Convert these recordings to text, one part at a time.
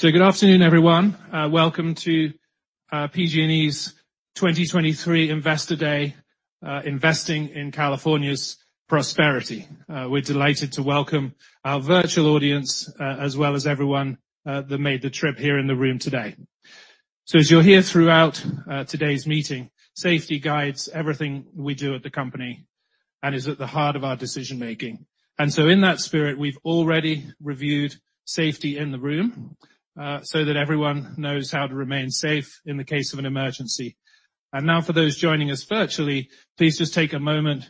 Good afternoon, everyone. Welcome to PG&E's 2023 Investor Day, Investing in California's Prosperity. We're delighted to welcome our virtual audience, as well as everyone that made the trip here in the room today. As you'll hear throughout today's meeting, safety guides everything we do at the company and is at the heart of our decision-making. In that spirit, we've already reviewed safety in the room, so that everyone knows how to remain safe in the case of an emergency. Now for those joining us virtually, please just take a moment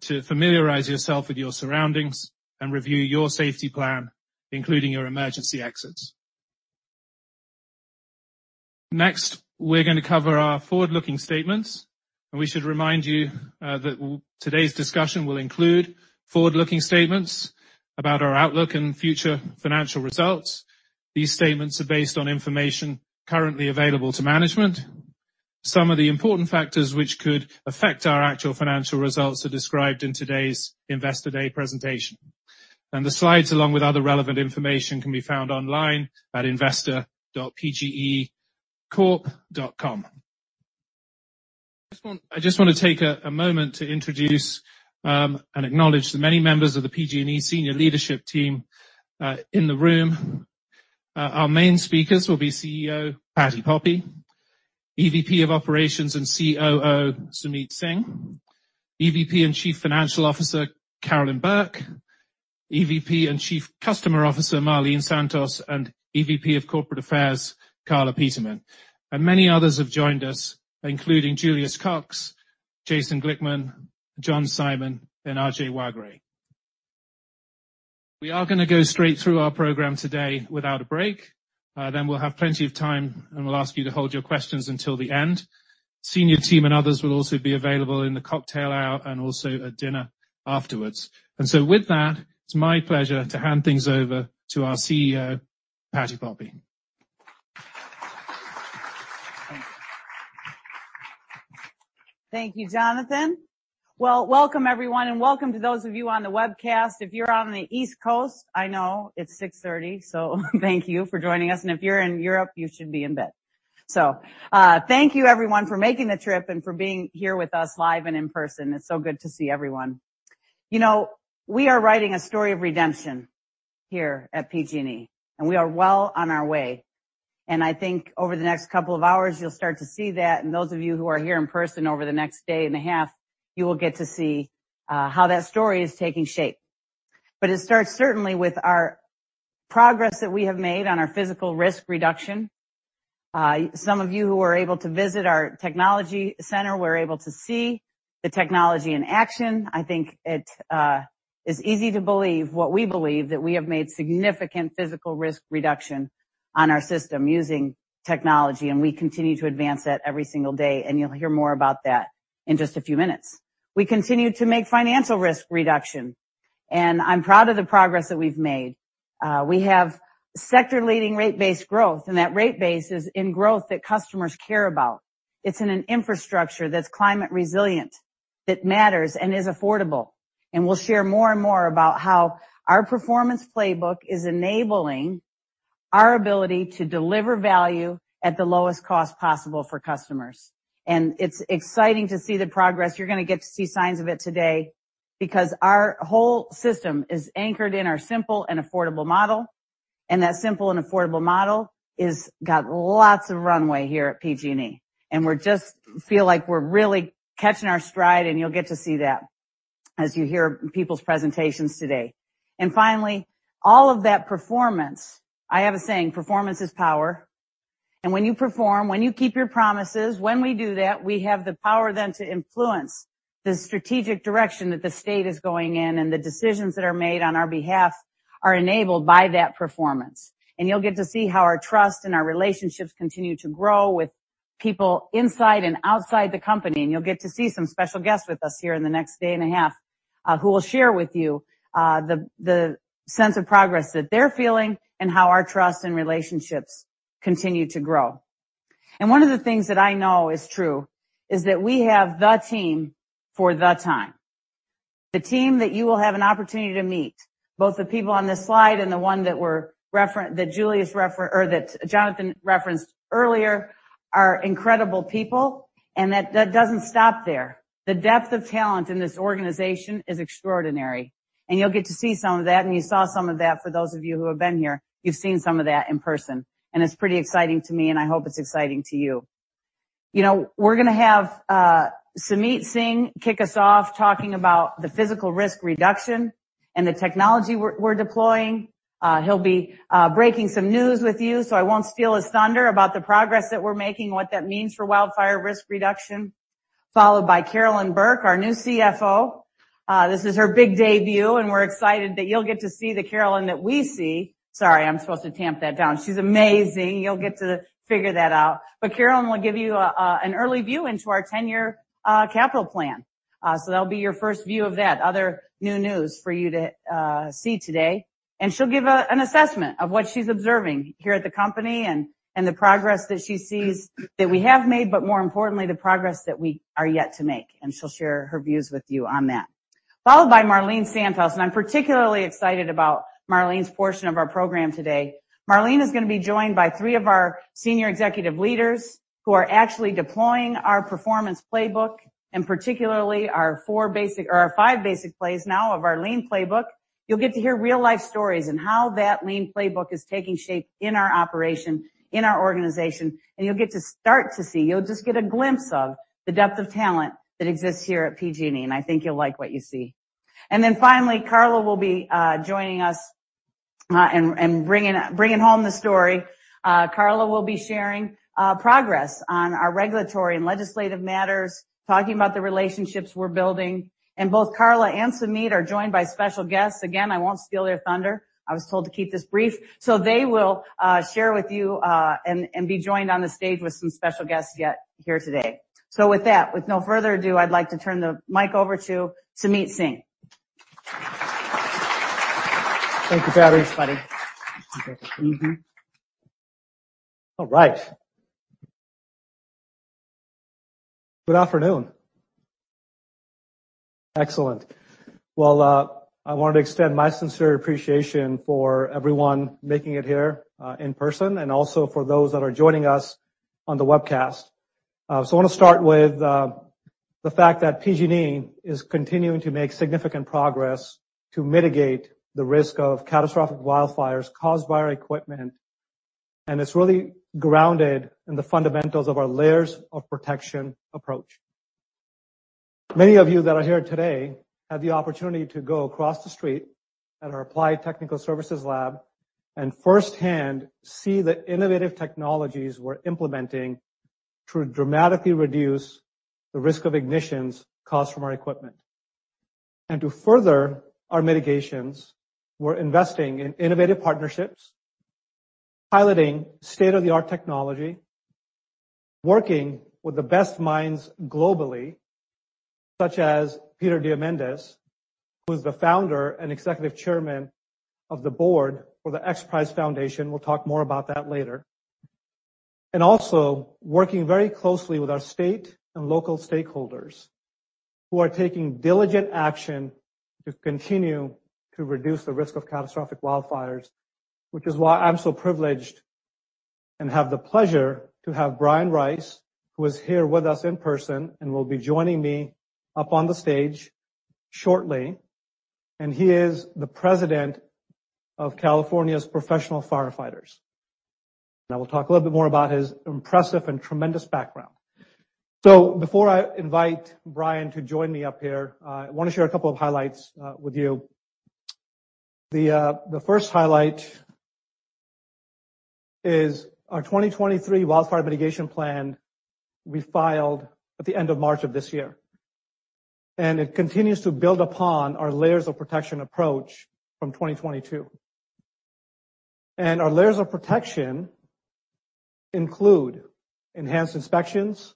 to familiarize yourselves with your surroundings and review your safety plan, including your emergency exits. Next, we're gonna cover our forward-looking statements, and we should remind you that today's discussion will include forward-looking statements about our outlook and future financial results. These statements are based on information currently available to management. Some of the important factors which could affect our actual financial results are described in today's Investor Day presentation. The slides, along with other relevant information, can be found online at investor.pgecorp.com. I just wanna take a moment to introduce and acknowledge the many members of the PG&E senior leadership team in the room. Our main speakers will be CEO Patti Poppe; EVP of Operations and COO, Sumeet Singh; EVP and Chief Financial Officer, Carolyn Burke; EVP and Chief Customer Officer, Marlene Santos; and EVP of Corporate Affairs, Carla Peterman. Many others have joined us, including Julius Cox, Jason Glickman, John Simon, and Ajay Waghray. We are gonna go straight through our program today without a break. Then we'll have plenty of time, and we'll ask you to hold your questions until the end. Senior team and others will also be available in the cocktail hour and also at dinner afterwards. With that, it's my pleasure to hand things over to our CEO, Patti Poppe. Thank you. Thank you, Jonathan. Welcome everyone, and welcome to those of you on the webcast. If you're on the East Coast, I know it's 6:30, so thank you for joining us. If you're in Europe, you should be in bed. Thank you everyone for making the trip and for being here with us live and in person. It's so good to see everyone. You know, we are writing a story of redemption here at PG&E, and we are well on our way. I think over the next couple of hours, you'll start to see that. Those of you who are here in person over the next day and a half, you will get to see how that story is taking shape. It starts certainly with our progress that we have made on our physical risk reduction. Some of you who were able to visit our technology center were able to see the technology in action. I think it is easy to believe what we believe, that we have made significant physical risk reduction on our system using technology, and we continue to advance that every single day, and you'll hear more about that in just a few minutes. We continue to make financial risk reduction, and I'm proud of the progress that we've made. We have sector-leading rate base growth, and that rate base is in growth that customers care about. It's in an infrastructure that's climate resilient, that matters and is affordable. We'll share more and more about how our Performance Playbook is enabling our ability to deliver value at the lowest cost possible for customers. It's exciting to see the progress. You're gonna get to see signs of it today because our whole system is anchored in our Simple, Affordable Model. That Simple, Affordable Model is got lots of runway here at PG&E. We're just feel like we're really catching our stride, and you'll get to see that as you hear people's presentations today. Finally, all of that performance, I have a saying, "Performance is power." When you perform, when you keep your promises, when we do that, we have the power then to influence the strategic direction that the state is going in, and the decisions that are made on our behalf are enabled by that performance. You'll get to see how our trust and our relationships continue to grow with people inside and outside the company. You'll get to see some special guests with us here in the next day and a half, who will share with you the sense of progress that they're feeling and how our trust and relationships continue to grow. One of the things that I know is true is that we have the team for the time. The team that you will have an opportunity to meet, both the people on this slide and the one that Julius or that Jonathan referenced earlier, are incredible people, and that doesn't stop there. The depth of talent in this organization is extraordinary, and you'll get to see some of that, and you saw some of that for those of you who have been here. You've seen some of that in person, and it's pretty exciting to me, and I hope it's exciting to you. You know, we're gonna have Sumeet Singh kick us off talking about the physical risk reduction and the technology we're deploying. He'll be breaking some news with you, so I won't steal his thunder about the progress that we're making, what that means for wildfire risk reduction. Followed by Carolyn Burke, our new CFO. This is her big debut, and we're excited that you'll get to see the Carolyn that we see. Sorry, I'm supposed to tamp that down. She's amazing. You'll get to figure that out. Carolyn will give you an early view into our 10-year capital plan. That'll be your first view of that other new news for you to see today. She'll give an assessment of what she's observing here at the company and the progress that she sees that we have made, but more importantly, the progress that we are yet to make, and she'll share her views with you on that. Followed by Marlene Santos. I'm particularly excited about Marlene's portion of our program today. Marlene is gonna be joined by three of our senior executive leaders who are actually deploying our Performance Playbook and particularly our five basic plays now of our lean playbook. You'll get to hear real-life stories and how that lean playbook is taking shape in our operation, in our organization. You'll get to start to see, you'll just get a glimpse of the depth of talent that exists here at PG&E, and I think you'll like what you see. Finally, Carla will be joining us, and bringing home the story. Carla will be sharing progress on our regulatory and legislative matters, talking about the relationships we're building. Both Carla and Sumeet are joined by special guests. Again, I won't steal their thunder. I was told to keep this brief. They will share with you, and be joined on the stage with some special guests here today. With that, with no further ado, I'd like to turn the mic over to Sumeet Singh. Thank you for having us, Buddy. All right. Good afternoon. Excellent. Well, I wanted to extend my sincere appreciation for everyone making it here, in person and also for those that are joining us on the webcast. I wanna start with the fact that PG&E is continuing to make significant progress to mitigate the risk of catastrophic wildfires caused by our equipment. It's really grounded in the fundamentals of our layers of protection approach. Many of you that are here today had the opportunity to go across the street at our Applied Technology Services lab and firsthand see the innovative technologies we're implementing to dramatically reduce the risk of ignitions caused from our equipment. To further our mitigations, we're investing in innovative partnerships, piloting state-of-the-art technology, working with the best minds globally, such as Peter Diamandis, who is the founder and executive chairman of the board for the XPRIZE Foundation. We'll talk more about that later. Also working very closely with our state and local stakeholders who are taking diligent action to continue to reduce the risk of catastrophic wildfires, which is why I'm so privileged and have the pleasure to have Brian Rice, who is here with us in person and will be joining me up on the stage shortly. He is the president of California's Professional Firefighters. I will talk a little bit more about his impressive and tremendous background. Before I invite Brian to join me up here, I wanna share a couple of highlights with you. The first highlight is our 2023 wildfire mitigation plan we filed at the end of March of this year. It continues to build upon our layers of protection approach from 2022. Our layers of protection include enhanced inspections,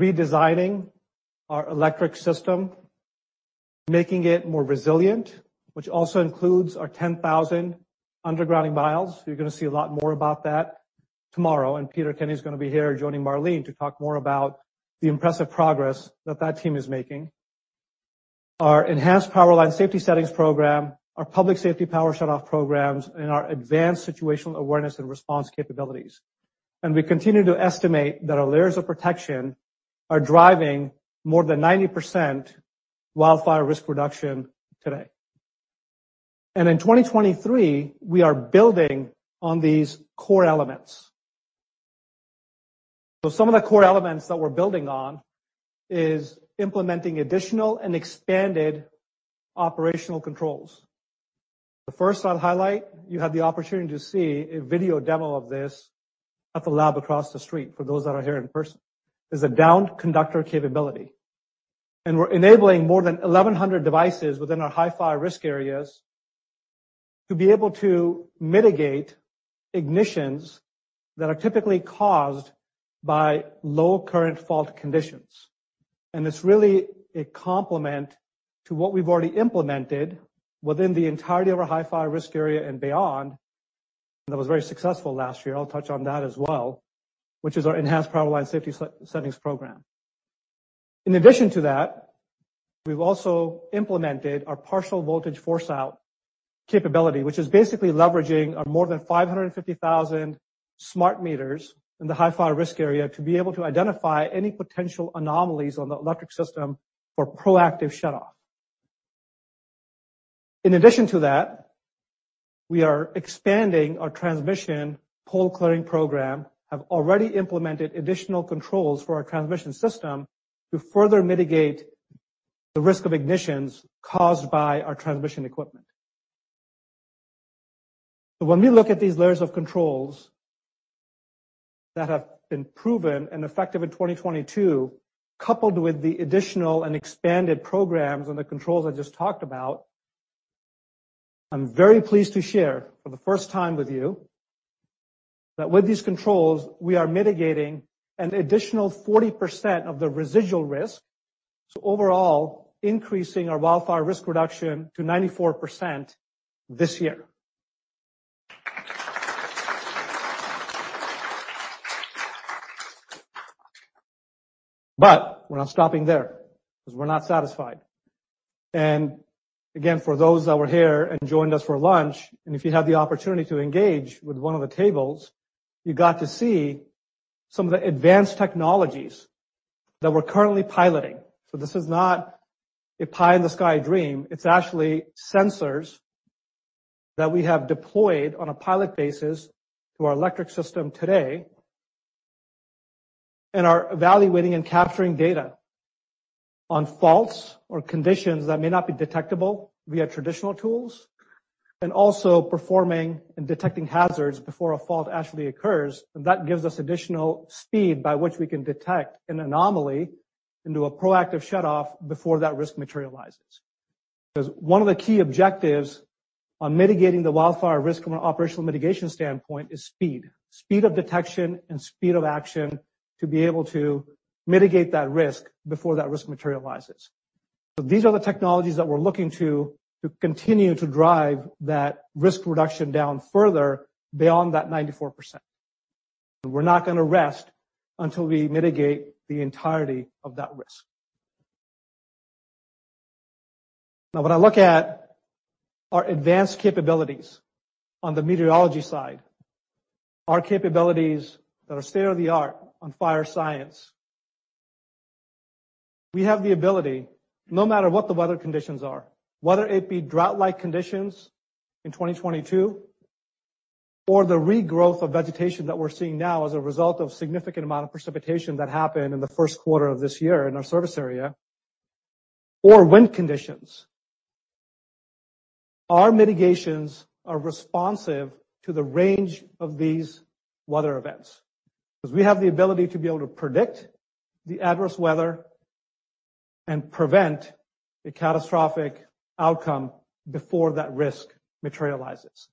redesigning our electric system, making it more resilient, which also includes our 10,000 undergrounding miles. You're gonna see a lot more about that tomorrow, and Peter Kenny is gonna be here joining Marlene to talk more about the impressive progress that team is making. Our Enhanced Powerline Safety Settings program, our public safety power shutoff programs, and our advanced situational awareness and response capabilities. We continue to estimate that our layers of protection are driving more than 90% wildfire risk reduction today. In 2023, we are building on these core elements. Some of the core elements that we're building on is implementing additional and expanded operational controls. The first I'll highlight, you had the opportunity to see a video demo of this at the lab across the street, for those that are here in person, is a downed conductor capability. We're enabling more than 1,100 devices within our high fire risk areas to be able to mitigate ignitions that are typically caused by low current fault conditions. It's really a complement to what we've already implemented within the entirety of our high fire risk area and beyond, and that was very successful last year. I'll touch on that as well, which is our Enhanced Powerline Safety Settings set-settings program. In addition to that, we've also implemented our Partial Voltage Force Out capability, which is basically leveraging our more than 550,000 smart meters in the high fire risk area to be able to identify any potential anomalies on the electric system for proactive shutoff. In addition to that, we are expanding our transmission pole clearing program, have already implemented additional controls for our transmission system to further mitigate the risk of ignitions caused by our transmission equipment. When we look at these layers of controls that have been proven and effective in 2022, coupled with the additional and expanded programs and the controls I just talked about, I'm very pleased to share for the first time with you that with these controls, we are mitigating an additional 40% of the residual risk. Overall increasing our wildfire risk reduction to 94% this year. We're not stopping there 'cause we're not satisfied. Again, for those that were here and joined us for lunch, and if you had the opportunity to engage with one of the tables, you got to see some of the advanced technologies that we're currently piloting. This is not a pie in the sky dream. It's actually sensors that we have deployed on a pilot basis to our electric system today and are evaluating and capturing data on faults or conditions that may not be detectable via traditional tools. Also performing and detecting hazards before a fault actually occurs. That gives us additional speed by which we can detect an anomaly into a proactive shutoff before that risk materializes. One of the key objectives on mitigating the wildfire risk from an operational mitigation standpoint is speed. Speed of detection and speed of action to be able to mitigate that risk before that risk materializes. These are the technologies that we're looking to continue to drive that risk reduction down further beyond that 94%. We're not gonna rest until we mitigate the entirety of that risk. When I look at our advanced capabilities on the meteorology side, our capabilities that are state-of-the-art on fire science, we have the ability, no matter what the weather conditions are, whether it be drought-like conditions in 2022 or the regrowth of vegetation that we're seeing now as a result of significant amount of precipitation that happened in the first quarter of this year in our service area or wind conditions. Our mitigations are responsive to the range of these weather events. 'Cause we have the ability to be able to predict the adverse weather and prevent a catastrophic outcome before that risk materializes.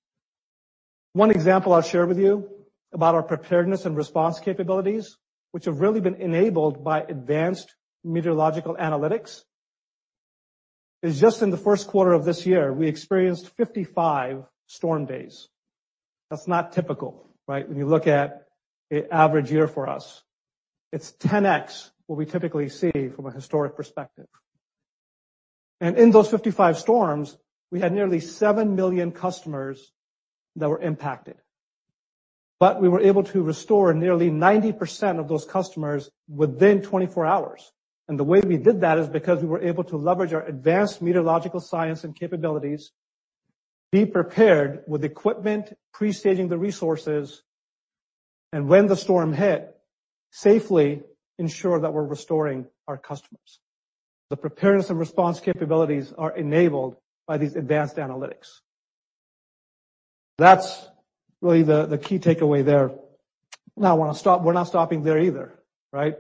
One example I'll share with you about our preparedness and response capabilities, which have really been enabled by advanced meteorological analytics, is just in the first quarter of this year, we experienced 55 storm days. That's not typical, right? When you look at a average year for us. It's 10x what we typically see from a historic perspective. In those 55 storms, we had nearly 7 million customers that were impacted. We were able to restore nearly 90% of those customers within 24 hours. The way we did that is because we were able to leverage our advanced meteorological science and capabilities, be prepared with equipment, pre-staging the resources, and when the storm hit, safely ensure that we're restoring our customers. The preparedness and response capabilities are enabled by these advanced analytics. That's really the key takeaway there. Now we're not stopping there either, right?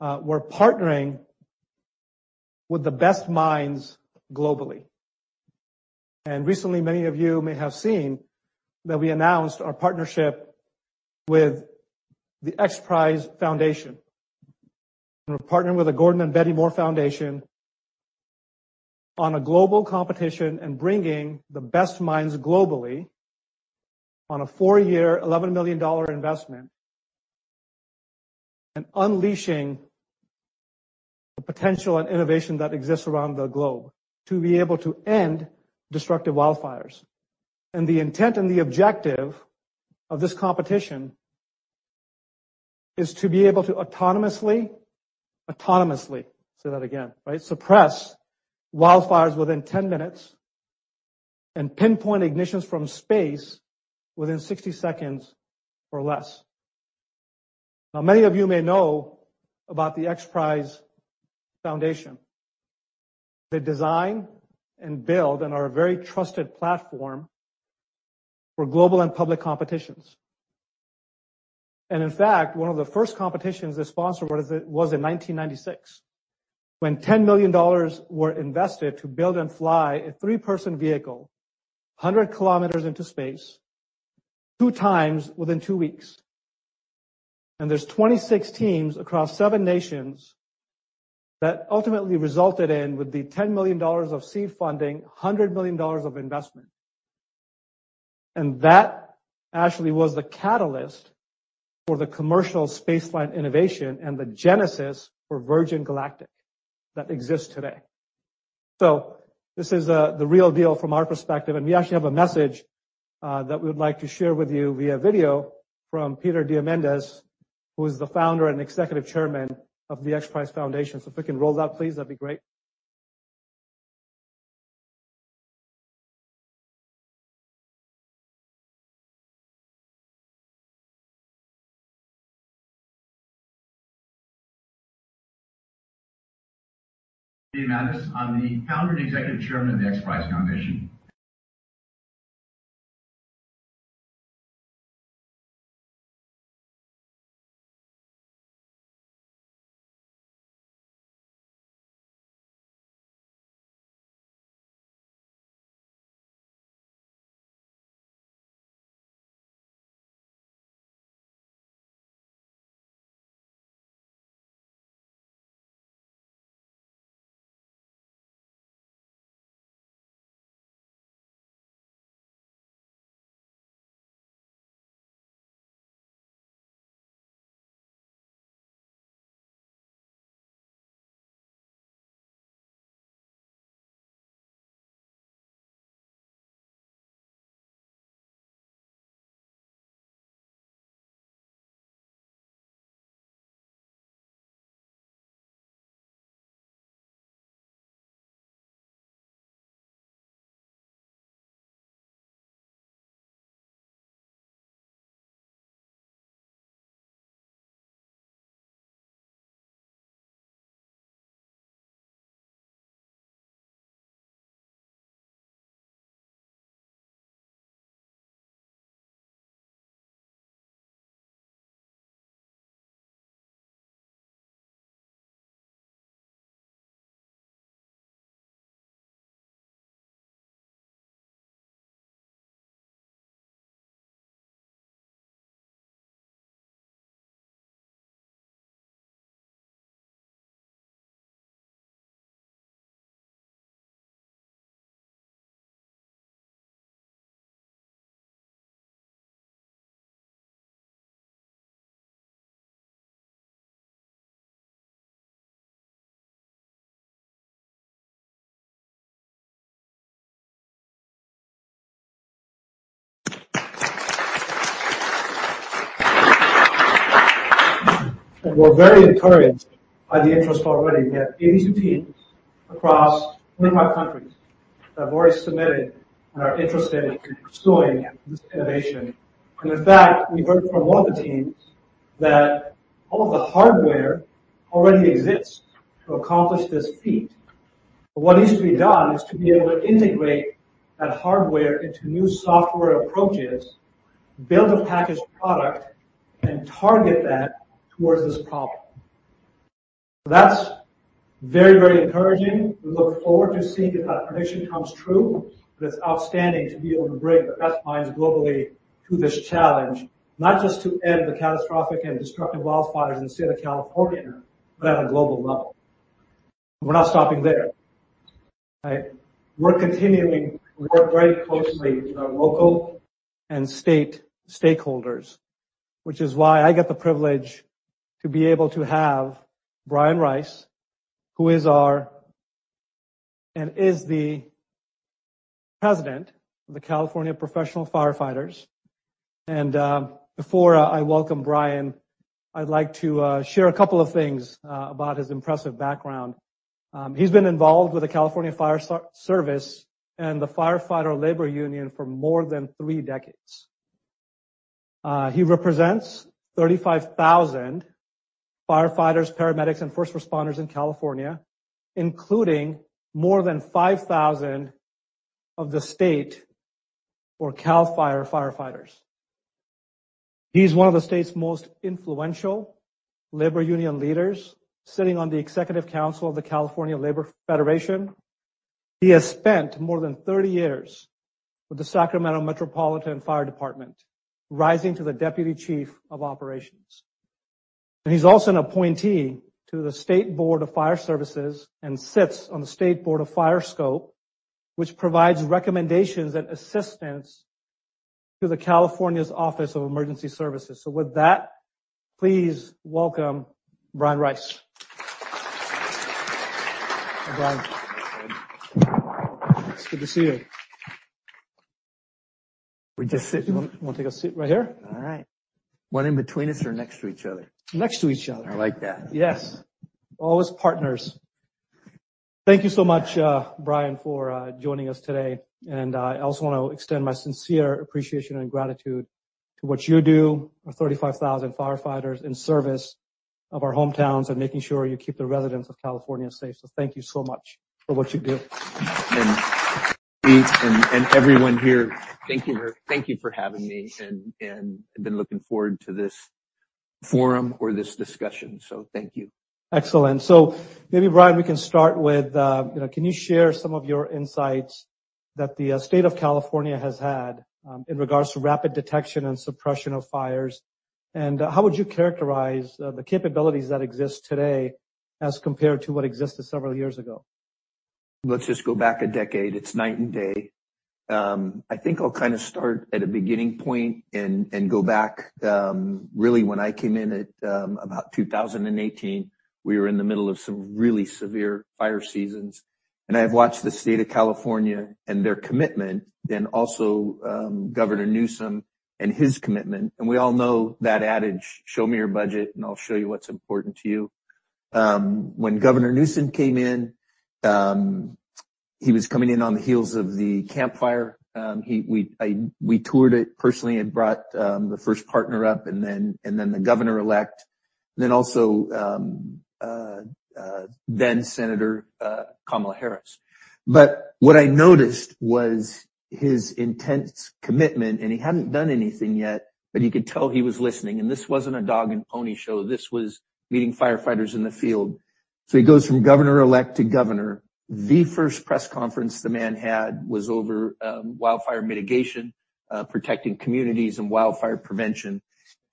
We're partnering with the best minds globally. Recently, many of you may have seen that we announced our partnership with the XPRIZE Foundation. We're partnering with the Gordon and Betty Moore Foundation on a global competition and bringing the best minds globally on a four-year, $11 million investment, unleashing the potential and innovation that exists around the globe to be able to end destructive wildfires. The intent and the objective of this competition is to be able to autonomously say that again, right? Suppress wildfires within 10 minutes and pinpoint ignitions from space within 60 seconds or less. Now, many of you may know about the XPRIZE Foundation. They design and build and are a very trusted platform for global and public competitions. In fact, one of the first competitions they sponsored was in 1996, when $10 million were invested to build and fly a three-person vehicle 100 km into space 2x within two weeks. There's 26 teams across seven nations that ultimately resulted in, with the $10 million of seed funding, $100 million of investment. That actually was the catalyst for the commercial space flight innovation and the genesis for Virgin Galactic that exists today. This is the real deal from our perspective, and we actually have a message that we would like to share with you via video from Peter Diamandis, who is the Founder and Executive Chairman of the XPRIZE Foundation. If we can roll that, please, that'd be great. Peter Diamandis. I'm the Founder and Executive Chairman of the XPRIZE Foundation. We're very encouraged by the interest already. We have 82 teams across 25 countries that have already submitted and are interested in pursuing this innovation. In fact, we've heard from 1 of the teams that all of the hardware already exists to accomplish this feat. What needs to be done is to be able to integrate that hardware into new software approaches, build a packaged product, and target that towards this problem. That's very, very encouraging. We look forward to seeing if that prediction comes true, but it's outstanding to be able to bring the best minds globally to this challenge, not just to end the catastrophic and destructive wildfires in the state of California, but on a global level. We're not stopping there. Right. We're continuing to work very closely with our local and state stakeholders, which is why I get the privilege to be able to have Brian Rice, who is our and is the President of the California Professional Firefighters. Before I welcome Brian, I'd like to share a couple of things about his impressive background. He's been involved with the California Fire Service and the Firefighter Labor Union for more than three decades. He represents 35,000 firefighters, paramedics, and first responders in California, including more than 5,000 of the state or CAL FIRE firefighters. He's one of the state's most influential labor union leaders, sitting on the Executive Council of the California Labor Federation. He has spent more than 30 years with the Sacramento Metropolitan Fire Department, rising to the Deputy Chief of Operations. He's also an appointee to the State Board of Fire Services and sits on the State Board of FIRESCOPE, which provides recommendations and assistance to the California Governor's Office of Emergency Services. With that, please welcome Brian Rice. Hi, Brian. Hi. It's good to see you. We just sit- You wanna take a seat right here? All right. One in between us or next to each other? Next to each other. I like that. Yes. Always partners. Thank you so much, Brian, for joining us today. I also want to extend my sincere appreciation and gratitude to what you do with 35,000 firefighters in service of our hometowns and making sure you keep the residents of California safe. Thank you so much for what you do. Everyone here, thank you. Thank you for having me and I've been looking forward to this forum or this discussion, thank you. Excellent. Maybe, Brian, we can start with, you know, can you share some of your insights that the state of California has had, in regards to rapid detection and suppression of fires? How would you characterize, the capabilities that exist today as compared to what existed several years ago? Let's just go back a decade. It's night and day. I think I'll kind of start at a beginning point and go back. Really when I came in at about 2018, we were in the middle of some really severe fire seasons. I've watched the state of California and their commitment and also Governor Newsom and his commitment. We all know that adage, "Show me your budget, and I'll show you what's important to you." When Governor Newsom came in, we toured it personally and brought the first partner up and then, and then the governor-elect, then also then Senator Kamala Harris. What I noticed was his intense commitment, and he hadn't done anything yet, but you could tell he was listening. This wasn't a dog and pony show. This was meeting firefighters in the field. He goes from Governor-elect to Governor. The first press conference the man had was over wildfire mitigation, protecting communities and wildfire prevention.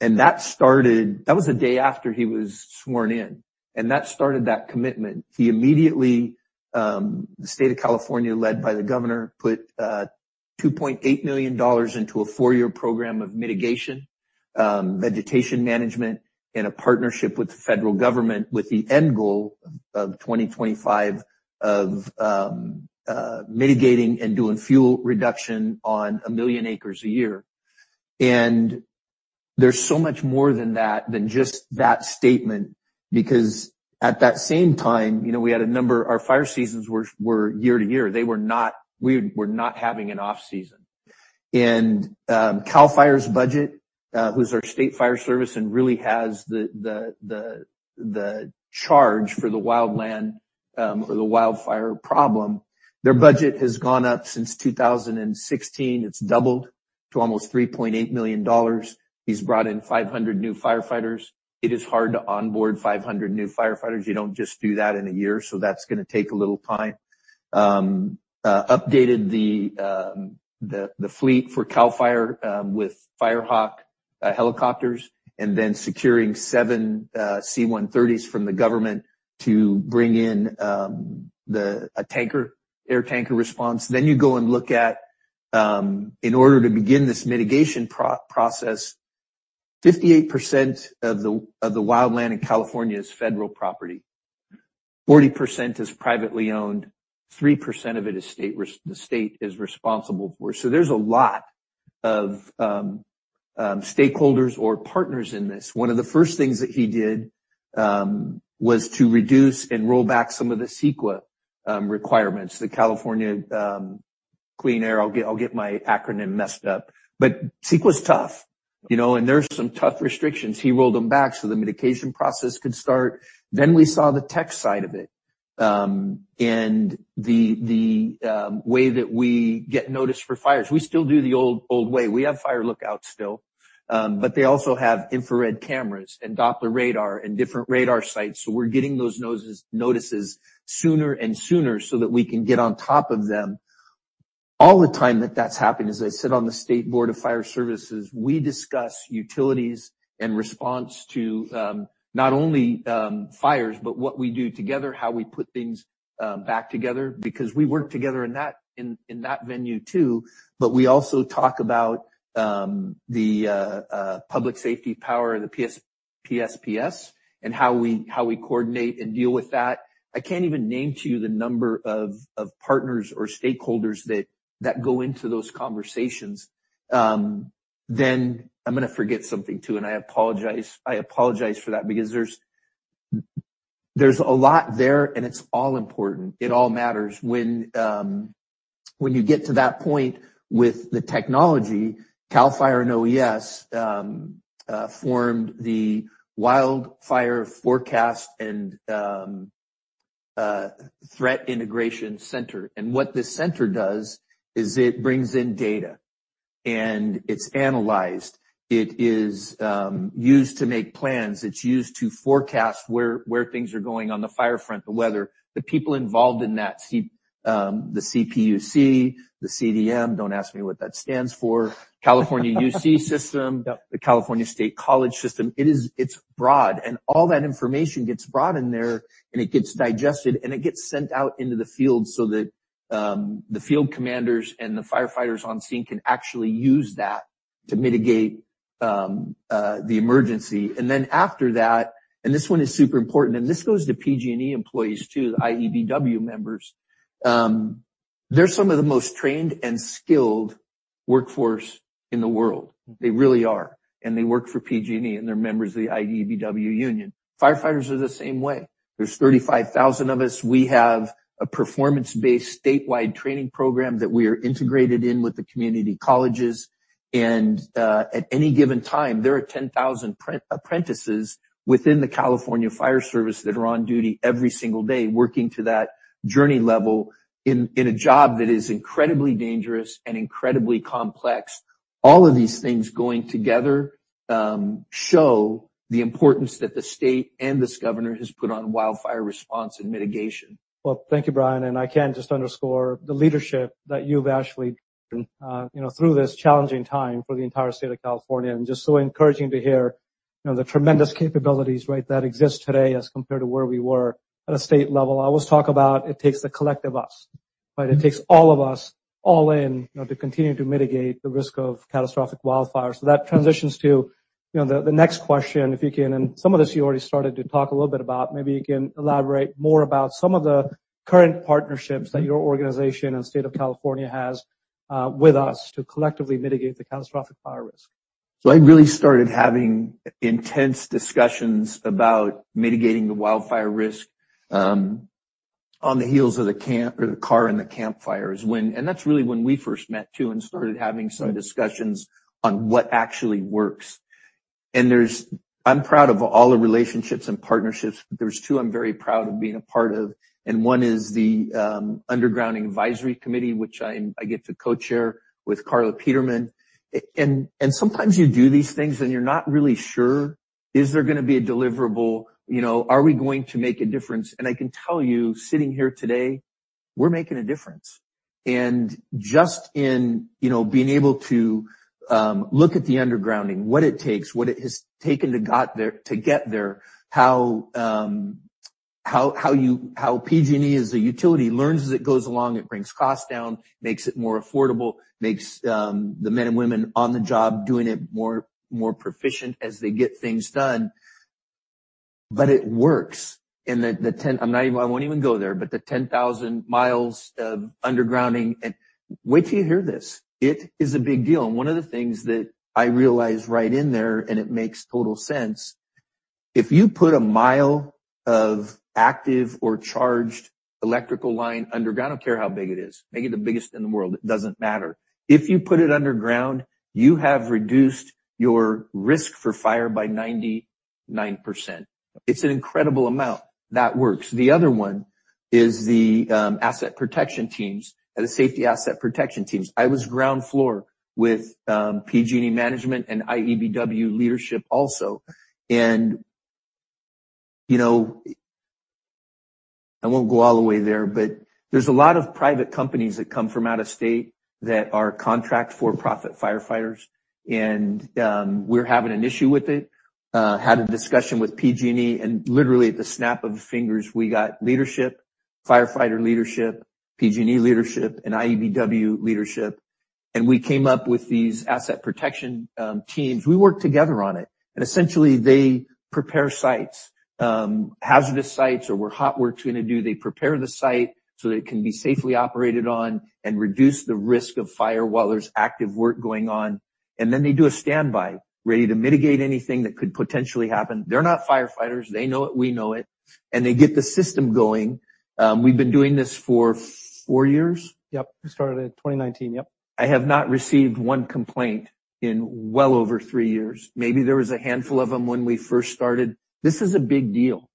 That was the day after he was sworn in, and that started that commitment. He immediately, the State of California, led by the Governor, put $2.8 million into a four-year program of mitigation, vegetation management, and a partnership with the federal government with the end goal of 2025 of mitigating and doing fuel reduction on 1 million acres a year. There's so much more than that than just that statement, because at that same time, you know, we had our fire seasons were year to year. They were not we were not having an off-season. CAL FIRE's budget, who's our state fire service and really has the charge for the wildland or the wildfire problem, their budget has gone up since 2016. It's doubled to almost $3.8 million. He's brought in 500 new firefighters. It is hard to onboard 500 new firefighters. You don't just do that in a year, so that's gonna take a little time. Updated the fleet for CAL FIRE with FIREHAWK helicopters and securing seven C-130s from the government to bring in a tanker, air tanker response. You go and look at in order to begin this mitigation process, 58% of the wildland in California is federal property. 40% is privately owned. 3% of it is the state is responsible for. There's a lot of stakeholders or partners in this. One of the first things that he did was to reduce and roll back some of the CEQA requirements. The California clean air. I'll get my acronym messed up. CEQA's tough, you know, and there's some tough restrictions. He rolled them back so the mitigation process could start. We saw the tech side of it, and the way that we get notice for fires. We still do the old way. We have fire lookouts still, they also have infrared cameras and Doppler radar and different radar sites, so we're getting those notices sooner and sooner so that we can get on top of them. All the time that that's happened, as I sit on the State Board of Fire Services, we discuss utilities and response to not only fires, what we do together, how we put things back together because we work together in that venue too. We also talk about the public safety power, the PSPS, and how we coordinate and deal with that. I can't even name to you the number of partners or stakeholders that go into those conversations. Then I'm gonna forget something too, and I apologize. I apologize for that because there's a lot there, and it's all important. It all matters. When you get to that point with the technology, CAL FIRE and OES formed the Wildfire Forecast and Threat Integration Center. What this center does is it brings in data, and it's analyzed. It is used to make plans. It's used to forecast where things are going on the fire front, the weather. The people involved in that, the CPUC, the CDM, don't ask me what that stands for. California UC system. Yep. The California State College system. It's broad, and all that information gets brought in there, and it gets digested, and it gets sent out into the field so that the field commanders and the firefighters on scene can actually use that to mitigate the emergency. After that, this one is super important, and this goes to PG&E employees too, the IBEW members. They're some of the most trained and skilled workforce in the world. They really are. They work for PG&E, and they're members of the IBEW union. Firefighters are the same way. There's 35,000 of us. We have a performance-based statewide training program that we are integrated in with the community colleges. At any given time, there are 10,000 apprentices within the California Fire Service that are on duty every single day working to that journey level in a job that is incredibly dangerous and incredibly complex. All of these things going together show the importance that the state and this Governor has put on wildfire response and mitigation. Well, thank you, Brian. I can just underscore the leadership that you've actually, you know, through this challenging time for the entire State of California, and just so encouraging to hear, you know, the tremendous capabilities, right, that exist today as compared to where we were at a state level. I always talk about it takes the collective us, right? It takes all of us all in, you know, to continue to mitigate the risk of catastrophic wildfires. That transitions to, you know, the next question, if you can, and some of this you already started to talk a little bit about. Maybe you can elaborate more about some of the current partnerships that your organization and State of California has with us to collectively mitigate the catastrophic fire risk. I really started having intense discussions about mitigating the wildfire risk on the heels of the Camp or the Carr and the Camp Fires when. That's really when we first met too and started having some discussions on what actually works. I'm proud of all the relationships and partnerships. There's two I'm very proud of being a part of, and one is the Underground Advisory Committee, which I get to co-chair with Carla Peterman. And sometimes you do these things, and you're not really sure, is there gonna be a deliverable? You know, are we going to make a difference? I can tell you, sitting here today, we're making a difference. Just in, you know, being able to look at the undergrounding, what it takes, what it has taken to get there, how PG&E as a utility learns as it goes along. It brings costs down, makes it more affordable, makes the men and women on the job doing it more, more proficient as they get things done. It works. The 10,000 miles of undergrounding and wait till you hear this. It is a big deal. One of the things that I realized right in there, and it makes total sense. If you put a mile of active or charged electrical line underground, I don't care how big it is, make it the biggest in the world, it doesn't matter. If you put it underground, you have reduced your risk for fire by 99%. It's an incredible amount. That works. The other one is the asset protection teams, the safety asset protection teams. I was ground floor with PG&E management and IBEW leadership also. You know, I won't go all the way there, but there's a lot of private companies that come from out of state that are contract for-profit firefighters. We're having an issue with it. Literally at the snap of fingers, we got leadership, firefighter leadership, PG&E leadership, and IBEW leadership, and we came up with these asset protection teams. We worked together on it. Essentially they prepare sites, hazardous sites or where hot work's gonna do. They prepare the site so that it can be safely operated on and reduce the risk of fire while there's active work going on. They do a standby, ready to mitigate anything that could potentially happen. They're not firefighters. They know it, we know it. They get the system going. We've been doing this for four years. Yep. We started in 2019. Yep. I have not received one complaint in well over three years. Maybe there was a handful of them when we first started. This is a big deal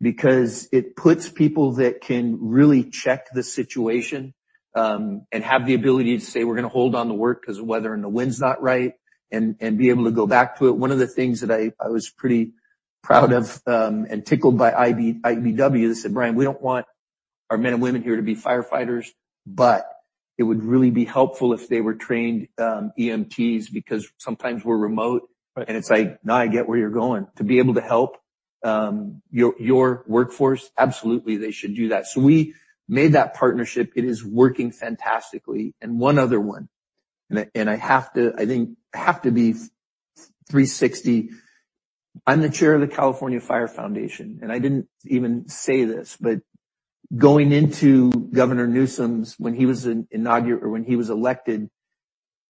because it puts people that can really check the situation and have the ability to say, "We're gonna hold on to work 'cause of weather and the wind's not right," and be able to go back to it. One of the things that I was pretty proud of and tickled by IBEW. They said, "Brian, we don't want our men and women here to be firefighters, but it would really be helpful if they were trained EMTs, because sometimes we're remote. Right. It's like, now I get where you're going. To be able to help, your workforce, absolutely they should do that. We made that partnership. It is working fantastically. One other one. I have to, I think, have to be 360. I'm the Chair of the California Fire Foundation, and I didn't even say this, but going into Governor Newsom's when he was elected,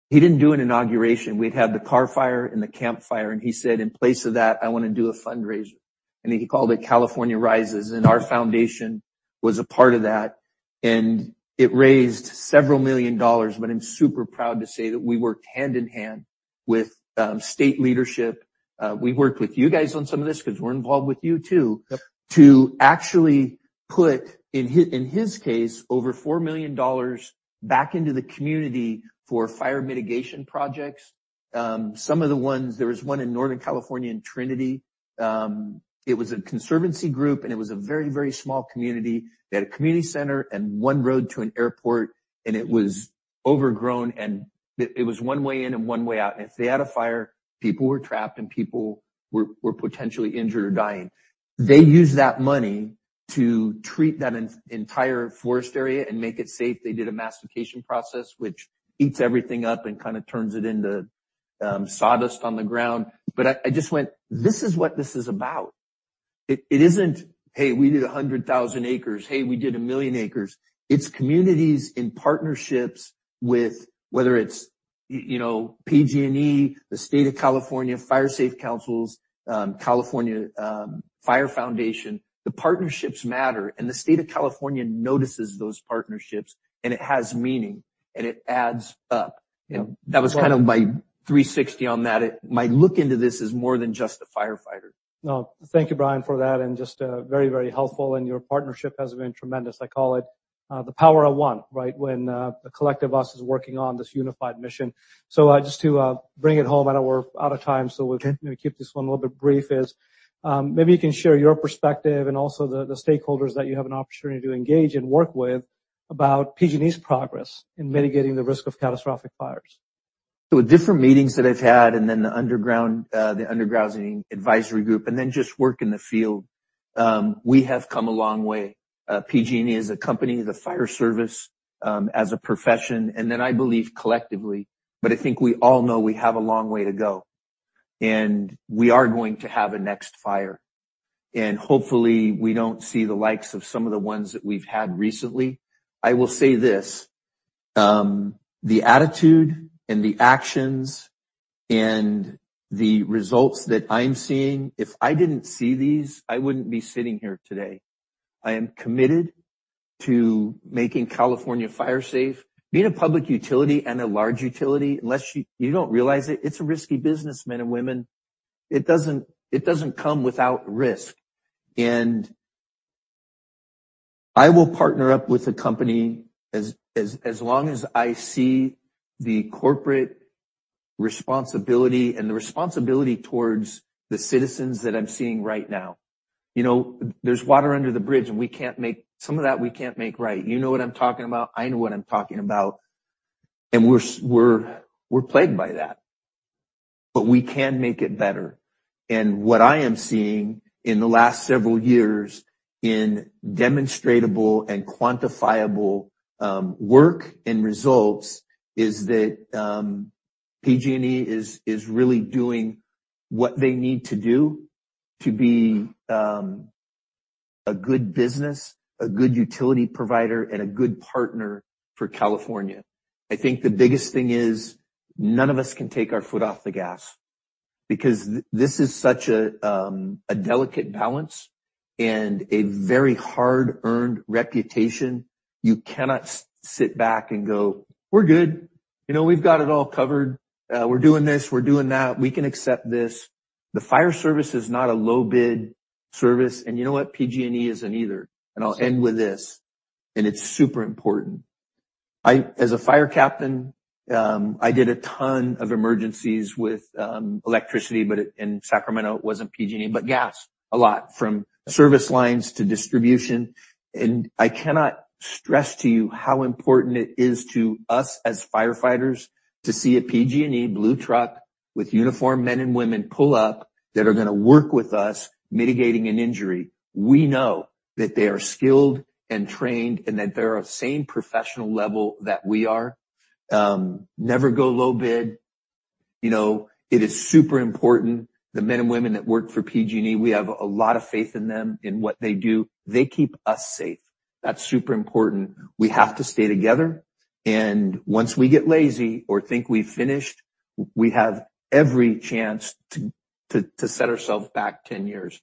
he didn't do an inauguration. We'd had the Carr Fire and the Camp Fire, and he said, "In place of that, I want to do a fundraiser." He called it California RISE, and our foundation was a part of that. It raised several million dollars, but I'm super proud to say that we worked hand in hand with state leadership. We worked with you guys on some of this 'cause we're involved with you too. Yep. To actually put in his case, over $4 million back into the community for fire mitigation projects. Some of the ones, there was one in Northern California in Trinity. It was a conservancy group, and it was a very small community. They had a community center and one road to an airport, and it was overgrown, and it was one way in and one way out. If they had a fire, people were trapped and people were potentially injured or dying. They used that money to treat that entire forest area and make it safe. They did a mastication process, which eats everything up and kinda turns it into sawdust on the ground. I just went, "This is what this is about." It isn't, "Hey, we did 100,000 acres. Hey, we did 1 million acres. It's communities in partnerships with whether it's, you know, PG&E, the state of California, Fire Safe Councils, California Fire Foundation. The partnerships matter, and the state of California notices those partnerships, and it has meaning, and it adds up. Yeah. That was kind of my 360 on that. My look into this is more than just a firefighter. No. Thank you, Brian, for that, and just, very, very helpful, and your partnership has been tremendous. I call it, the power of one, right? When, the collective us is working on this unified mission. Just to, bring it home, I know we're out of time, so Okay. -keep this one a little bit brief is, maybe you can share your perspective and also the stakeholders that you have an opportunity to engage and work with about PG&E's progress in mitigating the risk of catastrophic fires. Different meetings that I've had and then the underground, the Undergrounding Advisory Group, and then just work in the field. We have come a long way. PG&E as a company, the fire service, as a profession, and then I believe collectively, but I think we all know we have a long way to go. We are going to have a next fire. Hopefully, we don't see the likes of some of the ones that we've had recently. I will say this, the attitude and the actions and the results that I'm seeing, if I didn't see these, I wouldn't be sitting here today. I am committed to making California fire safe. Being a public utility and a large utility, unless you don't realize it's a risky business, men and women. It doesn't come without risk. I will partner up with a company as long as I see the corporate responsibility and the responsibility towards the citizens that I'm seeing right now. You know, there's water under the bridge and some of that we can't make right. You know what I'm talking about, I know what I'm talking about, and we're plagued by that. We can make it better. What I am seeing in the last several years in demonstratable and quantifiable work and results is that PG&E is really doing what they need to do to be a good business, a good utility provider, and a good partner for California. I think the biggest thing is none of us can take our foot off the gas because this is such a delicate balance and a very hard-earned reputation. You cannot sit back and go, "We're good. You know, we've got it all covered. We're doing this, we're doing that. We can accept this." The fire service is not a low bid service. You know what? PG&E isn't either. I'll end with this, and it's super important. As a fire captain, I did a ton of emergencies with electricity, but in Sacramento, it wasn't PG&E, but gas, a lot from service lines to distribution. I cannot stress to you how important it is to us as firefighters to see a PG&E blue truck with uniformed men and women pull up that are gonna work with us mitigating an injury. We know that they are skilled and trained, and that they're of same professional level that we are. Never go low bid. You know, it is super important. The men and women that work for PG&E, we have a lot of faith in them, in what they do. They keep us safe. That's super important. We have to stay together, and once we get lazy or think we've finished, we have every chance to set ourselves back 10 years.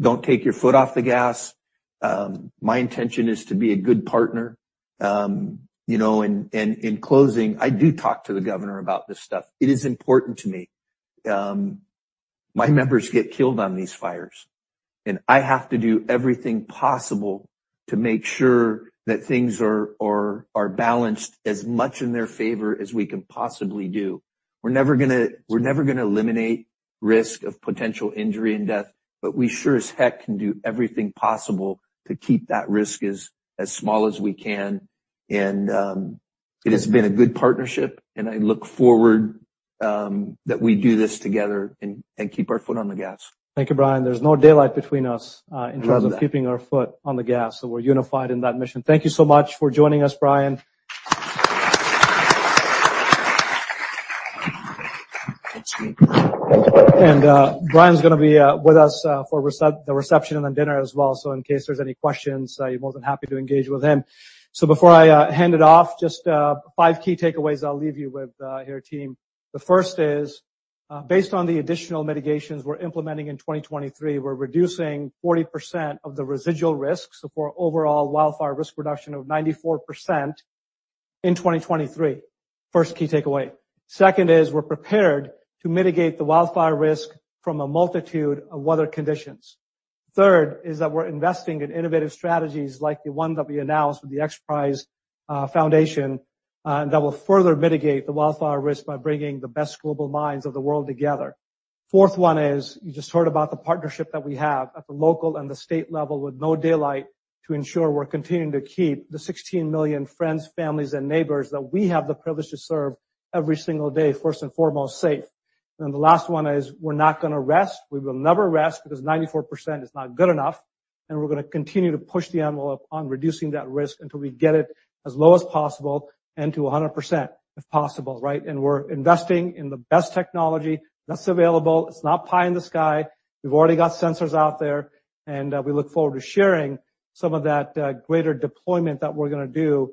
Don't take your foot off the gas. My intention is to be a good partner. You know, in closing, I do talk to the Governor about this stuff. It is important to me. My members get killed on these fires, and I have to do everything possible to make sure that things are balanced as much in their favor as we can possibly do. We're never gonna eliminate risk of potential injury and death, but we sure as heck can do everything possible to keep that risk as small as we can. It has been a good partnership, and I look forward that we do this together and keep our foot on the gas. Thank you, Brian. There's no daylight between us. Love that. In terms of keeping our foot on the gas. We're unified in that mission. Thank you so much for joining us, Brian. Thanks. Brian's gonna be with us for the reception and then dinner as well. In case there's any questions, you're more than happy to engage with him. Before I hand it off, just five key takeaways I'll leave you with here, team. The first is, based on the additional mitigations we're implementing in 2023, we're reducing 40% of the residual risks for overall wildfire risk reduction of 94% in 2023. First key takeaway. Second is, we're prepared to mitigate the wildfire risk from a multitude of weather conditions. Third is that we're investing in innovative strategies like the one that we announced with the XPRIZE Foundation that will further mitigate the wildfire risk by bringing the best global minds of the world together. Fourth one is, you just heard about the partnership that we have at the local and the state level with no daylight to ensure we're continuing to keep the 16 million friends, families, and neighbors that we have the privilege to serve every single day, first and foremost, safe. The last one is we're not gonna rest. We will never rest because 94% is not good enough, and we're gonna continue to push the envelope on reducing that risk until we get it as low as possible and to 100% if possible, right? We're investing in the best technology that's available. It's not pie in the sky. We've already got sensors out there, and we look forward to sharing some of that greater deployment that we're gonna do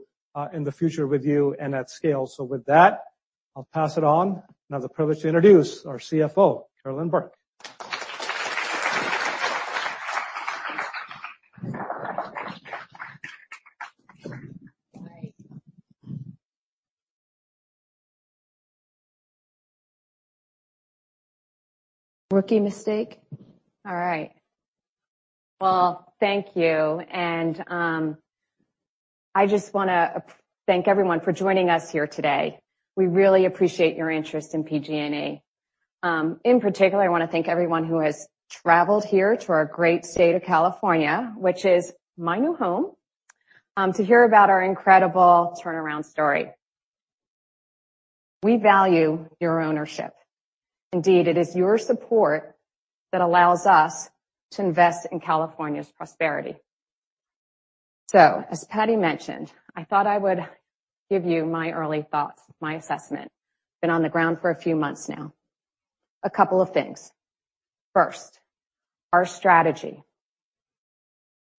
in the future with you and at scale. With that, I'll pass it on. I have the privilege to introduce our CFO, Carolyn Burke. Rookie mistake. All right. Well, thank you. I just wanna thank everyone for joining us here today. We really appreciate your interest in PG&E. In particular, I wanna thank everyone who has traveled here to our great state of California, which is my new home, to hear about our incredible turnaround story. We value your ownership. Indeed, it is your support that allows us to invest in California's prosperity. As Patti mentioned, I thought I would give you my early thoughts, my assessment. Been on the ground for a few months now. A couple of things. First, our strategy.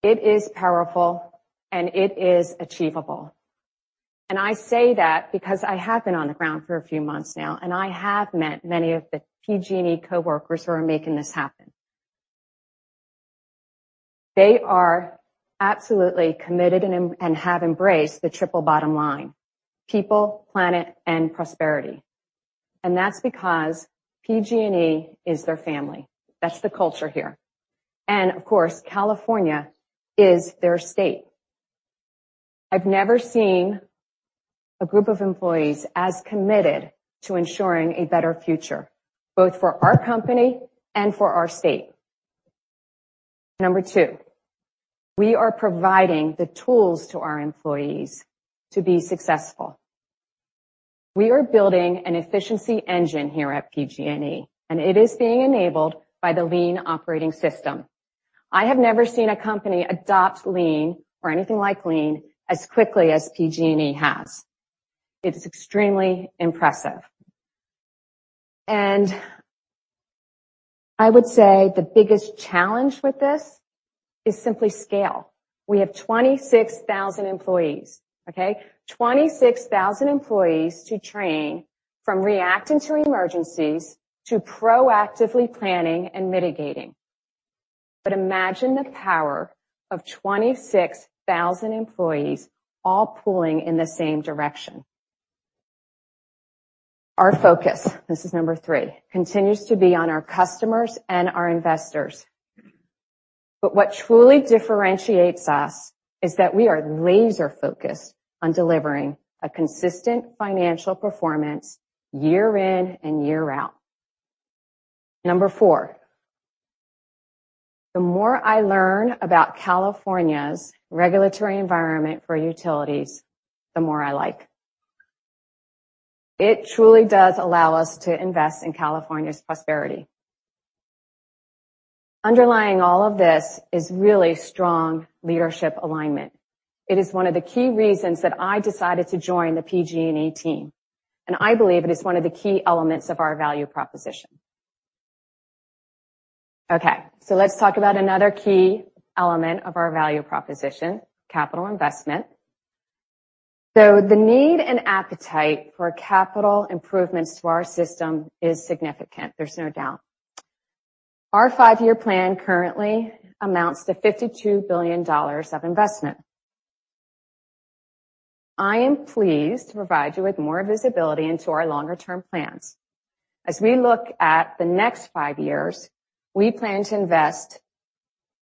It is powerful, and it is achievable. I say that because I have been on the ground for a few months now, and I have met many of the PG&E coworkers who are making this happen. They are absolutely committed and have embraced the triple bottom line: people, planet, and prosperity. That's because PG&E is their family. That's the culture here. Of course, California is their state. I've never seen a group of employees as committed to ensuring a better future, both for our company and for our state. Number two, we are providing the tools to our employees to be successful. We are building an efficiency engine here at PG&E, and it is being enabled by the lean operating system. I have never seen a company adopt lean or anything like lean as quickly as PG&E has. It is extremely impressive. I would say the biggest challenge with this is simply scale. We have 26,000 employees, okay? 26,000 employees to train from reacting to emergencies to proactively planning and mitigating. Imagine the power of 26,000 employees all pulling in the same direction. Our focus, this is number three, continues to be on our customers and our investors. What truly differentiates us is that we are laser-focused on delivering a consistent financial performance year in and year out. Number four, the more I learn about California's regulatory environment for utilities, the more I like. It truly does allow us to invest in California's prosperity. Underlying all of this is really strong leadership alignment. It is one of the key reasons that I decided to join the PG&E team, and I believe it is one of the key elements of our value proposition. Okay, let's talk about another key element of our value proposition: capital investment. The need and appetite for capital improvements to our system is significant. There's no doubt. Our five-year plan currently amounts to $52 billion of investment. I am pleased to provide you with more visibility into our longer-term plans. As we look at the next five years, we plan to invest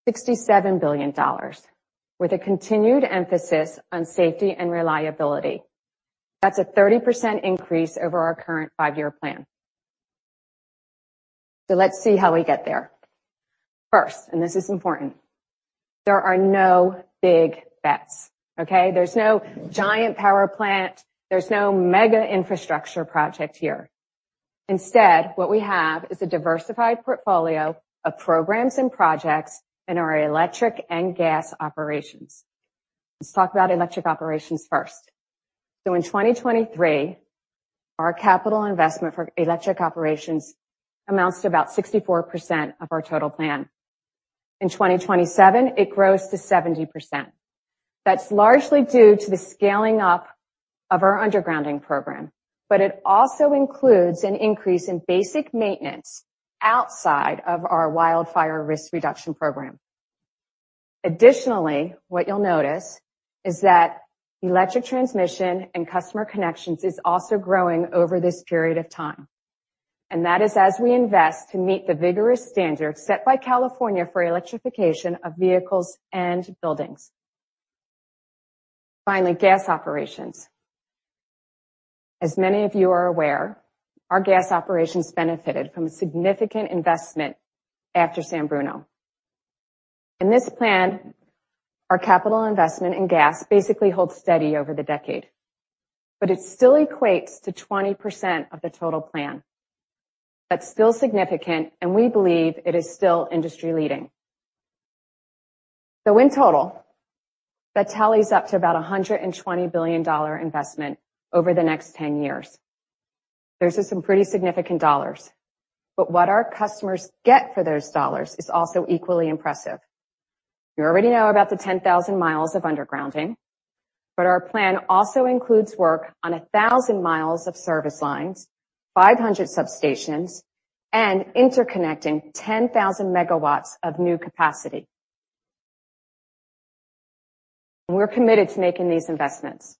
$67 billion with a continued emphasis on safety and reliability. That's a 30% increase over our current 5-year plan. Let's see how we get there. First, and this is important, there are no big bets, okay? There's no giant power plant. There's no mega infrastructure project here. Instead, what we have is a diversified portfolio of programs and projects in our electric and gas operations. Let's talk about electric operations first. In 2023, our capital investment for electric operations amounts to about 64% of our total plan. In 2027, it grows to 70%. That's largely due to the scaling up of our undergrounding program, but it also includes an increase in basic maintenance outside of our wildfire risk reduction program. Additionally, what you'll notice is that electric transmission and customer connections is also growing over this period of time. That is as we invest to meet the vigorous standards set by California for electrification of vehicles and buildings. Finally, gas operations. As many of you are aware, our gas operations benefited from a significant investment after San Bruno. In this plan, our capital investment in gas basically holds steady over the decade, but it still equates to 20% of the total plan. That's still significant, and we believe it is still industry-leading. In total, that tallies up to about a $120 billion investment over the next 10 years. Those are some pretty significant dollars, but what our customers get for those dollars is also equally impressive. You already know about the 10,000 miles of undergrounding, but our plan also includes work on 1,000 miles of service lines, 500 substations, and interconnecting 10,000 MW of new capacity. We're committed to making these investments,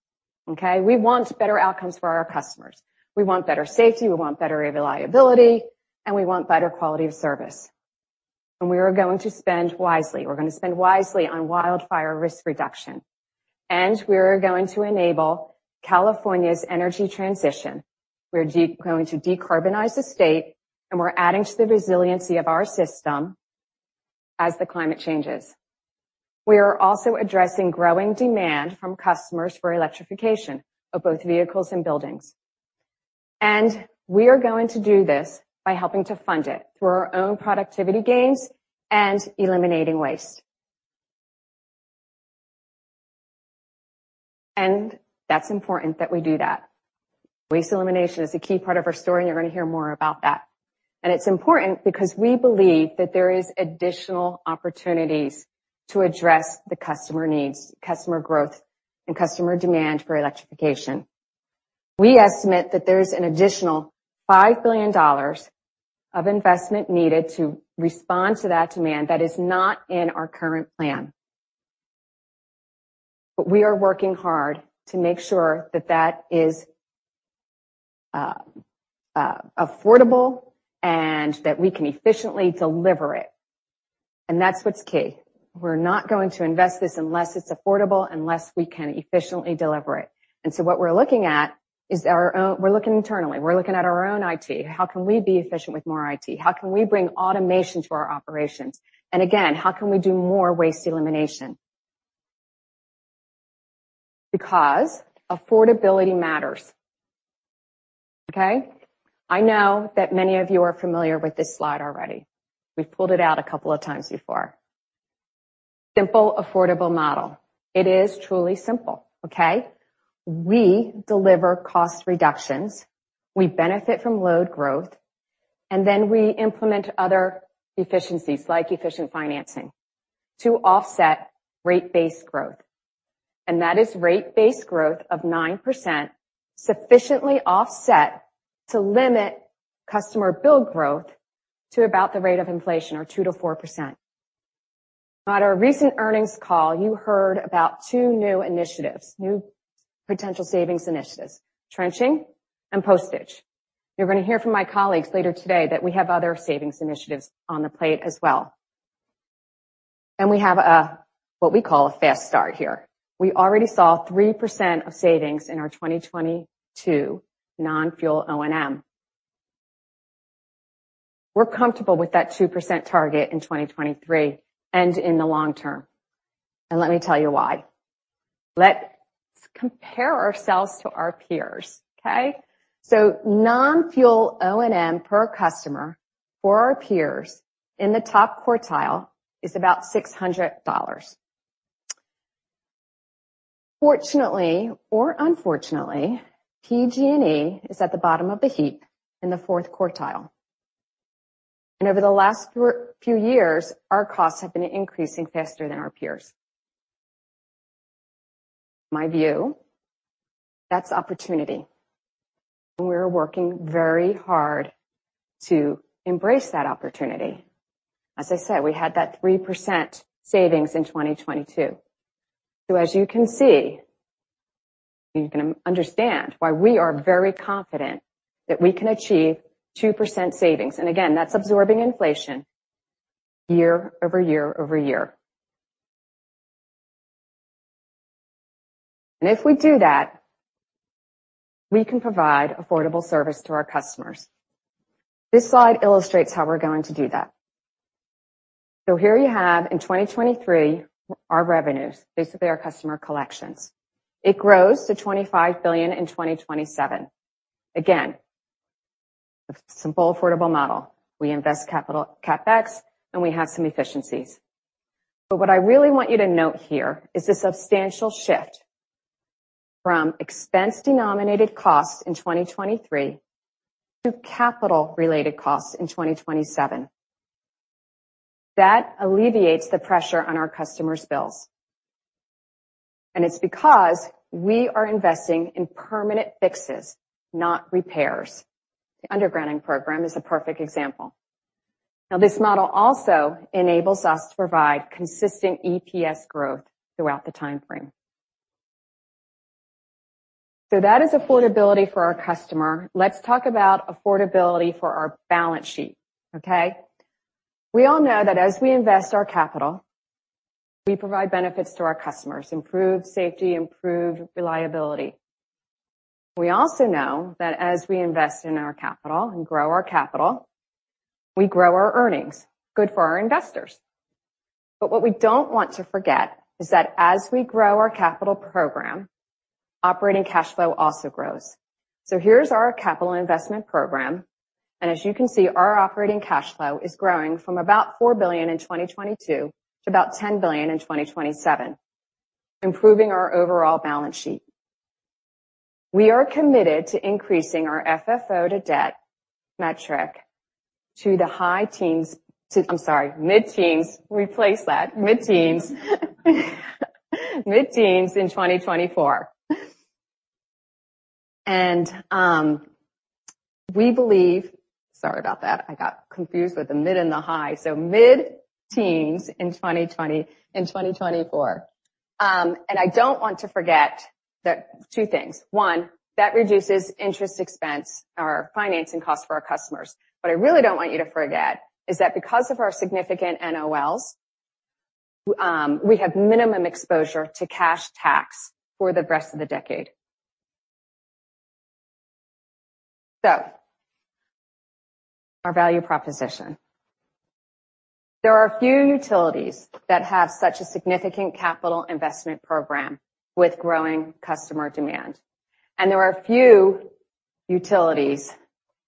okay? We want better outcomes for our customers. We want better safety, we want better reliability, and we want better quality of service. We are going to spend wisely. We're going to spend wisely on wildfire risk reduction, and we are going to enable California's energy transition. We're going to decarbonize the state, and we're adding to the resiliency of our system as the climate changes. We are also addressing growing demand from customers for electrification of both vehicles and buildings. We are going to do this by helping to fund it through our own productivity gains and eliminating waste. That's important that we do that. Waste elimination is a key part of our story, and you're going to hear more about that. It's important because we believe that there is additional opportunities to address the customer needs, customer growth, and customer demand for electrification. We estimate that there is an additional $5 billion of investment needed to respond to that demand that is not in our current plan. We are working hard to make sure that that is affordable and that we can efficiently deliver it. That's what's key. We're not going to invest this unless it's affordable, unless we can efficiently deliver it. What we're looking at is we're looking internally. We're looking at our own IT. How can we be efficient with more IT? How can we bring automation to our operations? Again, how can we do more waste elimination? Because affordability matters. Okay? I know that many of you are familiar with this slide already. We've pulled it out a couple of times before. Simple, Affordable Model. It is truly simple, okay? We deliver cost reductions, we benefit from load growth, and then we implement other efficiencies, like efficient financing to offset rate-based growth. That is rate-based growth of 9% sufficiently offset to limit customer bill growth to about the rate of inflation or 2%-4%. At our recent earnings call, you heard about two new initiatives, new potential savings initiatives, trenching and postage. You're gonna hear from my colleagues later today that we have other savings initiatives on the plate as well. We have a, what we call a fast start here. We already saw 3% of savings in our 2022 non-fuel O&M. We're comfortable with that 2% target in 2023 and in the long term. Let me tell you why. Let's compare ourselves to our peers, okay? Non-fuel O&M per customer for our peers in the top quartile is about $600. Fortunately or unfortunately, PG&E is at the bottom of the heap in the fourth quartile. Over the last few years, our costs have been increasing faster than our peers. My view, that's opportunity, and we're working very hard to embrace that opportunity. As I said, we had that 3% savings in 2022. As you can see, you can understand why we are very confident that we can achieve 2% savings. Again, that's absorbing inflation year over year over year. If we do that, we can provide affordable service to our customers. This slide illustrates how we're going to do that. Here you have in 2023 our revenues, basically our customer collections. It grows to $25 billion in 2027. Again, a Simple, Affordable Model. We invest capital CapEx, and we have some efficiencies. What I really want you to note here is the substantial shift from expense-denominated costs in 2023 to capital-related costs in 2027. That alleviates the pressure on our customers' bills. It's because we are investing in permanent fixes, not repairs. The undergrounding program is a perfect example. This model also enables us to provide consistent EPS growth throughout the time frame. That is affordability for our customer. Let's talk about affordability for our balance sheet, okay? We all know that as we invest our capital, we provide benefits to our customers, improved safety, improved reliability. We also know that as we invest in our capital and grow our capital, we grow our earnings, good for our investors. What we don't want to forget is that as we grow our capital program, operating cash flow also grows. Here's our capital investment program, and as you can see, our operating cash flow is growing from about $4 billion in 2022 to about $10 billion in 2027, improving our overall balance sheet. We are committed to increasing our FFO to debt metric to the mid-teens. Replace that. Mid-teens in 2024. Sorry about that, I got confused with the mid and the high. Mid-teens in 2024. I don't want to forget that two things. One, that reduces interest expense or financing costs for our customers. What I really don't want you to forget is that because of our significant NOLs, we have minimum exposure to cash tax for the rest of the decade. Our value proposition. There are few utilities that have such a significant capital investment program with growing customer demand. There are few utilities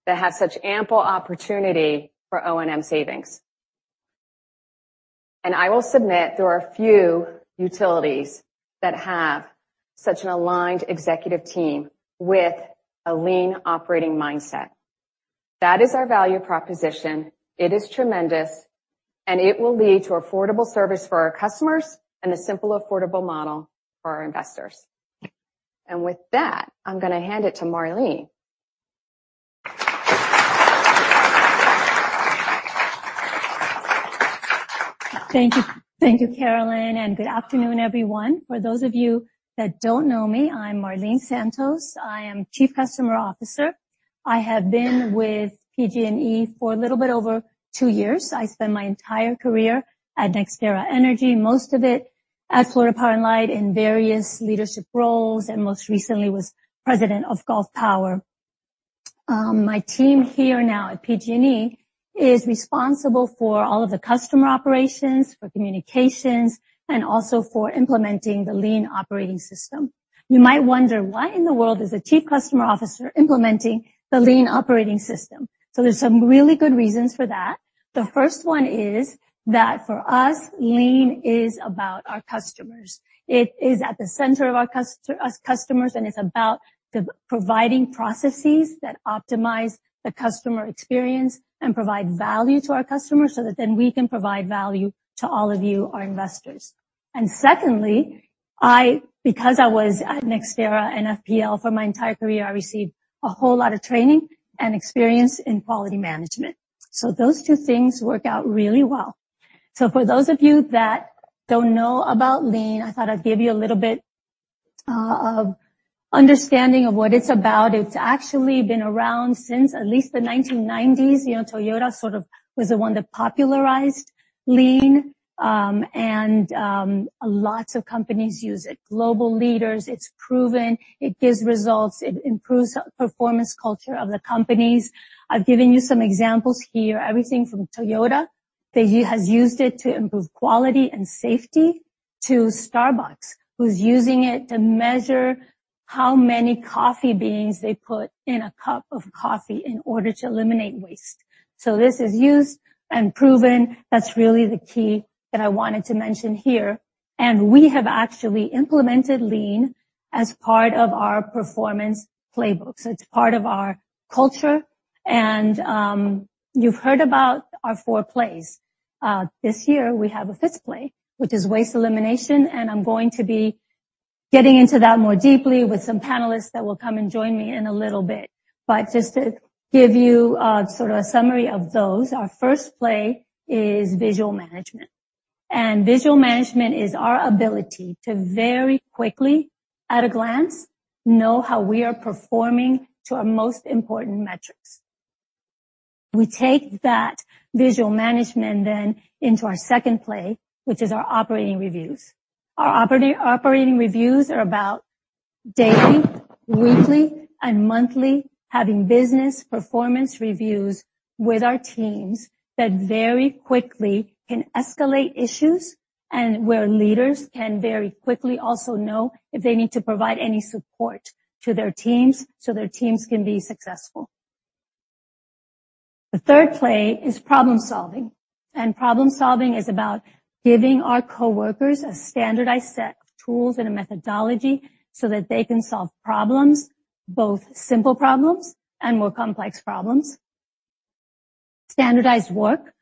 that have such ample opportunity for O&M savings. I will submit there are few utilities that have such an aligned executive team with a lean operating mindset. That is our value proposition. It is tremendous, and it will lead to affordable service for our customers and a simple, affordable model for our investors. With that, I'm gonna hand it to Marlene. Thank you. Thank you, Carolyn, and good afternoon, everyone. For those of you that don't know me, I'm Marlene Santos. I am Chief Customer Officer. I have been with PG&E for a little bit over two years. I spent my entire career at NextEra Energy, most of it at Florida Power & Light in various leadership roles, and most recently was President of Gulf Power. My team here now at PG&E is responsible for all of the customer operations, for communications, and also for implementing the lean operating system. You might wonder, why in the world is the Chief Customer Officer implementing the lean operating system? There's some really good reasons for that. The first one is that for us, lean is about our customers. It is at the center of our customers, and it's about the providing processes that optimize the customer experience and provide value to our customers so that then we can provide value to all of you, our investors. Secondly, I, because I was at NextEra and FPL for my entire career, I received a whole lot of training and experience in quality management. Those two things work out really well. For those of you that don't know about Lean, I thought I'd give you a little bit of understanding of what it's about. It's actually been around since at least the 1990s. You know, Toyota sort of was the one that popularized Lean, and lots of companies use it. Global leaders. It's proven. It gives results. It improves performance culture of the companies. I've given you some examples here. Everything from Toyota, that has used it to improve quality and safety, to Starbucks, who's using it to measure how many coffee beans they put in a cup of coffee in order to eliminate waste. This is used and proven. That's really the key that I wanted to mention here. We have actually implemented Lean as part of our Performance Playbook. It's part of our culture. You've heard about our four plays. This year we have a fifth play, which is Waste Elimination, and I'm going to be getting into that more deeply with some panelists that will come and join me in a little bit. Just to give you sort of a summary of those, our first play is Visual Management. Visual management is our ability to very quickly, at a glance, know how we are performing to our most important metrics. We take that visual management then into our second play, which is our operating reviews. Our operating reviews are about daily, weekly, and monthly having business performance reviews with our teams that very quickly can escalate issues and where leaders can very quickly also know if they need to provide any support to their teams so their teams can be successful. The third play is problem-solving. Problem-solving is about giving our coworkers a standardized set of tools and a methodology so that they can solve problems, both simple problems and more complex problems. Standardized work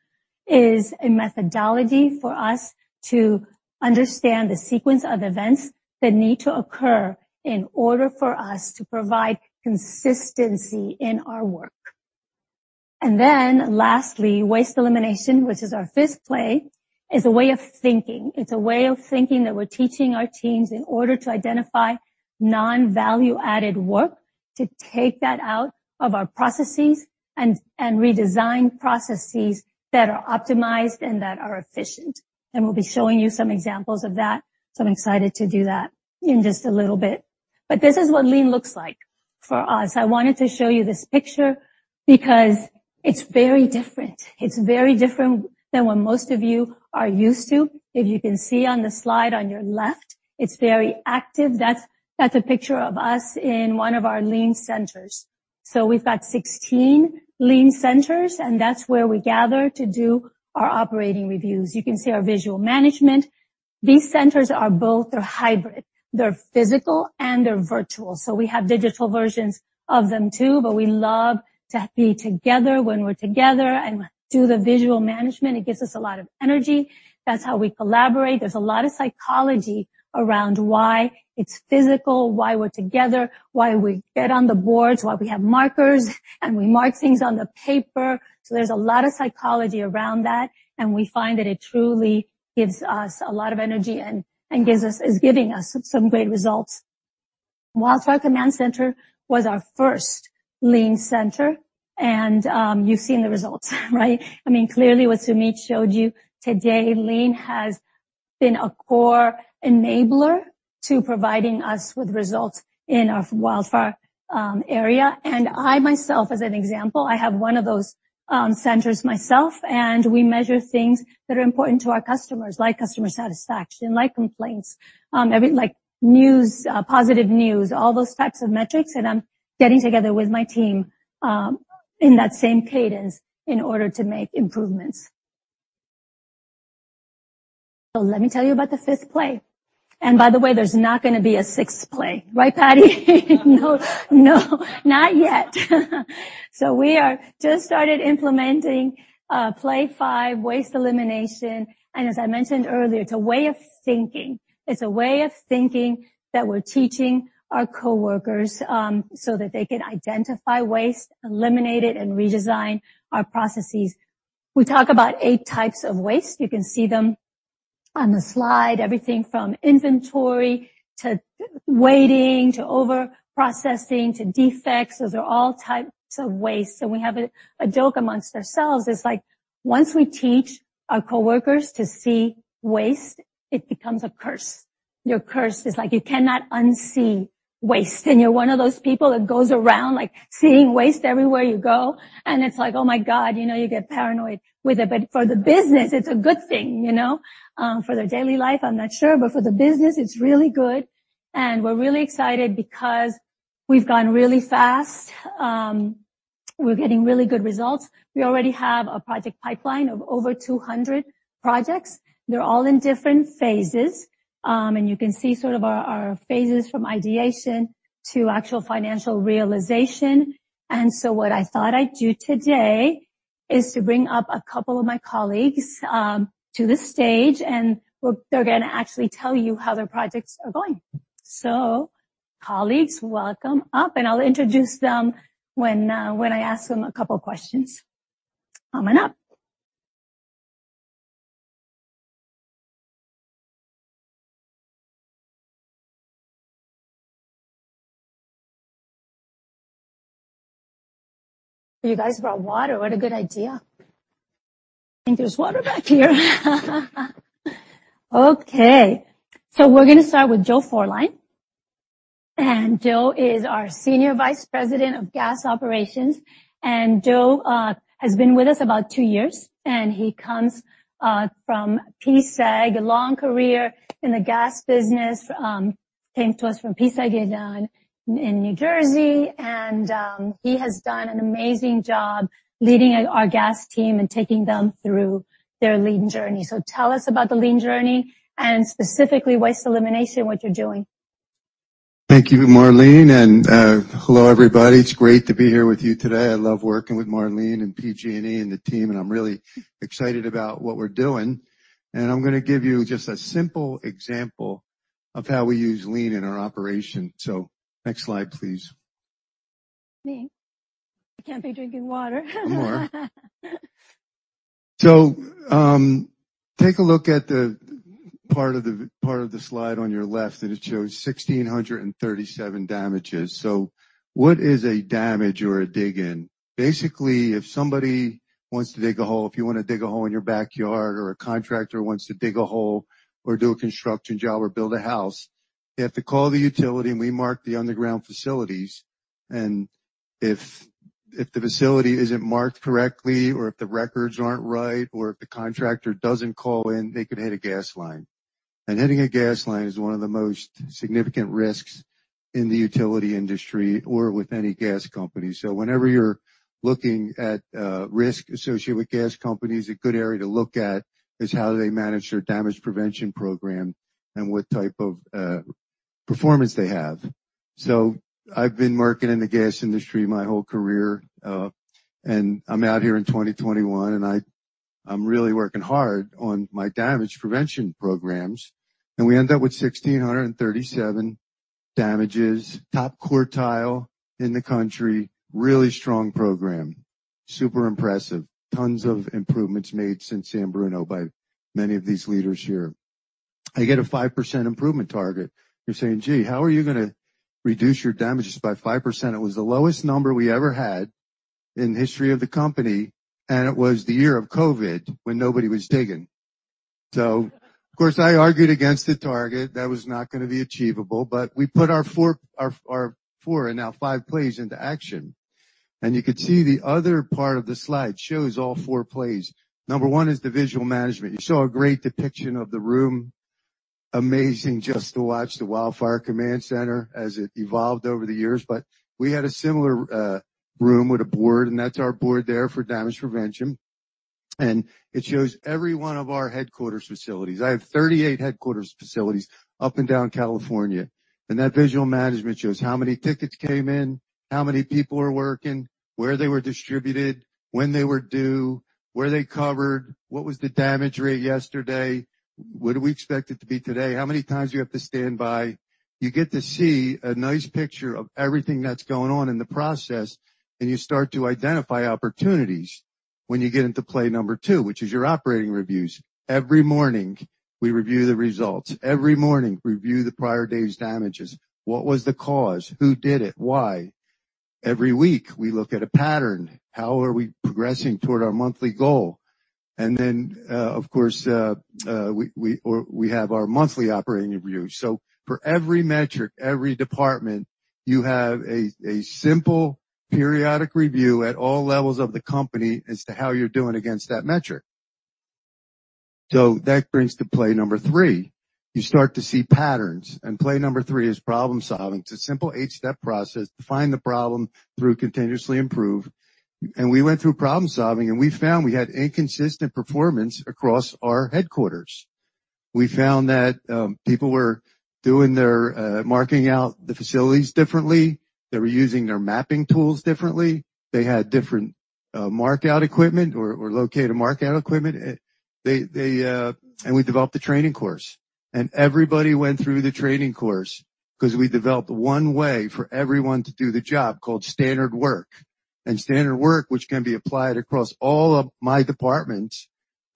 is a methodology for us to understand the sequence of events that need to occur in order for us to provide consistency in our work. Lastly, Waste Elimination, which is our fifth play, is a way of thinking. It's a way of thinking that we're teaching our teams in order to identify non-value-added work, to take that out of our processes and redesign processes that are optimized and that are efficient. We'll be showing you some examples of that. I'm excited to do that in just a little bit. This is what Lean looks like for us. I wanted to show you this picture because it's very different. It's very different than what most of you are used to. If you can see on the slide on your left, it's very active. That's a picture of us in one of our Lean centers. We've got 16 Lean centers, and that's where we gather to do our operating reviews. You can see our Visual Management. They're hybrid, they're physical and they're virtual, so we have digital versions of them too, but we love to be together when we're together and do the visual management. It gives us a lot of energy. That's how we collaborate. There's a lot of psychology around why it's physical, why we're together, why we get on the boards, why we have markers, and we mark things on the paper. There's a lot of psychology around that, and we find that it truly gives us a lot of energy and is giving us some great results. Wildfire Command Center was our first Lean Center, and you've seen the results, right? I mean, clearly what Sumeet showed you today, Lean has been a core enabler to providing us with results in our wildfire area. I myself, as an example, I have one of those centers myself, and we measure things that are important to our customers, like customer satisfaction, like complaints, every, like, news, positive news, all those types of metrics. I'm getting together with my team in that same cadence in order to make improvements. Let me tell you about the 5th play. By the way, there's not gonna be a sixth play. Right, Patti? No, no, not yet. We are just started implementing, Play 5, waste elimination. As I mentioned earlier, it's a way of thinking. It's a way of thinking that we're teaching our coworkers, so that they can identify waste, eliminate it, and redesign our processes. We talk about 8 types of waste. You can see them on the slide, everything from inventory to waiting, to overprocessing, to defects. Those are all types of waste. We have a joke amongst ourselves. It's like once we teach our coworkers to see waste, it becomes a curse. Your curse is like you cannot unsee waste, and you're one of those people that goes around, like, seeing waste everywhere you go, and it's like, oh, my God, you know, you get paranoid with it. For the business, it's a good thing, you know? For their daily life, I'm not sure, but for the business, it's really good. We're really excited because we've gone really fast. We're getting really good results. We already have a project pipeline of over 200 projects. They're all in different phases. You can see sort of our phases from ideation to actual financial realization. What I thought I'd do today is to bring up a couple of my colleagues to the stage, they're gonna actually tell you how their projects are going. Colleagues, welcome up, and I'll introduce them when I ask them a couple of questions. Come on up. You guys brought water. What a good idea. I think there's water back here. We're gonna start with Joe Forline. Joe is our Senior Vice President of Gas Operations. Joe has been with us about two years, and he comes from PSEG. A long career in the gas business, came to us from PSEG in New Jersey. He has done an amazing job leading our gas team and taking them through their lean journey. Tell us about the lean journey and specifically waste elimination, what you're doing. Thank you, Marlene. Hello, everybody. It's great to be here with you today. I love working with Marlene and PG&E and the team, and I'm really excited about what we're doing. I'm gonna give you just a simple example of how we use lean in our operation. Next slide, please. Me. I can't be drinking water. Take a look at the part of the slide on your left, and it shows 1,637 damages. What is a damage or a dig in? Basically, if somebody wants to dig a hole, if you want to dig a hole in your backyard or a contractor wants to dig a hole or do a construction job or build a house, they have to call the utility, and we mark the underground facilities. If the facility isn't marked correctly or if the records aren't right or if the contractor doesn't call in, they could hit a gas line. Hitting a gas line is one of the most significant risks in the utility industry or with any gas company. Whenever you're looking at risk associated with gas companies, a good area to look at is how do they manage their damage prevention program and what type of performance they have. I've been working in the gas industry my whole career, and I'm out here in 2021, and I'm really working hard on my damage prevention programs. We end up with 1,637 damages. Top quartile in the country. Really strong program. Super impressive. Tons of improvements made since San Bruno by many of these leaders here. I get a 5% improvement target. You're saying, "Gee, how are you gonna reduce your damages by 5%?" It was the lowest number we ever had in the history of the company, and it was the year of COVID when nobody was digging. Of course, I argued against the target. That was not gonna be achievable. We put our four and now five plays into action. You could see the other part of the slide shows all four plays. Number one is the visual management. You saw a great depiction of the room. Amazing just to watch the Wildfire Command Center as it evolved over the years. We had a similar room with a board, and that's our board there for damage prevention. It shows every one of our headquarters facilities. I have 38 headquarters facilities up and down California. That visual management shows how many tickets came in, how many people are working, where they were distributed, when they were due, where they covered, what was the damage rate yesterday, what do we expect it to be today? How many times you have to stand by? You get to see a nice picture of everything that's going on in the process, and you start to identify opportunities when you get into play number two, which is your operating reviews. Every morning, we review the results. Every morning, review the prior day's damages. What was the cause? Who did it? Why? Every week, we look at a pattern. How are we progressing toward our monthly goal? Of course, we have our monthly operating review. For every metric, every department, you have a simple periodic review at all levels of the company as to how you're doing against that metric. That brings to play number three. You start to see patterns, and play number three is problem-solving. It's a simple eight-step process to find the problem through continuously improve. We went through problem-solving, and we found we had inconsistent performance across our headquarters. We found that people were doing their marking out the facilities differently. They were using their mapping tools differently. They had different mark out equipment or locate a mark out equipment. We developed a training course, and everybody went through the training course 'cause we developed one way for everyone to do the job called standard work. Standard work, which can be applied across all of my departments.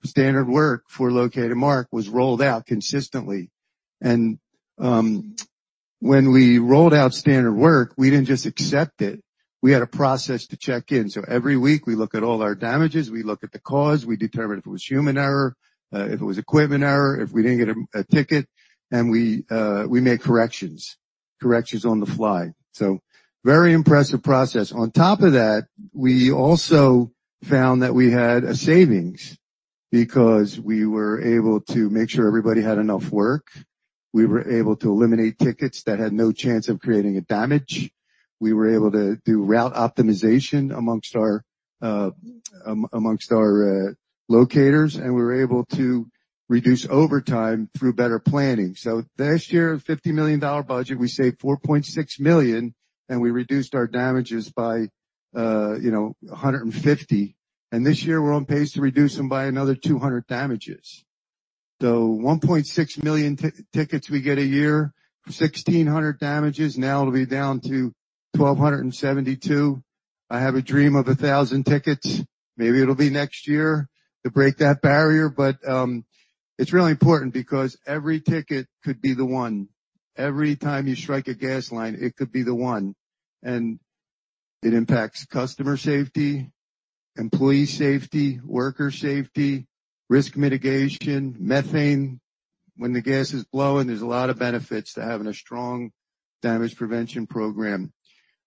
Standard work for Locate Mark was rolled out consistently. When we rolled out standard work, we didn't just accept it. We had a process to check in. Every week, we look at all our damages, we look at the cause, we determine if it was human error, if it was equipment error, if we didn't get a ticket, and we make corrections on the fly. Very impressive process. On top of that, we also found that we had a savings because we were able to make sure everybody had enough work. We were able to eliminate tickets that had no chance of creating a damage. We were able to do route optimization amongst our locators, and we were able to reduce overtime through better planning. This year, $50 million budget, we saved $4.6 million, and we reduced our damages by, you know, 150. This year, we're on pace to reduce them by another 200 damages. 1.6 million tickets we get a year. 1,600 damages. Now it'll be down to 1,272. I have a dream of 1,000 tickets. Maybe it'll be next year to break that barrier. It's really important because every ticket could be the one. Every time you strike a gas line, it could be the one. It impacts customer safety, employee safety, worker safety, risk mitigation, methane. When the gas is flowing, there's a lot of benefits to having a strong damage prevention program.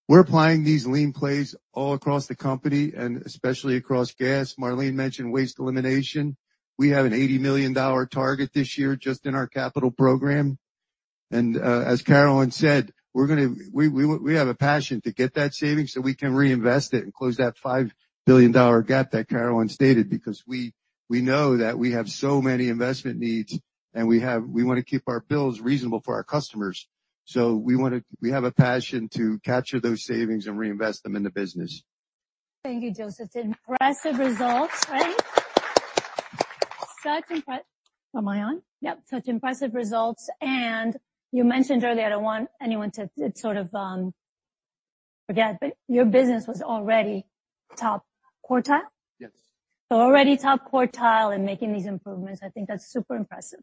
We're applying these lean plays all across the company and especially across gas. Marlene mentioned waste elimination. We have an $80 million target this year just in our capital program. As Carolyn said, we have a passion to get that savings, so we can reinvest it and close that $5 billion gap that Carolyn stated. We know that we have so many investment needs, and we wanna keep our bills reasonable for our customers. We have a passion to capture those savings and reinvest them in the business. Thank you, Joseph. Impressive results, right? Am I on? Yep. Such impressive results. You mentioned earlier, I don't want anyone to sort of, forget, your business was already top quartile? Yes. Already top quartile and making these improvements. I think that's super impressive.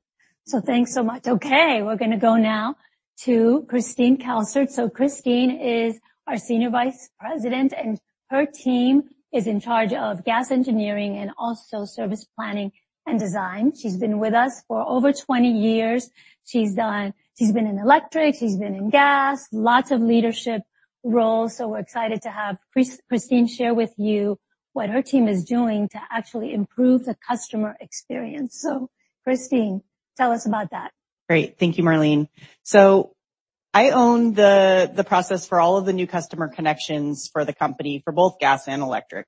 Thanks so much. Okay, we're gonna go now to Christine Cowsert. Christine is our Senior Vice President, and her team is in charge of Gas Engineering and also Service Planning and Design. She's been with us for over 20 years. She's been in electric, she's been in gas, lots of leadership roles. We're excited to have Christine share with you what her team is doing to actually improve the customer experience. Christine, tell us about that. Great. Thank you, Marlene. I own the process for all of the new customer connections for the company for both gas and electric.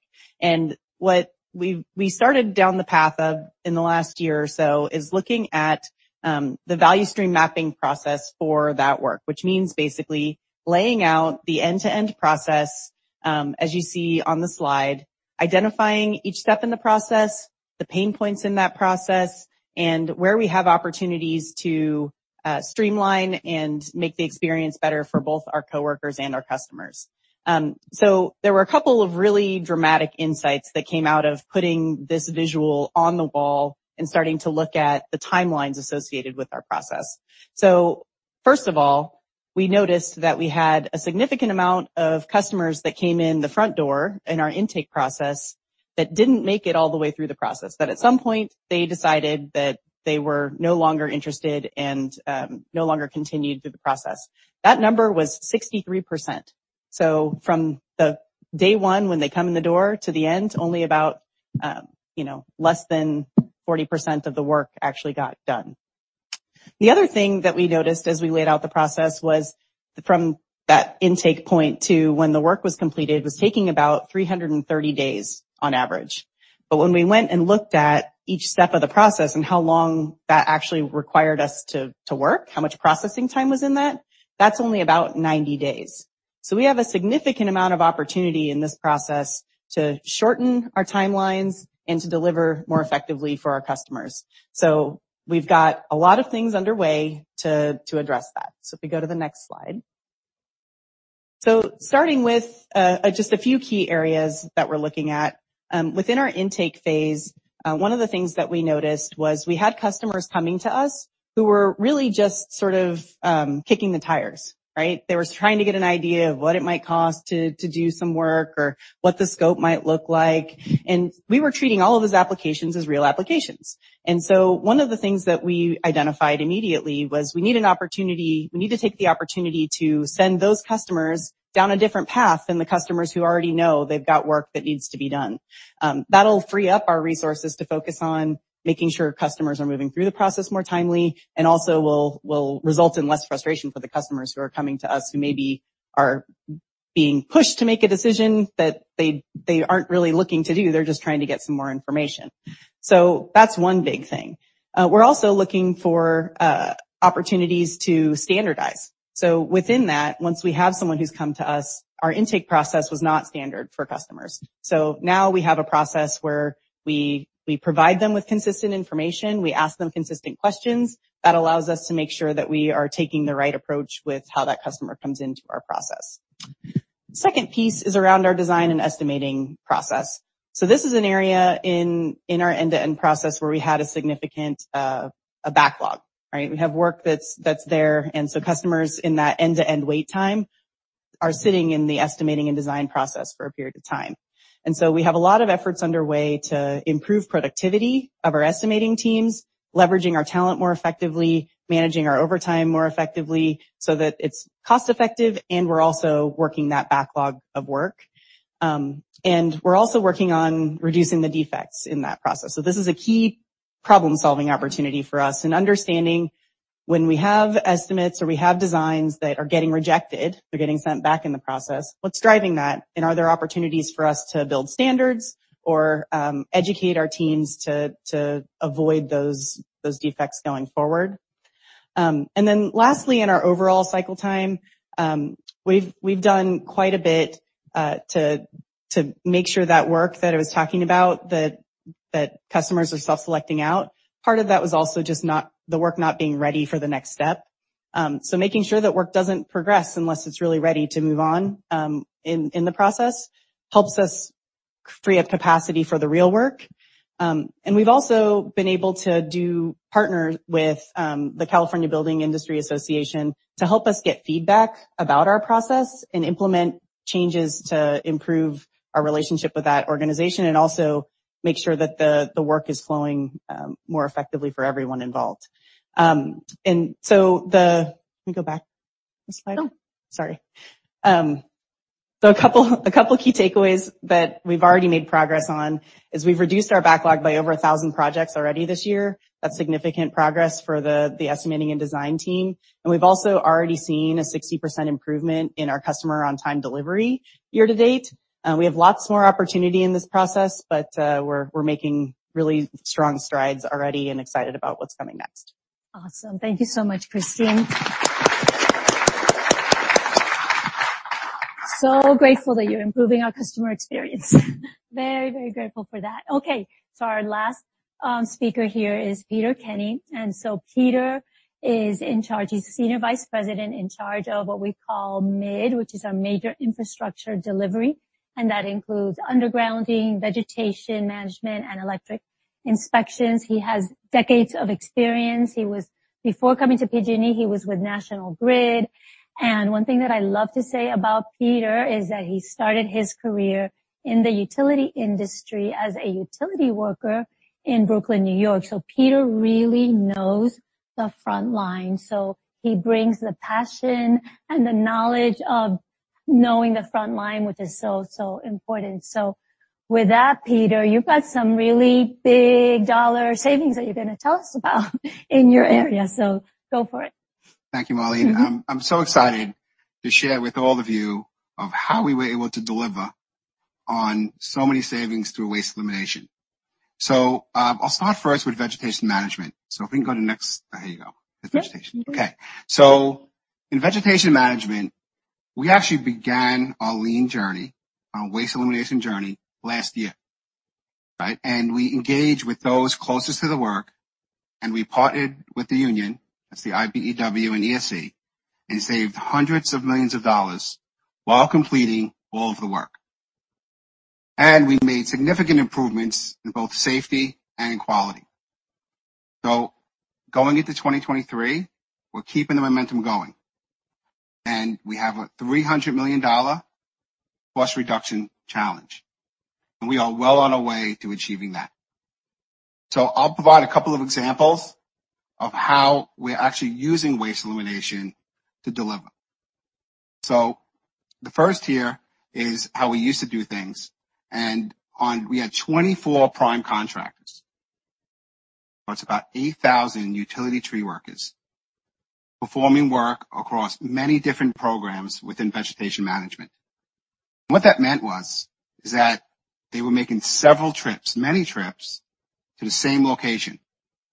What we started down the path of in the last year or so is looking at the value stream mapping process for that work, which means basically laying out the end-to-end process, as you see on the slide, identifying each step in the process, the pain points in that process, and where we have opportunities to streamline and make the experience better for both our coworkers and our customers. There were a couple of really dramatic insights that came out of putting this visual on the wall and starting to look at the timelines associated with our process. First of all, we noticed that we had a significant amount of customers that came in the front door in our intake process that didn't make it all the way through the process, that at some point they decided that they were no longer interested and no longer continued through the process. That number was 63%. From the day one, when they come in the door to the end, only about, you know, less than 40% of the work actually got done. The other thing that we noticed as we laid out the process was from that intake point to when the work was completed, was taking about 330 days on average. When we went and looked at each step of the process and how long that actually required us to work, how much processing time was in that's only about 90 days. We have a significant amount of opportunity in this process to shorten our timelines and to deliver more effectively for our customers. We've got a lot of things underway to address that. If we go to the next slide. Starting with just a few key areas that we're looking at, within our intake phase, one of the things that we noticed was we had customers coming to us who were really just sort of kicking the tires, right? They were trying to get an idea of what it might cost to do some work or what the scope might look like. We were treating all of those applications as real applications. One of the things that we identified immediately was we need to take the opportunity to send those customers down a different path than the customers who already know they've got work that needs to be done. That'll free up our resources to focus on making sure customers are moving through the process more timely and also will result in less frustration for the customers who are coming to us who maybe are being pushed to make a decision that they aren't really looking to do. They're just trying to get some more information. That's one big thing. We're also looking for opportunities to standardize. Within that, once we have someone who's come to us, our intake process was not standard for customers. Now we have a process where we provide them with consistent information, we ask them consistent questions. That allows us to make sure that we are taking the right approach with how that customer comes into our process. Second piece is around our design and estimating process. This is an area in our end-to-end process where we had a significant a backlog, right. We have work that's there, customers in that end-to-end wait time are sitting in the estimating and design process for a period of time. We have a lot of efforts underway to improve productivity of our estimating teams, leveraging our talent more effectively, managing our overtime more effectively so that it's cost-effective, and we're also working that backlog of work. We're also working on reducing the defects in that process. This is a key problem-solving opportunity for us and understanding when we have estimates or we have designs that are getting rejected or getting sent back in the process, what's driving that, and are there opportunities for us to build standards or educate our teams to avoid those defects going forward. Then lastly, in our overall cycle time, we've done quite a bit to make sure that work I was talking about that customers are self-selecting out. Part of that was also just not the work not being ready for the next step. Making sure that work doesn't progress unless it's really ready to move on in the process helps us free up capacity for the real work. We've also been able to partner with the California Building Industry Association to help us get feedback about our process and implement changes to improve our relationship with that organization and also make sure that the work is flowing more effectively for everyone involved. Can we go back a slide? Sure. Sorry. A couple of key takeaways that we've already made progress on is we've reduced our backlog by over 1,000 projects already this year. That's significant progress for the estimating and design team. We've also already seen a 60% improvement in our customer on-time delivery year to date. We have lots more opportunity in this process, we're making really strong strides already and excited about what's coming next. Awesome. Thank you so much, Christine. Grateful that you're improving our customer experience. Very, very grateful for that. Our last speaker here is Peter Kenny. Peter is in charge. He's Senior Vice President in charge of what we call MID, which is our Major Infrastructure Delivery, and that includes undergrounding, vegetation management, and electric inspections. He has decades of experience. Before coming to PG&E, he was with National Grid. One thing that I love to say about Peter is that he started his career in the utility industry as a utility worker in Brooklyn, New York. Peter really knows the front line. He brings the passion and the knowledge of knowing the front line, which is so important. With that, Peter, you've got some really big dollar savings that you're gonna tell us about in your area. Go for it. Thank you, Marlene. I'm so excited to share with all of you of how we were able to deliver on so many savings through waste elimination. I'll start first with vegetation management. If we can go to next. There you go. Yeah. That's vegetation. Okay. In vegetation management, we actually began our lean journey, our waste elimination journey last year, right? We engaged with those closest to the work, and we partnered with the union. That's the IBEW and ESC, and saved $hundreds of millions while completing all of the work. We made significant improvements in both safety and quality. Going into 2023, we're keeping the momentum going. We have a $300 million+ reduction challenge, and we are well on our way to achieving that. I'll provide a couple of examples of how we're actually using waste elimination to deliver. The first here is how we used to do things. We had 24 prime contractors. It's about 8,000 utility tree workers performing work across many different programs within vegetation management. What that meant was, is that they were making several trips, many trips to the same location.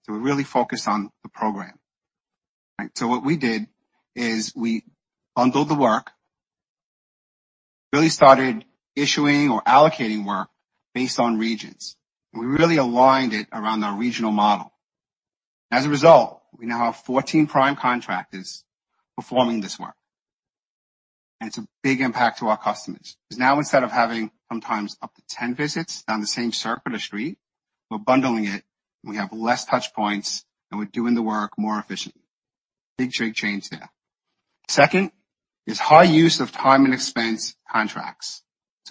We're really focused on the program. Right. What we did is we bundled the work, really started issuing or allocating work based on regions. We really aligned it around our regional model. As a result, we now have 14 prime contractors performing this work. It's a big impact to our customers because now instead of having sometimes up to 10 visits down the same circular street, we're bundling it, and we have less touch points, and we're doing the work more efficiently. Big, big change there. Second is high use of time and expense contracts.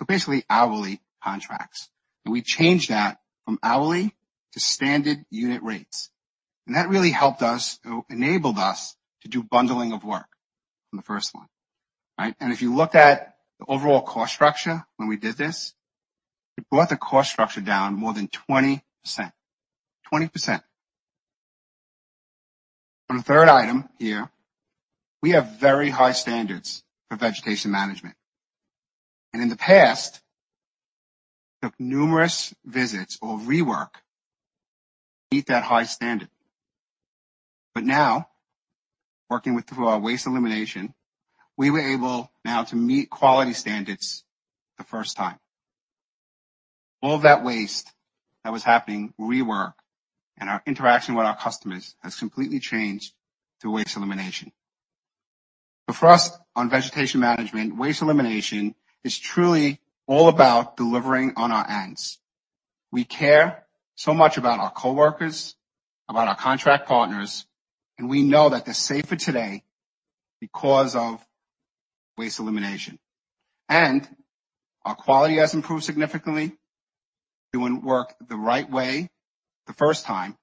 Basically hourly contracts. We changed that from hourly to standard unit rates. That really helped us or enabled us to do bundling of work from the first one, right? If you looked at the overall cost structure when we did this, it brought the cost structure down more than 20%. 20%. On the third item here, we have very high standards for vegetation management. In the past, took numerous visits or rework to meet that high standard. Now, working with through our waste elimination, we were able now to meet quality standards the first time. All of that waste that was happening, rework, and our interaction with our customers has completely changed through waste elimination. For us, on vegetation management, waste elimination is truly all about delivering on our ends. We care so much about our coworkers, about our contract partners, and we know that they're safer today because of waste elimination. Our quality has improved significantly. Doing work the right way the first time,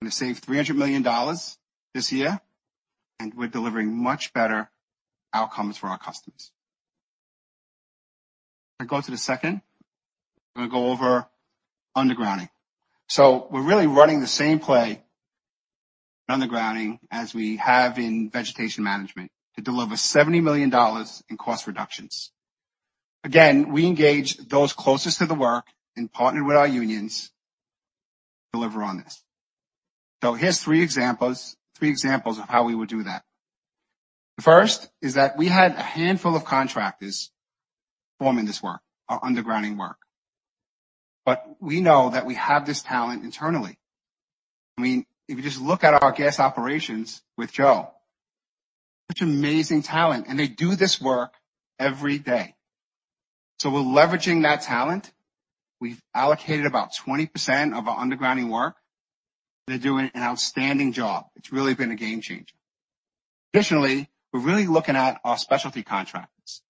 gonna save $300 million this year, and we're delivering much better outcomes for our customers. If I go to the second, I'm gonna go over undergrounding. We're really running the same play in undergrounding as we have in vegetation management to deliver $70 million in cost reductions. Again, we engage those closest to the work and partner with our unions to deliver on this. Here's three examples of how we would do that. The first is that we had a handful of contractors performing this work, our undergrounding work. We know that we have this talent internally. I mean, if you just look at our Gas Operations with Joe, such amazing talent, and they do this work every day. We're leveraging that talent. We've allocated about 20% of our undergrounding work. They're doing an outstanding job. It's really been a game changer. Additionally, we're really looking at our specialty contractors.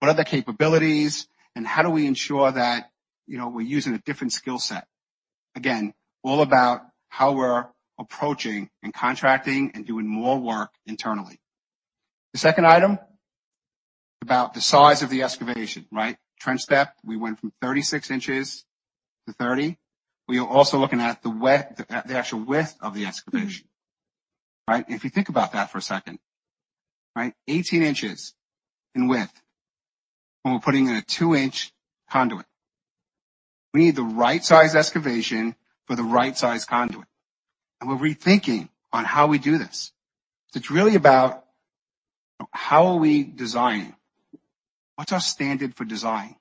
What are their capabilities, and how do we ensure that, you know, we're using a different skill set? Again, all about how we're approaching and contracting and doing more work internally. The second item, about the size of the excavation, right? Trench depth, we went from 36 in to 30 in. We are also looking at the actual width of the excavation, right? If you think about that for a second, right, 18 in in width, and we're putting in a 2 in conduit. We need the right size excavation for the right size conduit. We're rethinking on how we do this. It's really about how are we designing? What's our standard for design?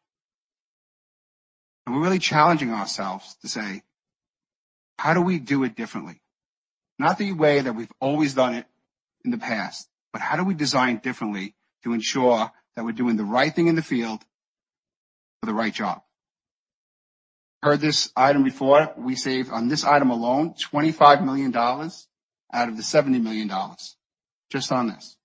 We're really challenging ourselves to say, how do we do it differently? Not the way that we've always done it in the past, but how do we design differently to ensure that we're doing the right thing in the field for the right job? Heard this item before. We saved on this item alone $25 million out of the $70 million, just on this.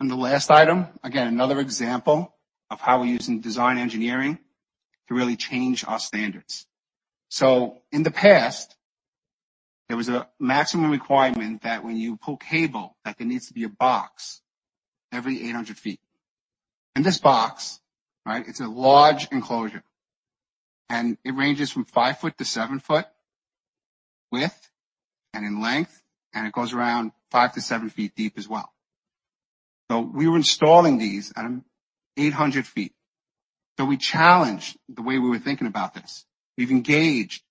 The last item, again, another example of how we're using design engineering to really change our standards. In the past, there was a maximum requirement that when you pull cable that there needs to be a box every 800 ft. In this box, right, it's a large enclosure, and it ranges from 5 ft to 7 ft width and in length, and it goes around 5 ft to 7 ft deep as well. We were installing these at 800 ft. We challenged the way we were thinking about this. We've engaged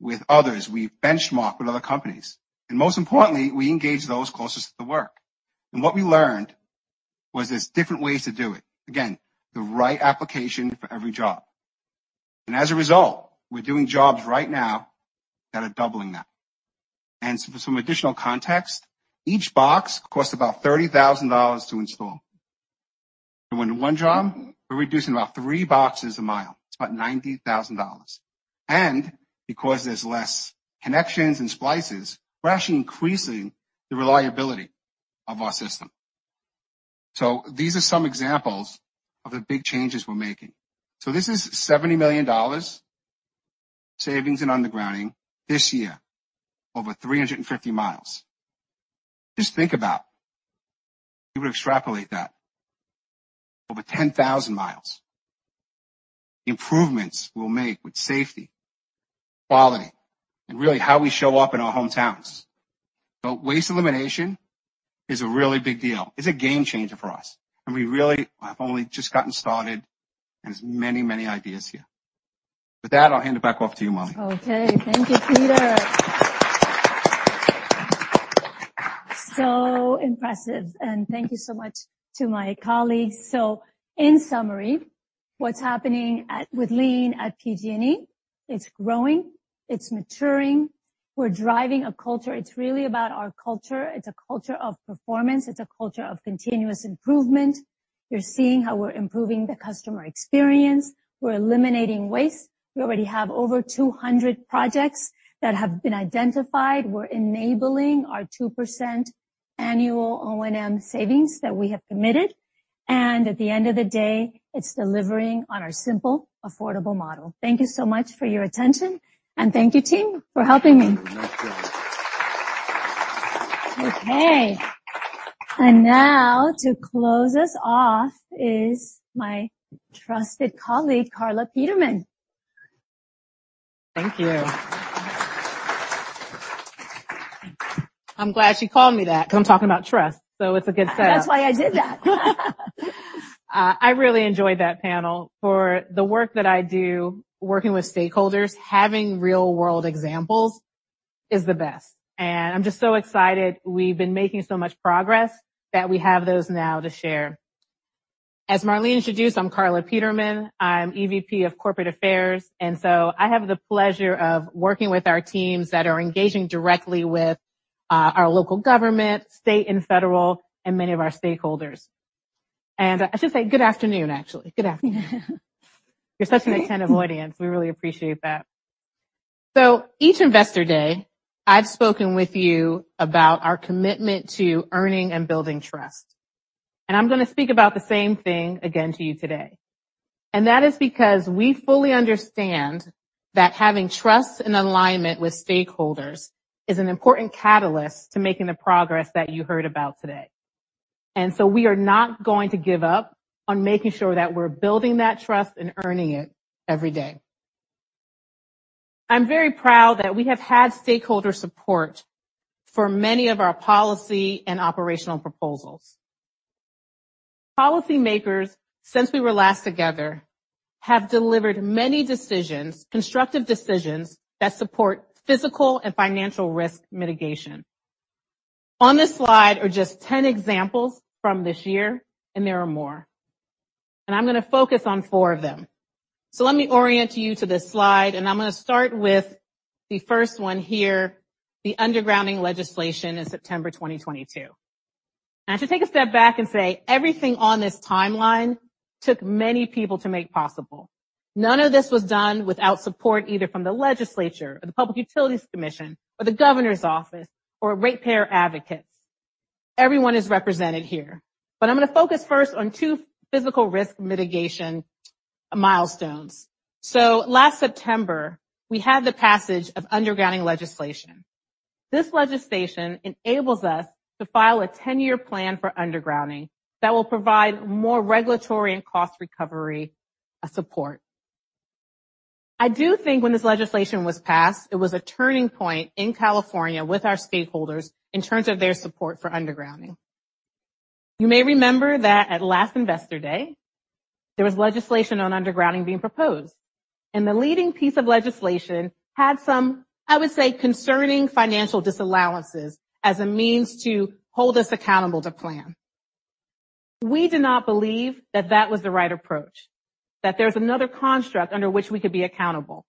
with others. We've benchmarked with other companies. Most importantly, we engaged those closest to the work. What we learned was there's different ways to do it. Again, the right application for every job. As a result, we're doing jobs right now that are doubling that. For some additional context, each box costs about $30,000 to install. When one job, we're reducing about three boxes a mile. It's about $90,000. Because there's less connections and splices, we're actually increasing the reliability of our system. These are some examples of the big changes we're making. This is $70 million savings in undergrounding this year over 350 miles. Just think about if you were to extrapolate that over 10,000 miles, improvements we'll make with safety, quality, and really how we show up in our hometowns. Waste elimination is a really big deal. It's a game changer for us. We really have only just gotten started. There's many, many ideas here. With that, I'll hand it back off to you, Marlene. Okay. Thank you, Peter. Impressive. Thank you so much to my colleagues. In summary, what's happening with Lean at PG&E, it's growing, it's maturing. We're driving a culture. It's really about our culture. It's a culture of performance. It's a culture of continuous improvement. You're seeing how we're improving the customer experience. We're eliminating waste. We already have over 200 projects that have been identified. We're enabling our 2% annual O&M savings that we have committed. At the end of the day, it's delivering on our Simple, Affordable Model. Thank you so much for your attention. Thank you, team, for helping me. Nice job. Okay. Now to close us off is my trusted colleague, Carla Peterman. Thank you. I'm glad she called me that because I'm talking about trust. It's a good set up. That's why I did that. I really enjoyed that panel. For the work that I do, working with stakeholders, having real-world examples is the best. I'm just so excited we've been making so much progress that we have those now to share. As Marlene Santos introduced, I'm Carla Peterman. I'm EVP of Corporate Affairs, I have the pleasure of working with our teams that are engaging directly with our local government, state and federal, and many of our stakeholders. I should say good afternoon, actually. Good afternoon. You're such an attentive audience. We really appreciate that. Each Investor Day, I've spoken with you about our commitment to earning and building trust, and I'm gonna speak about the same thing again to you today. That is because we fully understand that having trust and alignment with stakeholders is an important catalyst to making the progress that you heard about today. We are not going to give up on making sure that we're building that trust and earning it every day. I'm very proud that we have had stakeholder support for many of our policy and operational proposals. Policymakers, since we were last together, have delivered many decisions, constructive decisions that support physical and financial risk mitigation. On this slide are just 10 examples from this year, and there are more. I'm gonna focus on 4 of them. Let me orient you to this slide, and I'm gonna start with the first one here, the undergrounding legislation in September 2022. I should take a step back and say everything on this timeline took many people to make possible. None of this was done without support, either from the legislature or the Public Utilities Commission or the Governor's Office or ratepayer advocates. Everyone is represented here. I'm gonna focus first on two physical risk mitigation milestones. Last September, we had the passage of undergrounding legislation. This legislation enables us to file a 10-year plan for undergrounding that will provide more regulatory and cost recovery support. I do think when this legislation was passed, it was a turning point in California with our stakeholders in terms of their support for undergrounding. You may remember that at last investor day, there was legislation on undergrounding being proposed, and the leading piece of legislation had some, I would say, concerning financial disallowances as a means to hold us accountable to plan. We did not believe that that was the right approach, that there's another construct under which we could be accountable.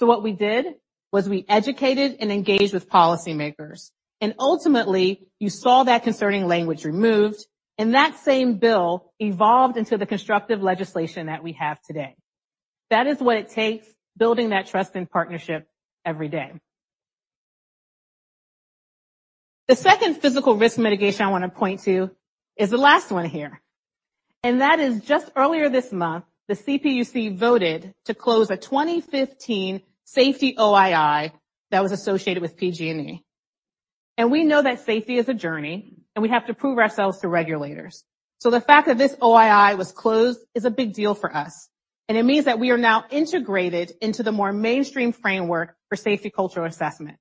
What we did was we educated and engaged with policymakers, and ultimately, you saw that concerning language removed, and that same bill evolved into the constructive legislation that we have today. That is what it takes, building that trust and partnership every day. The second physical risk mitigation I wanna point to is the last one here, and that is just earlier this month, the CPUC voted to close a 2015 safety OII that was associated with PG&E. We know that safety is a journey, and we have to prove ourselves to regulators. The fact that this OII was closed is a big deal for us, and it means that we are now integrated into the more mainstream framework for safety cultural assessment.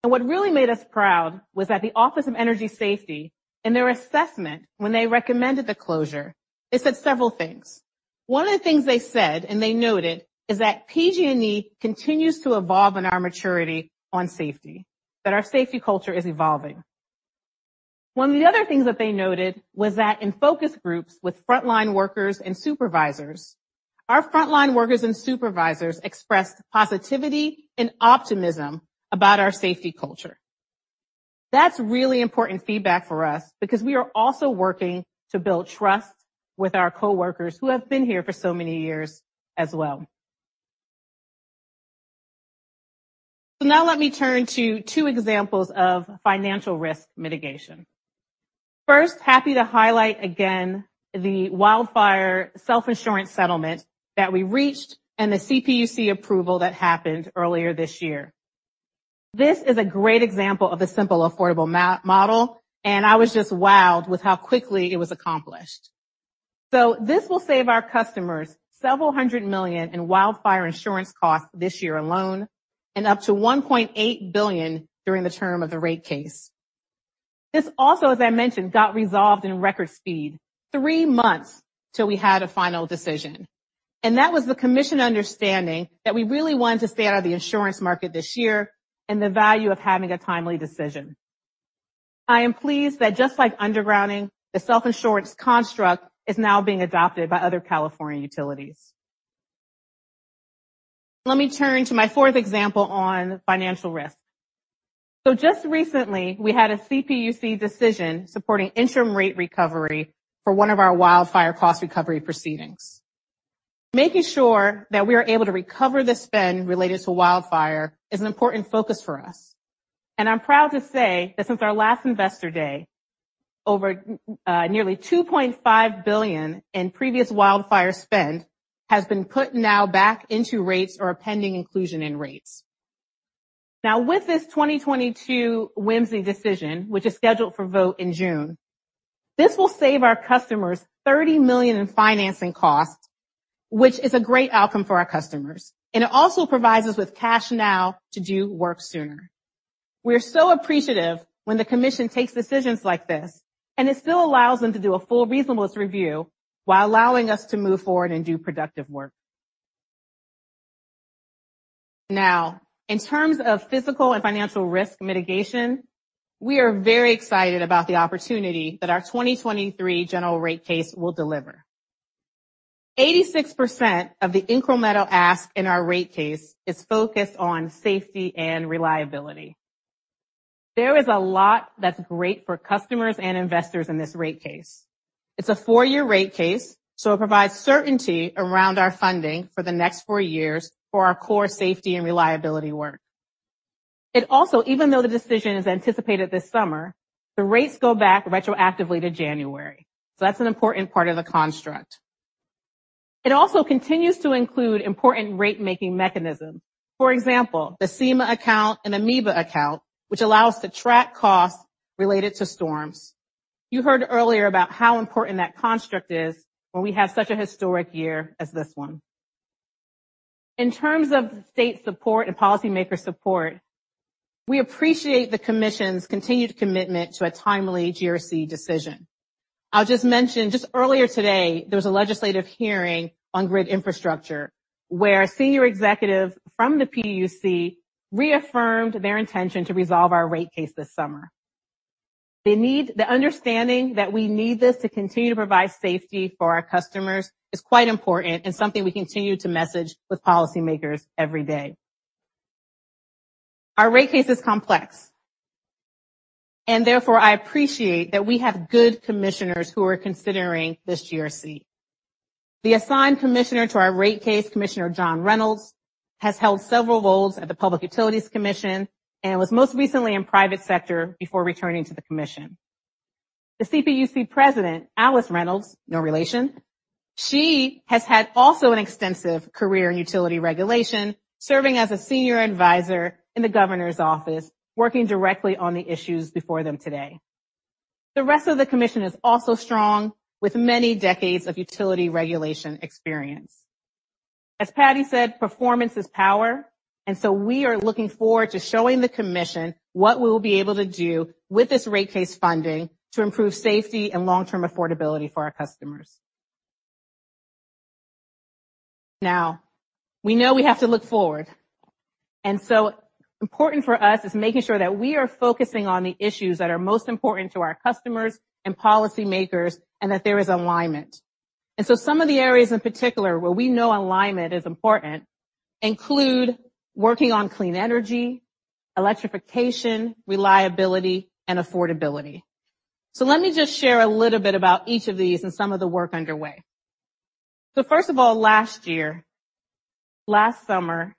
What really made us proud was that the Office of Energy Safety, in their assessment when they recommended the closure, they said several things. One of the things they said, and they noted, is that PG&E continues to evolve in our maturity on safety, that our safety culture is evolving. One of the other things that they noted was that in focus groups with frontline workers and supervisors, our frontline workers and supervisors expressed positivity and optimism about our safety culture. That's really important feedback for us because we are also working to build trust with our coworkers who have been here for so many years as well. Now let me turn to two examples of financial risk mitigation. First, happy to highlight again the wildfire self-insurance settlement that we reached and the CPUC approval that happened earlier this year. This is a great example of a Simple, Affordable Model, and I was just wowed with how quickly it was accomplished. This will save our customers $ several hundred million in wildfire insurance costs this year alone and up to $1.8 billion during the term of the rate case. This also, as I mentioned, got resolved in record speed, three months till we had a final decision. That was the commission understanding that we really wanted to stay out of the insurance market this year and the value of having a timely decision. I am pleased that just like undergrounding, the self-insurance construct is now being adopted by other California utilities. Let me turn to my fourth example on financial risk. Just recently, we had a CPUC decision supporting interim rate recovery for one of our wildfire cost recovery proceedings. Making sure that we are able to recover the spend related to wildfire is an important focus for us, and I'm proud to say that since our last Investor Day, over, nearly $2.5 billion in previous wildfire spend has been put now back into rates or are pending inclusion in rates. With this 2022 WMCE decision, which is scheduled for vote in June, this will save our customers $30 million in financing costs, which is a great outcome for our customers, and it also provides us with cash now to do work sooner. We are so appreciative when the Commission takes decisions like this, and it still allows them to do a full reasonableness review while allowing us to move forward and do productive work. In terms of physical and financial risk mitigation, we are very excited about the opportunity that our 2023 general rate case will deliver. 86% of the incremental ask in our rate case is focused on safety and reliability. There is a lot that's great for customers and investors in this rate case. It's a four-year rate case, it provides certainty around our funding for the next four years for our core safety and reliability work. It also, even though the decision is anticipated this summer, the rates go back retroactively to January. That's an important part of the construct. It also continues to include important rate-making mechanisms. For example, the [CMA] account and [AMEA] account, which allow us to track costs related to storms. You heard earlier about how important that construct is when we have such a historic year as this one. In terms of state support and policymaker support, we appreciate the commission's continued commitment to a timely GRC decision. Just earlier today, there was a legislative hearing on grid infrastructure where a senior executive from the PUC reaffirmed their intention to resolve our rate case this summer. The understanding that we need this to continue to provide safety for our customers is quite important and something we continue to message with policymakers every day. Our rate case is complex. Therefore, I appreciate that we have good commissioners who are considering this GRC. The assigned commissioner to our rate case, Commissioner John Reynolds, has held several roles at the Public Utilities Commission and was most recently in private sector before returning to the commission. The CPUC President, Alice Reynolds, no relation, she has had also an extensive career in utility regulation, serving as a senior advisor in the Governor's office, working directly on the issues before them today. The rest of the commission is also strong, with many decades of utility regulation experience. As Patti said, performance is power, and so we are looking forward to showing the commission what we'll be able to do with this rate case funding to improve safety and long-term affordability for our customers. Now, we know we have to look forward. Important for us is making sure that we are focusing on the issues that are most important to our customers and policymakers, and that there is alignment. Some of the areas in particular where we know alignment is important include working on clean energy, electrification, reliability, and affordability. Let me just share a little bit about each of these and some of the work underway. First of all, last year, last summer,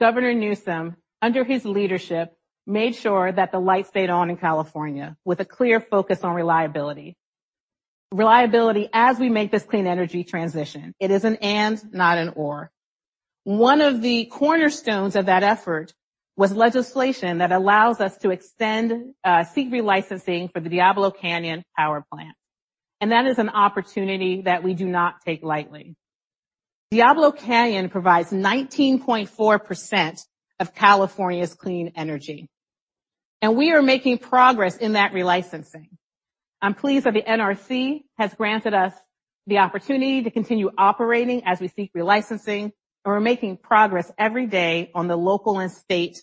Governor Newsom, under his leadership, made sure that the light stayed on in California with a clear focus on reliability. Reliability as we make this clean energy transition. It is an and, not an or. One of the cornerstones of that effort was legislation that allows us to extend, seek relicensing for the Diablo Canyon Power Plant. That is an opportunity that we do not take lightly. Diablo Canyon provides 19.4% of California's clean energy, and we are making progress in that relicensing. I'm pleased that the NRC has granted us the opportunity to continue operating as we seek relicensing, and we're making progress every day on the local and state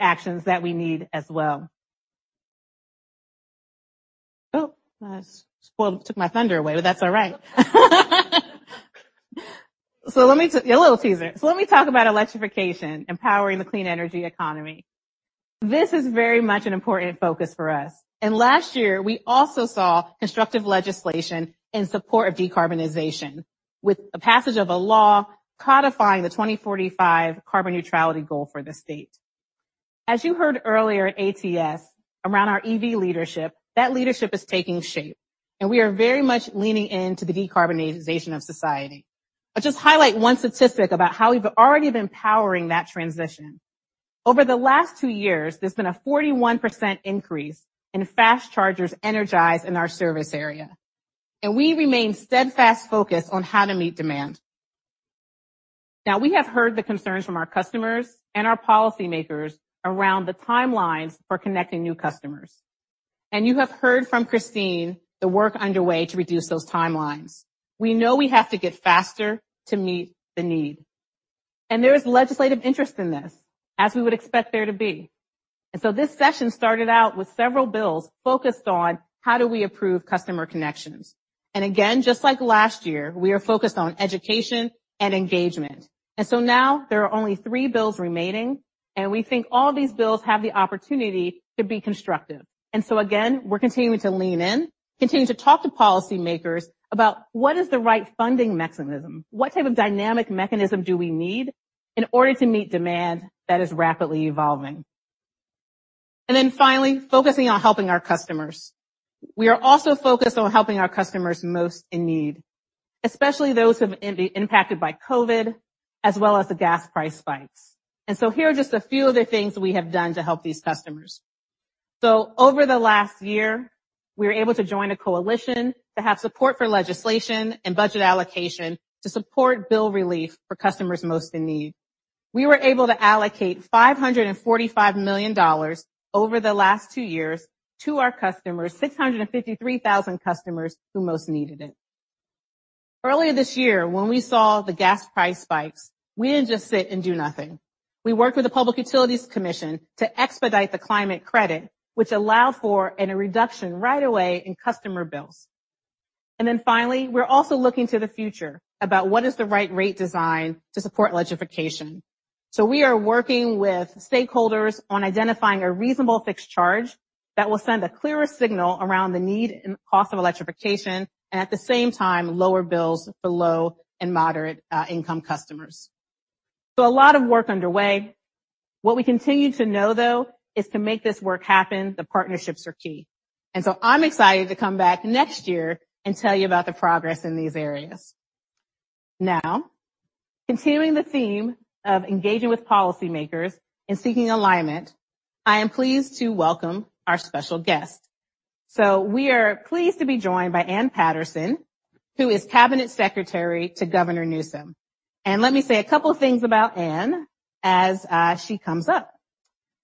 actions that we need as well. Oh, took my thunder away, but that's all right. A little teaser. Let me talk about electrification, empowering the clean energy economy. This is very much an important focus for us. Last year, we also saw constructive legislation in support of decarbonization with a passage of a law codifying the 2045 carbon neutrality goal for the state. As you heard earlier at ATS around our EV leadership, that leadership is taking shape, and we are very much leaning into the decarbonization of society. I'll just highlight one statistic about how we've already been powering that transition. Over the last two years, there's been a 41% increase in fast chargers energized in our service area. We remain steadfast focused on how to meet demand. Now, we have heard the concerns from our customers and our policymakers around the timelines for connecting new customers. You have heard from Christine the work underway to reduce those timelines. We know we have to get faster to meet the need. There is legislative interest in this, as we would expect there to be. This session started out with several bills focused on how do we approve customer connections. Again, just like last year, we are focused on education and engagement. Now there are only three bills remaining. We think all these bills have the opportunity to be constructive. Again, we're continuing to lean in, continue to talk to policymakers about what is the right funding mechanism, what type of dynamic mechanism do we need in order to meet demand that is rapidly evolving. Finally, focusing on helping our customers. We are also focused on helping our customers most in need, especially those who have been impacted by COVID as well as the gas price spikes. Here are just a few of the things we have done to help these customers. Over the last year, we were able to join a coalition to have support for legislation and budget allocation to support bill relief for customers most in need. We were able to allocate $545 million over the last two years to our customers, 653,000 customers who most needed it. Early this year, when we saw the gas price spikes, we didn't just sit and do nothing. We worked with the Public Utilities Commission to expedite the climate credit, which allowed for a reduction right away in customer bills. Finally, we're also looking to the future about what is the right rate design to support electrification. We are working with stakeholders on identifying a reasonable fixed charge that will send a clearer signal around the need and cost of electrification, and at the same time, lower bills for low and moderate income customers. A lot of work underway. What we continue to know, though, is to make this work happen, the partnerships are key. I'm excited to come back next year and tell you about the progress in these areas. Now, continuing the theme of engaging with policymakers and seeking alignment, I am pleased to welcome our special guest. We are pleased to be joined by Ann Patterson, who is Cabinet Secretary to Governor Newsom. Let me say a couple of things about Ann as she comes up.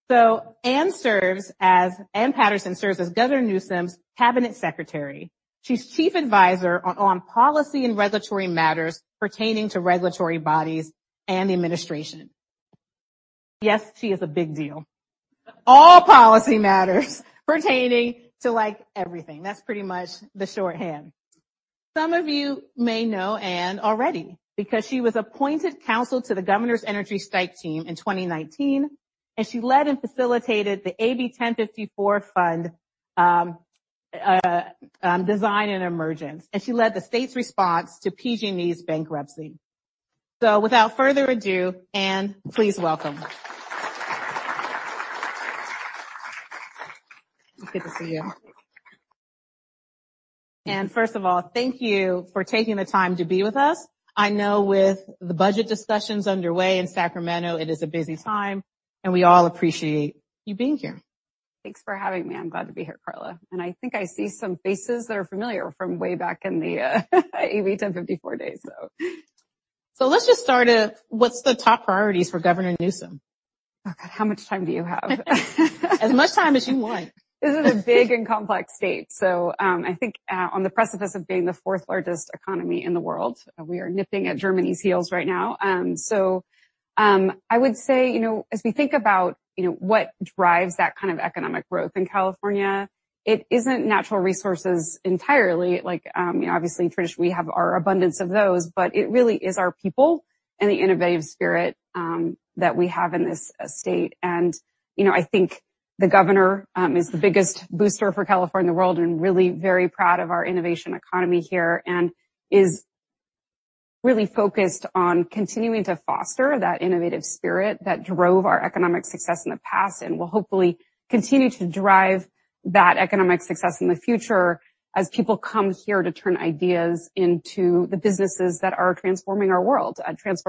Ann Patterson serves as Governor Newsom's Cabinet Secretary. She's chief advisor on policy and regulatory matters pertaining to regulatory bodies and the administration. Yes, she is a big deal. All policy matters pertaining to, like, everything. That's pretty much the shorthand. Some of you may know Ann already because she was appointed counsel to the Governor's Energy Strike Team in 2019, and she led and facilitated the AB 1054 fund design and emergence, and she led the state's response to PG&E's bankruptcy. Without further ado, Ann, please welcome. It's good to see you. Ann, first of all, thank you for taking the time to be with us. I know with the budget discussions underway in Sacramento, it is a busy time, and we all appreciate you being here. Thanks for having me. I'm glad to be here, Carla. I think I see some faces that are familiar from way back in the, AB 1054 days. Let's just start with what's the top priorities for Governor Newsom? Oh, God, how much time do you have? As much time as you want. This is a big and complex state. I think on the precipice of being the fourth largest economy in the world, we are nipping at Germany's heels right now. I would say, you know, as we think about, you know, what drives that kind of economic growth in California, it isn't natural resources entirely. Like, obviously, traditionally, we have our abundance of those, but it really is our people and the innovative spirit that we have in this state. You know, I think the governor is the biggest booster for California in the world and really very proud of our innovation economy here and is really focused on continuing to foster that innovative spirit that drove our economic success in the past and will hopefully continue to drive that economic success in the future as people come here to turn ideas into the businesses that are transforming our world.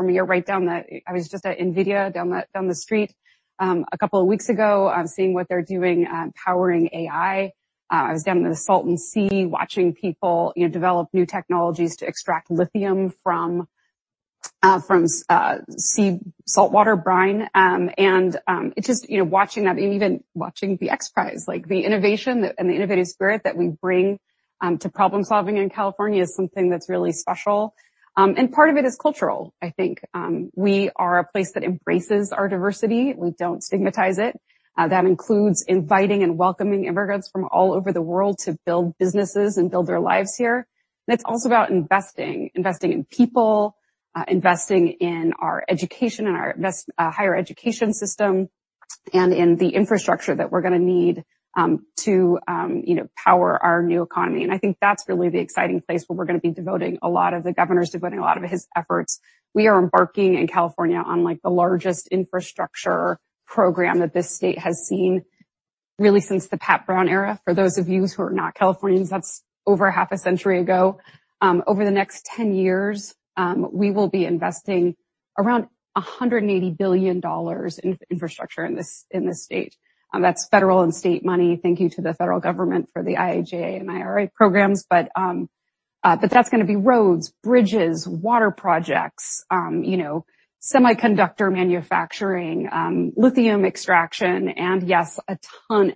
You're right down the I was just at NVIDIA down the street a couple of weeks ago seeing what they're doing powering AI. I was down in the Salton Sea watching people, you know, develop new technologies to extract lithium from saltwater brine. It's just, you know, watching that and even watching the XPRIZE, like the innovation and the innovative spirit that we bring to problem-solving in California is something that's really special. Part of it is cultural, I think. We are a place that embraces our diversity. We don't stigmatize it. That includes inviting and welcoming immigrants from all over the world to build businesses and build their lives here. It's also about investing in people, investing in our education and our higher education system and in the infrastructure that we're gonna need to, you know, power our new economy. I think that's really the exciting place where we're gonna be devoting a lot of his efforts. We are embarking in California on, like, the largest infrastructure program that this state has seen really since the Pat Brown era. For those of you who are not Californians, that's over half a century ago. Over the next 10 years, we will be investing around $180 billion in infrastructure in this state. That's federal and state money. Thank you to the federal government for the IIJA and IRA programs. That's gonna be roads, bridges, water projects, you know, semiconductor manufacturing, lithium extraction, and yes, a ton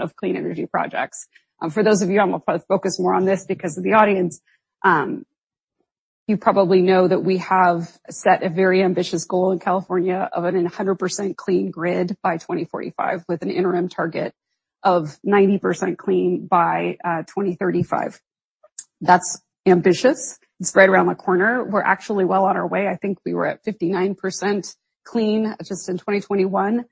of clean energy projects. For those of you, I'm gonna focus more on this because of the audience. You probably know that we have set a very ambitious goal in California of an 100% clean grid by 2045, with an interim target of 90% clean by 2035. That's ambitious. It's right around the corner. We're actually well on our way. I think we were at 59% clean just in 2021.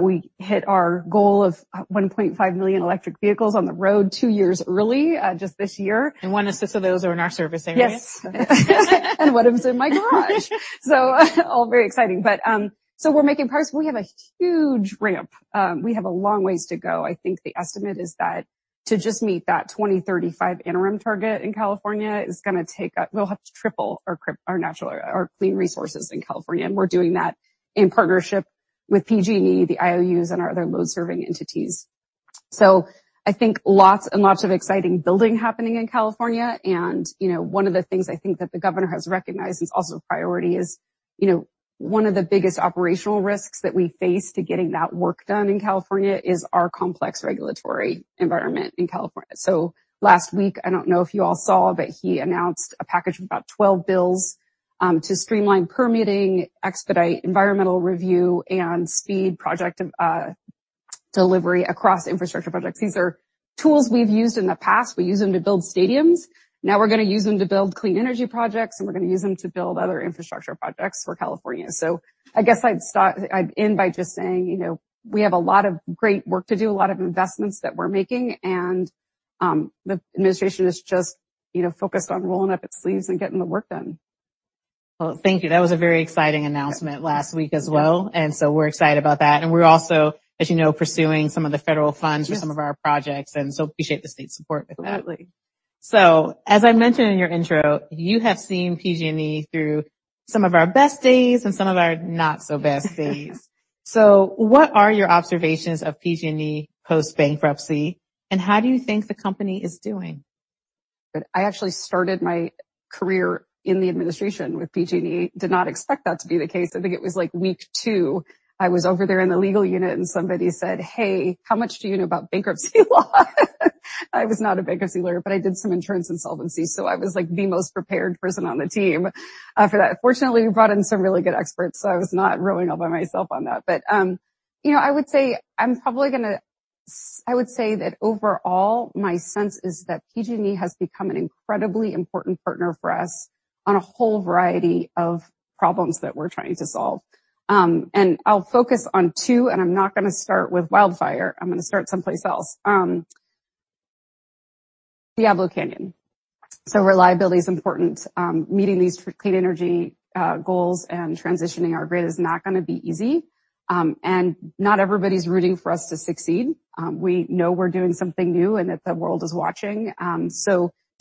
We hit our goal of 1.5 million electric vehicles on the road two years early, just this year. One assist of those are in our service area. Yes. One of them's in my garage. All very exciting. We're making progress. We have a huge ramp. We have a long ways to go. I think the estimate is that to just meet that 2035 interim target in California is gonna take we'll have to 3x our clean resources in California, and we're doing that in partnership with PG&E, the IOUs, and our other load-serving entities. I think lots and lots of exciting building happening in California. You know, one of the things I think that the Governor has recognized is also a priority is, you know, one of the biggest operational risks that we face to getting that work done in California is our complex regulatory environment in California. Last week, I don't know if you all saw, but he announced a package of about 12 bills to streamline permitting, expedite environmental review, and speed project delivery across infrastructure projects. These are tools we've used in the past. We use them to build stadiums. Now we're gonna use them to build clean energy projects, and we're gonna use them to build other infrastructure projects for California. I guess I'd end by just saying, you know, we have a lot of great work to do, a lot of investments that we're making, and the administration is just, you know, focused on rolling up its sleeves and getting the work done. Well, thank you. That was a very exciting announcement last week as well. Yeah. We're excited about that. We're also, as you know, pursuing some of the federal funds. Yes. -for some of our projects, and so appreciate the State's support with that. Absolutely. As I mentioned in your intro, you have seen PG&E through some of our best days and some of our not so best days. What are your observations of PG&E post-bankruptcy, and how do you think the company is doing? I actually started my career in the administration with PG&E. Did not expect that to be the case. I think it was like week two, I was over there in the legal unit, and somebody said, "Hey, how much do you know about bankruptcy law?" I was not a bankruptcy lawyer, but I did some insurance insolvency. I was like the most prepared person on the team for that. Fortunately, we brought in some really good experts, so I was not rowing all by myself on that. You know, I would say I'm probably gonna say that overall, my sense is that PG&E has become an incredibly important partner for us on a whole variety of problems that we're trying to solve. I'll focus on two, and I'm not gonna start with wildfire. I'm gonna start someplace else. Diablo Canyon. Reliability is important. Meeting these clean energy goals and transitioning our grid is not gonna be easy. Not everybody's rooting for us to succeed. We know we're doing something new and that the world is watching.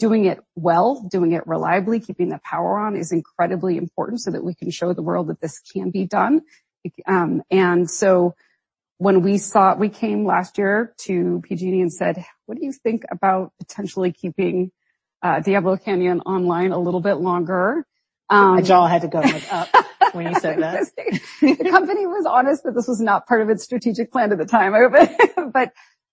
Doing it well, doing it reliably, keeping the power on is incredibly important so that we can show the world that this can be done. When we came last year to PG&E and said, "What do you think about potentially keeping Diablo Canyon online a little bit longer? My jaw had to go up when you said that. The company was honest that this was not part of its strategic plan at the time.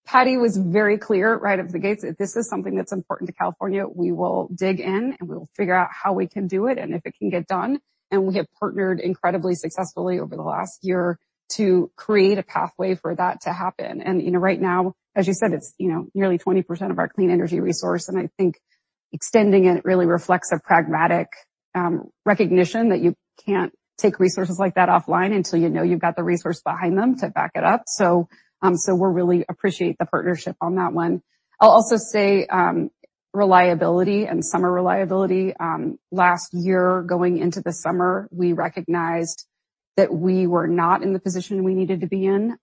Patti was very clear right out of the gate, "If this is something that's important to California, we will dig in, and we will figure out how we can do it and if it can get done." We have partnered incredibly successfully over the last year to create a pathway for that to happen. You know, right now, as you said, it's, you know, nearly 20% of our clean energy resource, and I think extending it really reflects a pragmatic recognition that you can't take resources like that offline until you know you've got the resource behind them to back it up. We're really appreciate the partnership on that one. I'll also say, reliability and summer reliability, last year going into the summer, we recognized that we were not in the position we needed to be in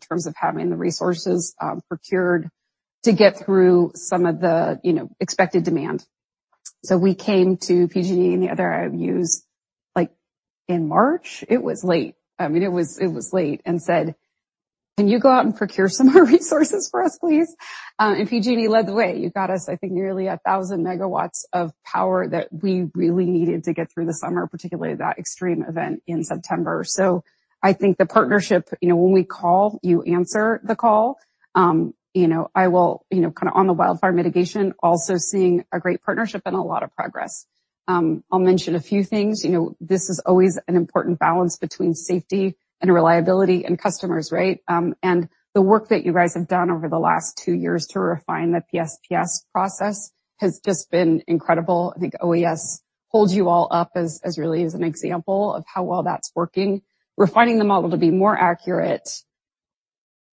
terms of having the resources, procured to get through some of the, you know, expected demand. We came to PG&E and the other IOUs like in March. It was late. I mean, it was late and said, "Can you go out and procure some more resources for us, please?" and PG&E led the way. You got us, I think, nearly 1,000 MW of power that we really needed to get through the summer, particularly that extreme event in September. I think the partnership, you know, when we call, you answer the call. You know, I will, you know, kinda on the wildfire mitigation, also seeing a great partnership and a lot of progress. I'll mention a few things. You know, this is always an important balance between safety and reliability and customers, right? And the work that you guys have done over the last two years to refine the PSPS process has just been incredible. I think OES holds you all up as really as an example of how well that's working. Refining the model to be more accurate,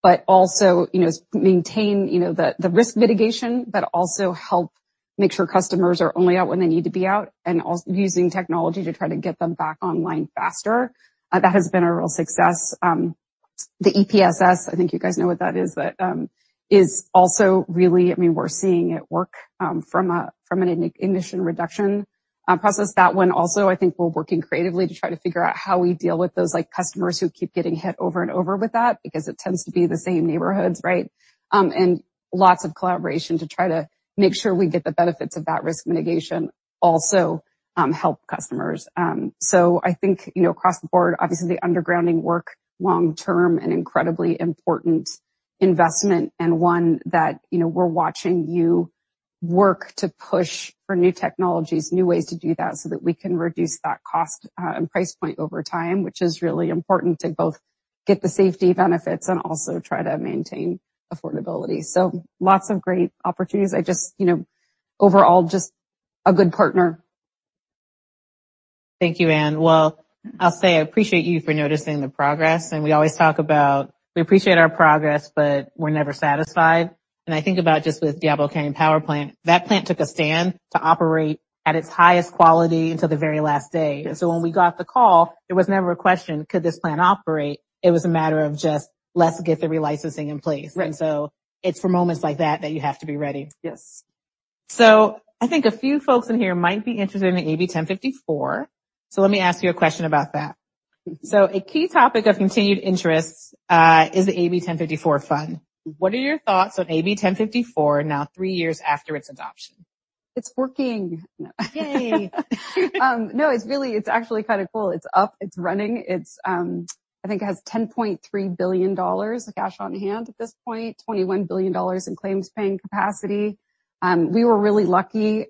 but also, you know, maintain, you know, the risk mitigation, but also help make sure customers are only out when they need to be out and using technology to try to get them back online faster. That has been a real success. The EPSS, I think you guys know what that is also really. I mean, we're seeing it work, from an ignition reduction, process. That one also, I think we're working creatively to try to figure out how we deal with those like customers who keep getting hit over and over with that because it tends to be the same neighborhoods, right? Lots of collaboration to try to make sure we get the benefits of that risk mitigation also, help customers. I think, you know, across the board, obviously, the undergrounding work long-term an incredibly important investment and one that, you know, we're watching you work to push for new technologies, new ways to do that so that we can reduce that cost, and price point over time, which is really important to both get the safety benefits and also try to maintain affordability. Lots of great opportunities. I just, you know, overall, just a good partner. Thank you, Ann. Well, I'll say I appreciate you for noticing the progress. We always talk about we appreciate our progress, but we're never satisfied. I think about just with Diablo Canyon Power Plant, that plant took a stand to operate at its highest quality until the very last day. Yeah. When we got the call, it was never a question, could this plant operate. It was a matter of just, let's get the relicensing in place. Right. It's for moments like that that you have to be ready. Yes. I think a few folks in here might be interested in the AB 1054. Let me ask you a question about that. A key topic of continued interest, is the AB 1054 fund. What are your thoughts on AB 1054 now three years after its adoption? It's working. Yay. No, it's really, it's actually kinda cool. It's up, it's running. It's, I think it has $10.3 billion of cash on hand at this point, $21 billion in claims paying capacity. We were really lucky,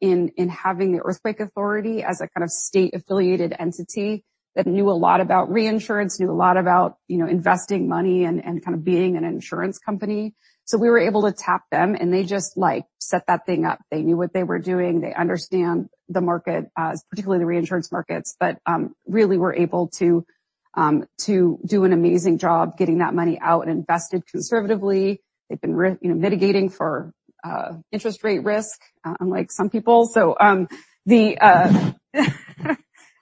in having the Earthquake Authority as a kind of state-affiliated entity that knew a lot about reinsurance, knew a lot about, you know, investing money and kind of being an insurance company. We were able to tap them, and they just, like, set that thing up. They knew what they were doing. They understand the market, particularly the reinsurance markets, but really were able to do an amazing job getting that money out and invested conservatively. They've been, you know, mitigating for interest rate risk, unlike some people.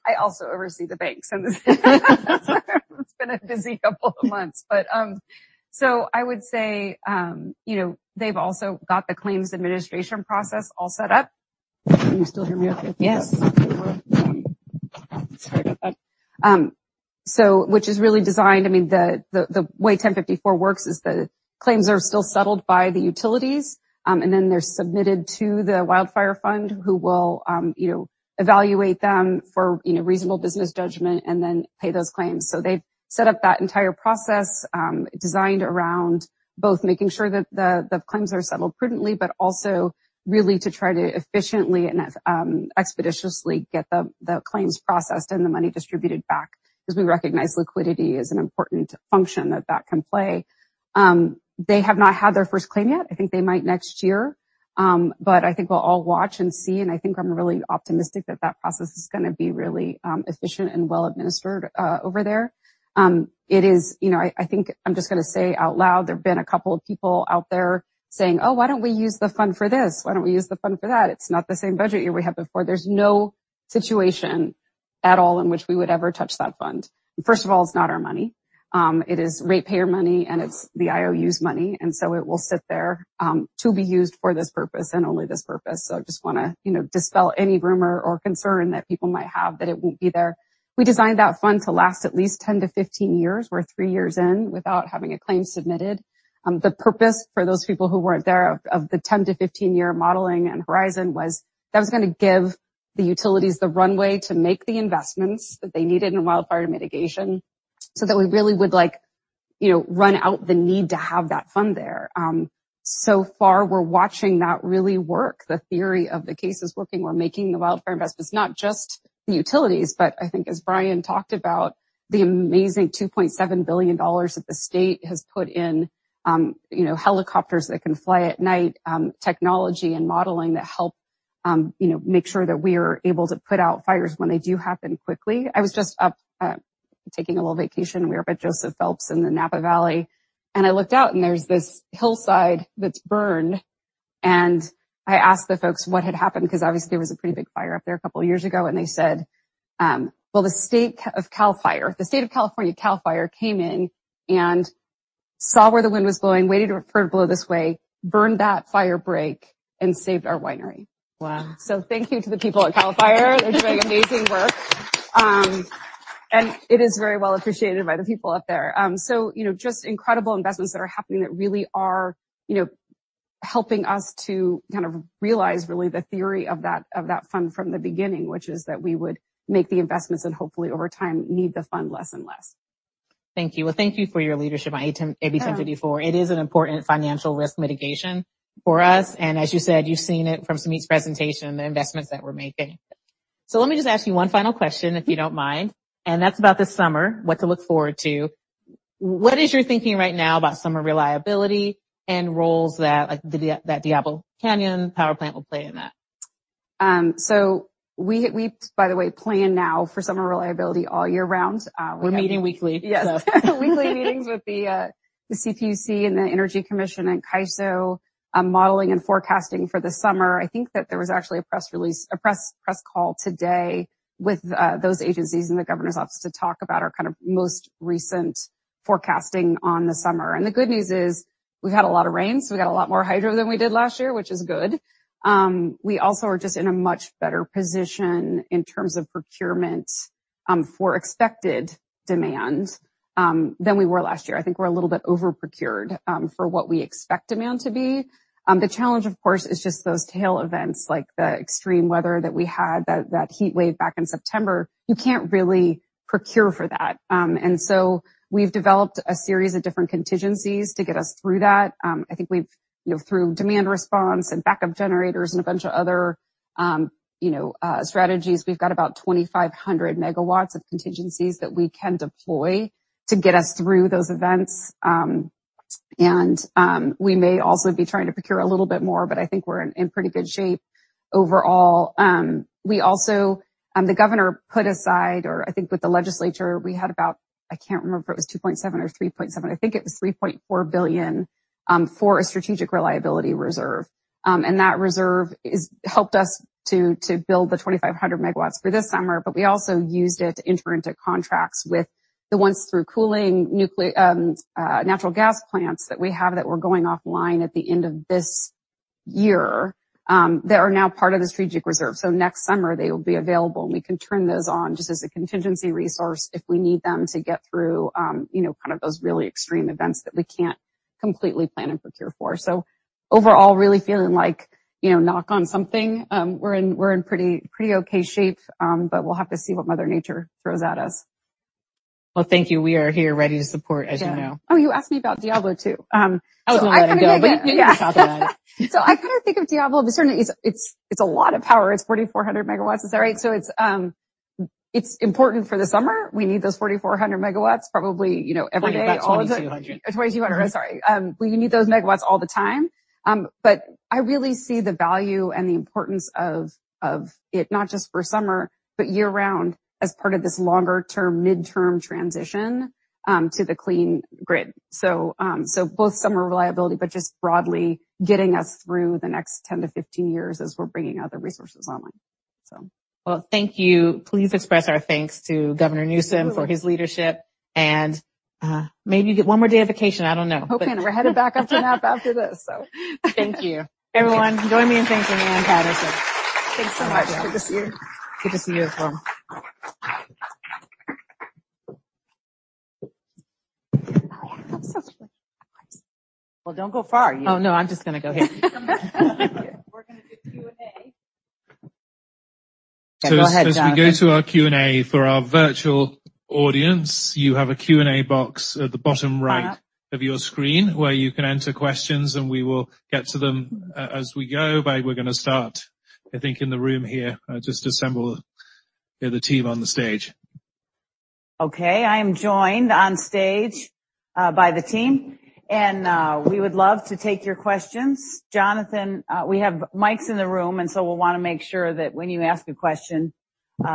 I also oversee the banks and it's been a busy couple of months. I would say, you know, they've also got the claims administration process all set up. Can you still hear me okay? Yes. Sorry about that. Which is really designed. I mean, the way AB 1054 works is the claims are still settled by the utilities, and then they're submitted to the Wildfire Fund who will, you know, evaluate them for, you know, reasonable business judgment and then pay those claims. They've set up that entire process, designed around both making sure that the claims are settled prudently, but also really to try to efficiently and expeditiously get the claims processed and the money distributed back 'cause we recognize liquidity is an important function that can play. They have not had their first claim yet. I think they might next year. I think we'll all watch and see, and I think I'm really optimistic that that process is gonna be really efficient and well-administered over there. It is, you know, I think I'm just gonna say out loud there have been a couple of people out there saying, "Oh, why don't we use the fund for this? Why don't we use the fund for that?" It's not the same budget year we had before. There's no situation at all in which we would ever touch that fund. First of all, it's not our money. It is ratepayer money, and it's the IOUs money, and so it will sit there to be used for this purpose and only this purpose. I just wanna, you know, dispel any rumor or concern that people might have that it won't be there. We designed that fund to last at least 10-15 years. We're three years in without having a claim submitted. The purpose for those people who weren't there of the 10-15 year modeling and horizon was that was gonna give the utilities the runway to make the investments that they needed in wildfire mitigation, so that we really would, you know, run out the need to have that fund there. So far, we're watching that really work. The theory of the case is working. We're making the wildfire investments, not just the utilities, but I think as Brian talked about, the amazing $2.7 billion that the state has put in, you know, helicopters that can fly at night, technology and modeling that help, you know, make sure that we're able to put out fires when they do happen quickly. I was just up taking a little vacation, we were up at Joseph Phelps in the Napa Valley. I looked out, and there's this hillside that's burned. I asked the folks what had happened because obviously there was a pretty big fire up there a couple of years ago. They said, "Well, the state of California, CAL FIRE, came in and saw where the wind was blowing, waited for it to blow this way, burned that fire break, and saved our winery. Wow. Thank you to the people at CAL FIRE. They're doing amazing work. It is very well appreciated by the people up there. You know, just incredible investments that are happening that really are, you know, helping us to kind of realize really the theory of that, of that fund from the beginning, which is that we would make the investments and hopefully over time, need the fund less and less. Thank you. Well, thank you for your leadership on item AB 1054. It is an important financial risk mitigation for us. As you said, you've seen it from Sumeet Singh's presentation, the investments that we're making. Let me just ask you one final question, if you don't mind. That's about this summer, what to look forward to. What is your thinking right now about summer reliability and roles that, like, Diablo Canyon Power Plant will play in that? We by the way, plan now for summer reliability all year round. We're meeting weekly. Yes. So. Weekly meetings with the CPUC and the Energy Commission and CAISO, modeling and forecasting for the summer. I think that there was actually a press release, a press call today with those agencies and the Governor's office to talk about our kind of most recent forecasting on the summer. The good news is we've had a lot of rain, so we got a lot more hydro than we did last year, which is good. We also are just in a much better position in terms of procurement, for expected demand, than we were last year. I think we're a little bit over-procured, for what we expect demand to be. The challenge, of course, is just those tail events like the extreme weather that we had, that heat wave back in September. You can't really procure for that. We've developed a series of different contingencies to get us through that. I think we've, you know, through demand response and backup generators and a bunch of other, you know, strategies, we've got about 2,500 MW of contingencies that we can deploy to get us through those events. We may also be trying to procure a little bit more, but I think we're in pretty good shape overall. We also, the Governor put aside or I think with the legislature, we had about I can't remember if it was $2.7 billion or $3.7 billion. I think it was $3.4 billion for a strategic reliability reserve. That reserve is helped us to build the 2,500 MW for this summer, but we also used it to enter into contracts with the ones through cooling nuclear natural gas plants that we have that were going offline at the end of this year, that are now part of the strategic reserve. Next summer they will be available, and we can turn those on just as a contingency resource if we need them to get through, you know, kind of those really extreme events that we can't completely plan and procure for. Overall, really feeling like, you know, knock on something, we're in pretty okay shape. We'll have to see what mother nature throws at us. Well, thank you. We are here ready to support, as you know. Oh, you asked me about Diablo too. I kind of think of Diablo as certainly it's a lot of power. It's 4,400 MW. Is that right? It's, it's important for the summer. We need those 4,400 MW probably, you know, every day. About 2,200 MW. 2,200 MW. I'm sorry. Well, you need those megawatts all the time. I really see the value and the importance of it, not just for summer, but year-round as part of this longer term, midterm transition to the clean grid. Both summer reliability, but just broadly getting us through the next 10 to 15 years as we're bringing other resources online. Well, thank you. Please express our thanks to Governor Newsom for his leadership. Maybe you get one more day of vacation. I don't know. Hoping. We're headed back up to Napa after this. Thank you. Everyone, join me in thanking Ann Patterson. Thanks so much. Good to see you. Good to see you as well. Oh, yeah. I'm so sorry. Well, don't go far. Oh, no, I'm just gonna go here. As we go to our Q&A for our virtual audience, you have a Q&A box at the bottom right of your screen where you can enter questions, and we will get to them, as we go. We're going to start, I think, in the room here. Just assemble the team on the stage. Okay. I am joined on stage, by the team, and we would love to take your questions. Jonathan, we have mics in the room, and so we'll want to make sure that when you ask a question,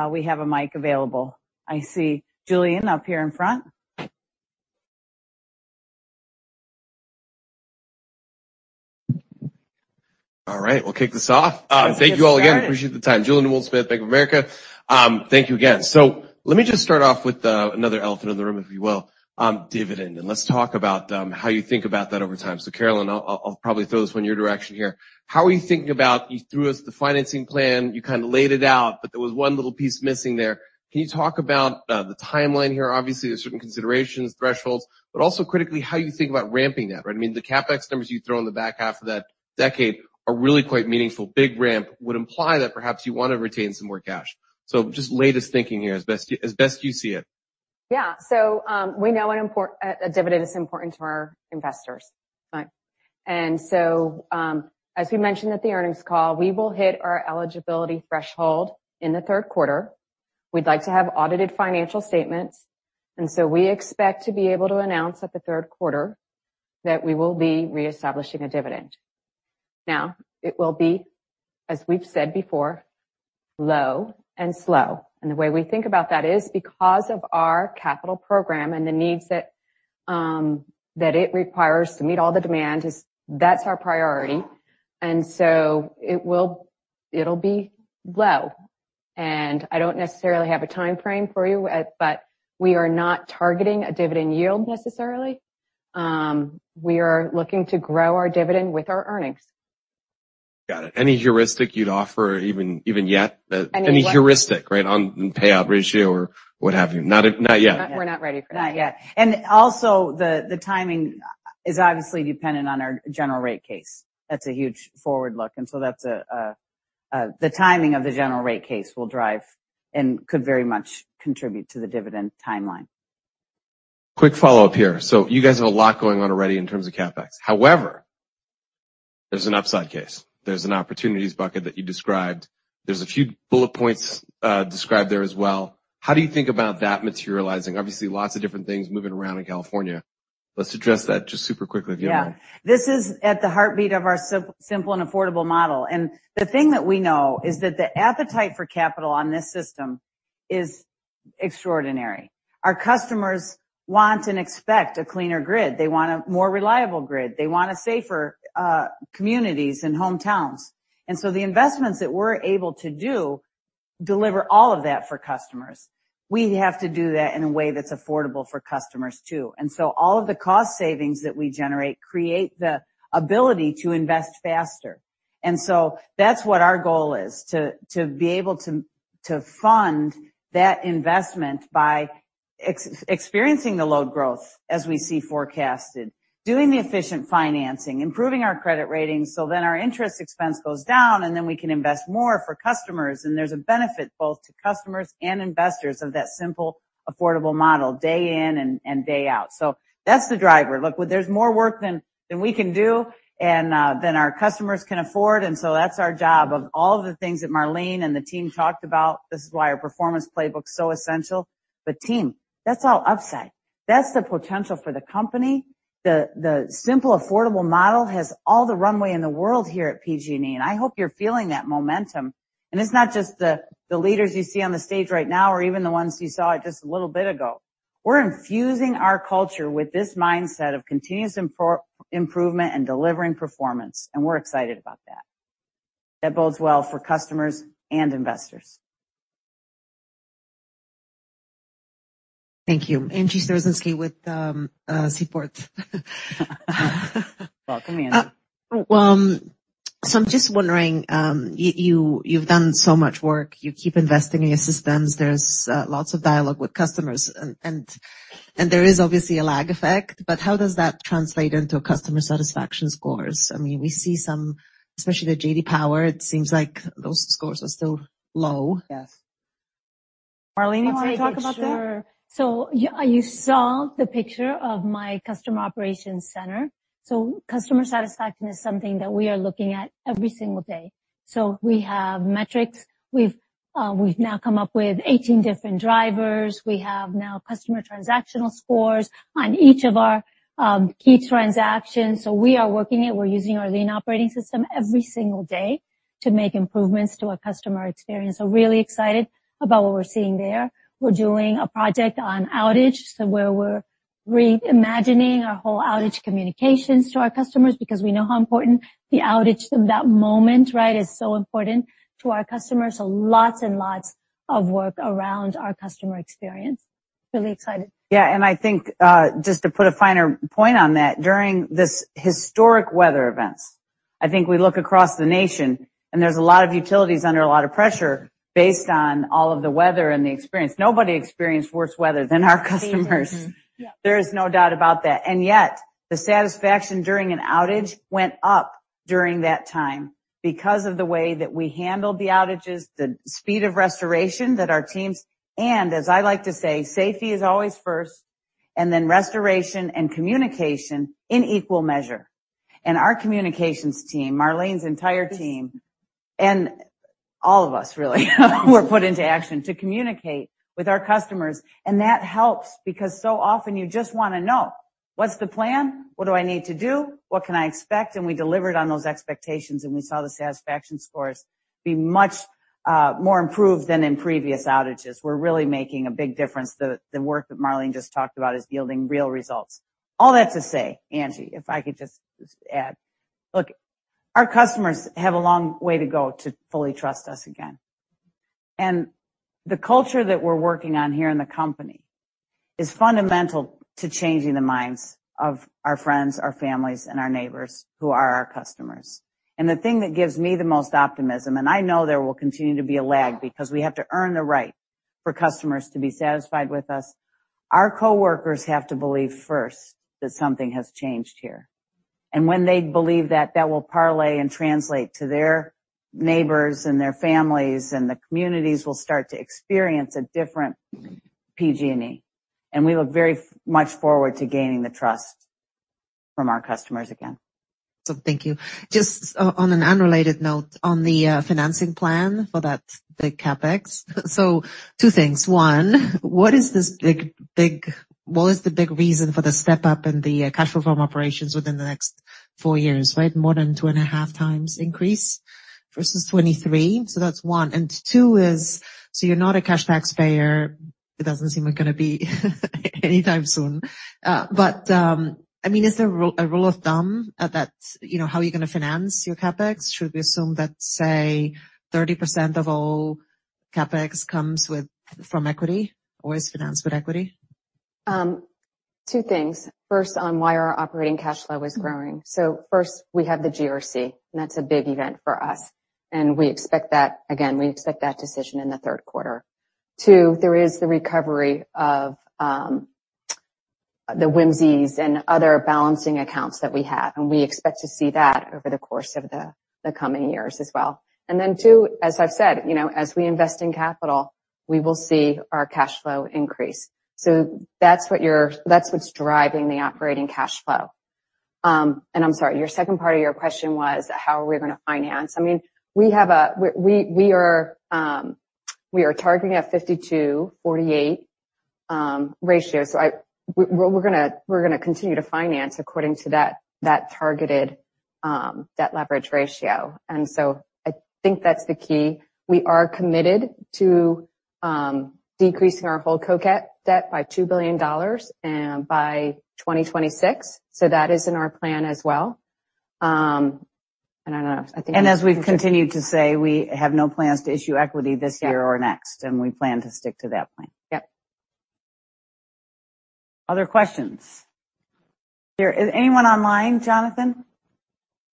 we have a mic available. I see Julian up here in front. All right, we'll kick this off. Thank you all again. Appreciate the time. Julien Dumoulin-Smith, Bank of America. Thank you again. Let me just start off with another elephant in the room, if you will, dividend. Let's talk about how you think about that over time. Carolyn, I'll probably throw this one in your direction here. How are you thinking about you threw us the financing plan, you kinda laid it out, but there was one little piece missing there. Can you talk about the timeline here? Obviously, there's certain considerations, thresholds, but also critically how you think about ramping that, right? I mean, the CapEx numbers you throw in the back half of that decade are really quite meaningful. Big ramp would imply that perhaps you want to retain some more cash. Just latest thinking here as best, as best you see it. Yeah. We know a dividend is important to our investors. Right. As we mentioned at the earnings call, we will hit our eligibility threshold in the third quarter. We'd like to have audited financial statements, and so we expect to be able to announce at the third quarter that we will be reestablishing a dividend. Now, it will be, as we've said before, low and slow. The way we think about that is because of our capital program and the needs that it requires to meet all the demand is that's our priority. It'll be low. I don't necessarily have a time frame for you, but we are not targeting a dividend yield necessarily. We are looking to grow our dividend with our earnings. Got it. Any heuristic you'd offer even yet? Any what? Any heuristic, right, on payout ratio or what have you? Not, not yet. We're not ready for that. Not yet. Also the timing is obviously dependent on our general rate case. That's a huge forward look, and so the timing of the general rate case will drive and could very much contribute to the dividend timeline. Quick follow-up here. You guys have a lot going on already in terms of CapEx. However, there's an upside case. There's an opportunities bucket that you described. There's a few bullet points described there as well. How do you think about that materializing? Obviously, lots of different things moving around in California. Let's address that just super quickly, if you don't mind. Yeah. This is at the heartbeat of our Simple and Affordable Model. The thing that we know is that the appetite for capital on this system is extraordinary. Our customers want and expect a cleaner grid. They want a more reliable grid. They want safer communities and hometowns. The investments that we're able to do deliver all of that for customers. We have to do that in a way that's affordable for customers too. All of the cost savings that we generate create the ability to invest faster. That's what our goal is, to be able to fund that investment by experiencing the load growth as we see forecasted, doing the efficient financing, improving our credit ratings, so then our interest expense goes down, and then we can invest more for customers. There's a benefit both to customers and investors of that Simple, Affordable Model day in and day out. That's the driver. Look, there's more work than we can do and than our customers can afford. That's our job. Of all the things that Marlene and the team talked about, this is why our Performance Playbook is so essential. Team, that's all upside. That's the potential for the company. The Simple, Affordable Model has all the runway in the world here at PG&E, and I hope you're feeling that momentum. It's not just the leaders you see on the stage right now or even the ones you saw just a little bit ago. We're infusing our culture with this mindset of continuous improvement and delivering performance, and we're excited about that. That bodes well for customers and investors. Thank you. Angie Storozynski with Seaport. Welcome, Angie. I'm just wondering, you've done so much work. You keep investing in your systems. There's lots of dialogue with customers and there is obviously a lag effect. How does that translate into customer satisfaction scores? I mean, we see some... especially the J.D. Power, it seems like those scores are still low. Yes. Marlene, you want to talk about that? Sure. You saw the picture of my customer operations center. Customer satisfaction is something that we are looking at every single day. We have metrics. We've, we've now come up with 18 different drivers. We have now customer transactional scores on each of our key transactions. We are working it. We're using our lean operating system every single day to make improvements to our customer experience. Really excited about what we're seeing there. We're doing a project on outage, so where we're reimagining our whole outage communications to our customers because we know how important the outage, that moment, right, is so important to our customers. Lots and lots of work around our customer experience. Really excited. Yeah. I think, just to put a finer point on that, during this historic weather events, I think we look across the nation. There's a lot of utilities under a lot of pressure based on all of the weather and the experience. Nobody experienced worse weather than our customers. There is no doubt about that. Yet the satisfaction during an outage went up during that time because of the way that we handled the outages, the speed of restoration that our teams. As I like to say, safety is always first, and then restoration and communication in equal measure. Our communications team, Marlene's entire team, and all of us really, were put into action to communicate with our customers. That helps because so often you just wanna know, What's the plan? What do I need to do? What can I expect? We delivered on those expectations, and we saw the satisfaction scores be much more improved than in previous outages. We're really making a big difference. The work that Marlene just talked about is yielding real results. All that to say, Angie, if I could just add. Look, our customers have a long way to go to fully trust us again. The culture that we're working on here in the company is fundamental to changing the minds of our friends, our families, and our neighbors who are our customers. The thing that gives me the most optimism, and I know there will continue to be a lag because we have to earn the right for customers to be satisfied with us, our coworkers have to believe first that something has changed here. When they believe that will parlay and translate to their neighbors and their families, and the communities will start to experience a different PG&E. We look very much forward to gaining the trust from our customers again. Thank you. Just on an unrelated note on the financing plan for that, the CapEx. Two things. One, what is the big reason for the step-up in the cash flow from operations within the next four years, right? More than 2.5x increase versus 2023. That's one. Two is, you're not a cash taxpayer. It doesn't seem like gonna be anytime soon. I mean, is there a rule of thumb at that, you know, how you're gonna finance your CapEx? Should we assume that, say, 30% of all CapEx comes with from equity or is financed with equity? Two things. First, on why our operating cash flow is growing. First, we have the GRC, that's a big event for us. We expect that decision in the third quarter. Two, there is the recovery of the WMCE and other balancing accounts that we have, we expect to see that over the course of the coming years as well. Then, two, as I've said, you know, as we invest in capital, we will see our cash flow increase. That's what's driving the operating cash flow. I'm sorry, your second part of your question was how are we gonna finance. I mean, we are targeting a 52/48 ratio. I... We're gonna continue to finance according to that targeted debt leverage ratio. I think that's the key. We are committed to decreasing our holdco debt by $2 billion by 2026, so that is in our plan as well. I don't know. As we've continued to say, we have no plans to issue equity this year or next, and we plan to stick to that plan. Yep. Other questions? Is anyone online, Jonathan?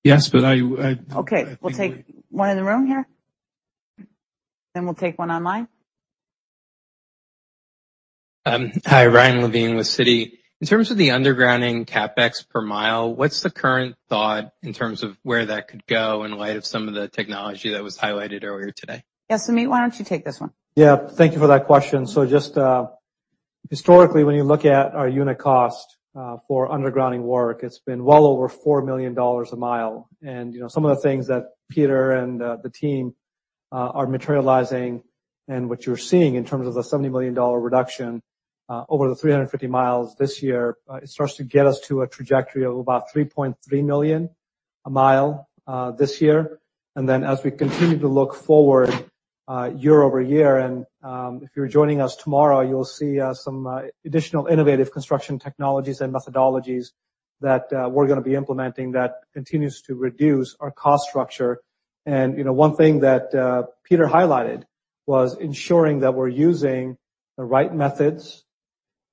Yes, but I- Okay. We'll take one in the room here, then we'll take one online. Hi. Ryan Levine with Citi. In terms of the undergrounding CapEx per mile, what's the current thought in terms of where that could go in light of some of the technology that was highlighted earlier today? Yes. Sumeet, why don't you take this one? Yeah. Thank you for that question. Just historically, when you look at our unit cost for undergrounding work, it's been well over $4 million a mile. You know, some of the things that Peter and the team are materializing and what you're seeing in terms of the $70 million reduction over the 350 miles this year, it starts to get us to a trajectory of about $3.3 million a mile this year. As we continue to look forward year-over-year, and if you're joining us tomorrow, you'll see some additional innovative construction technologies and methodologies. That we're gonna be implementing that continues to reduce our cost structure. You know, one thing that Peter highlighted was ensuring that we're using the right methods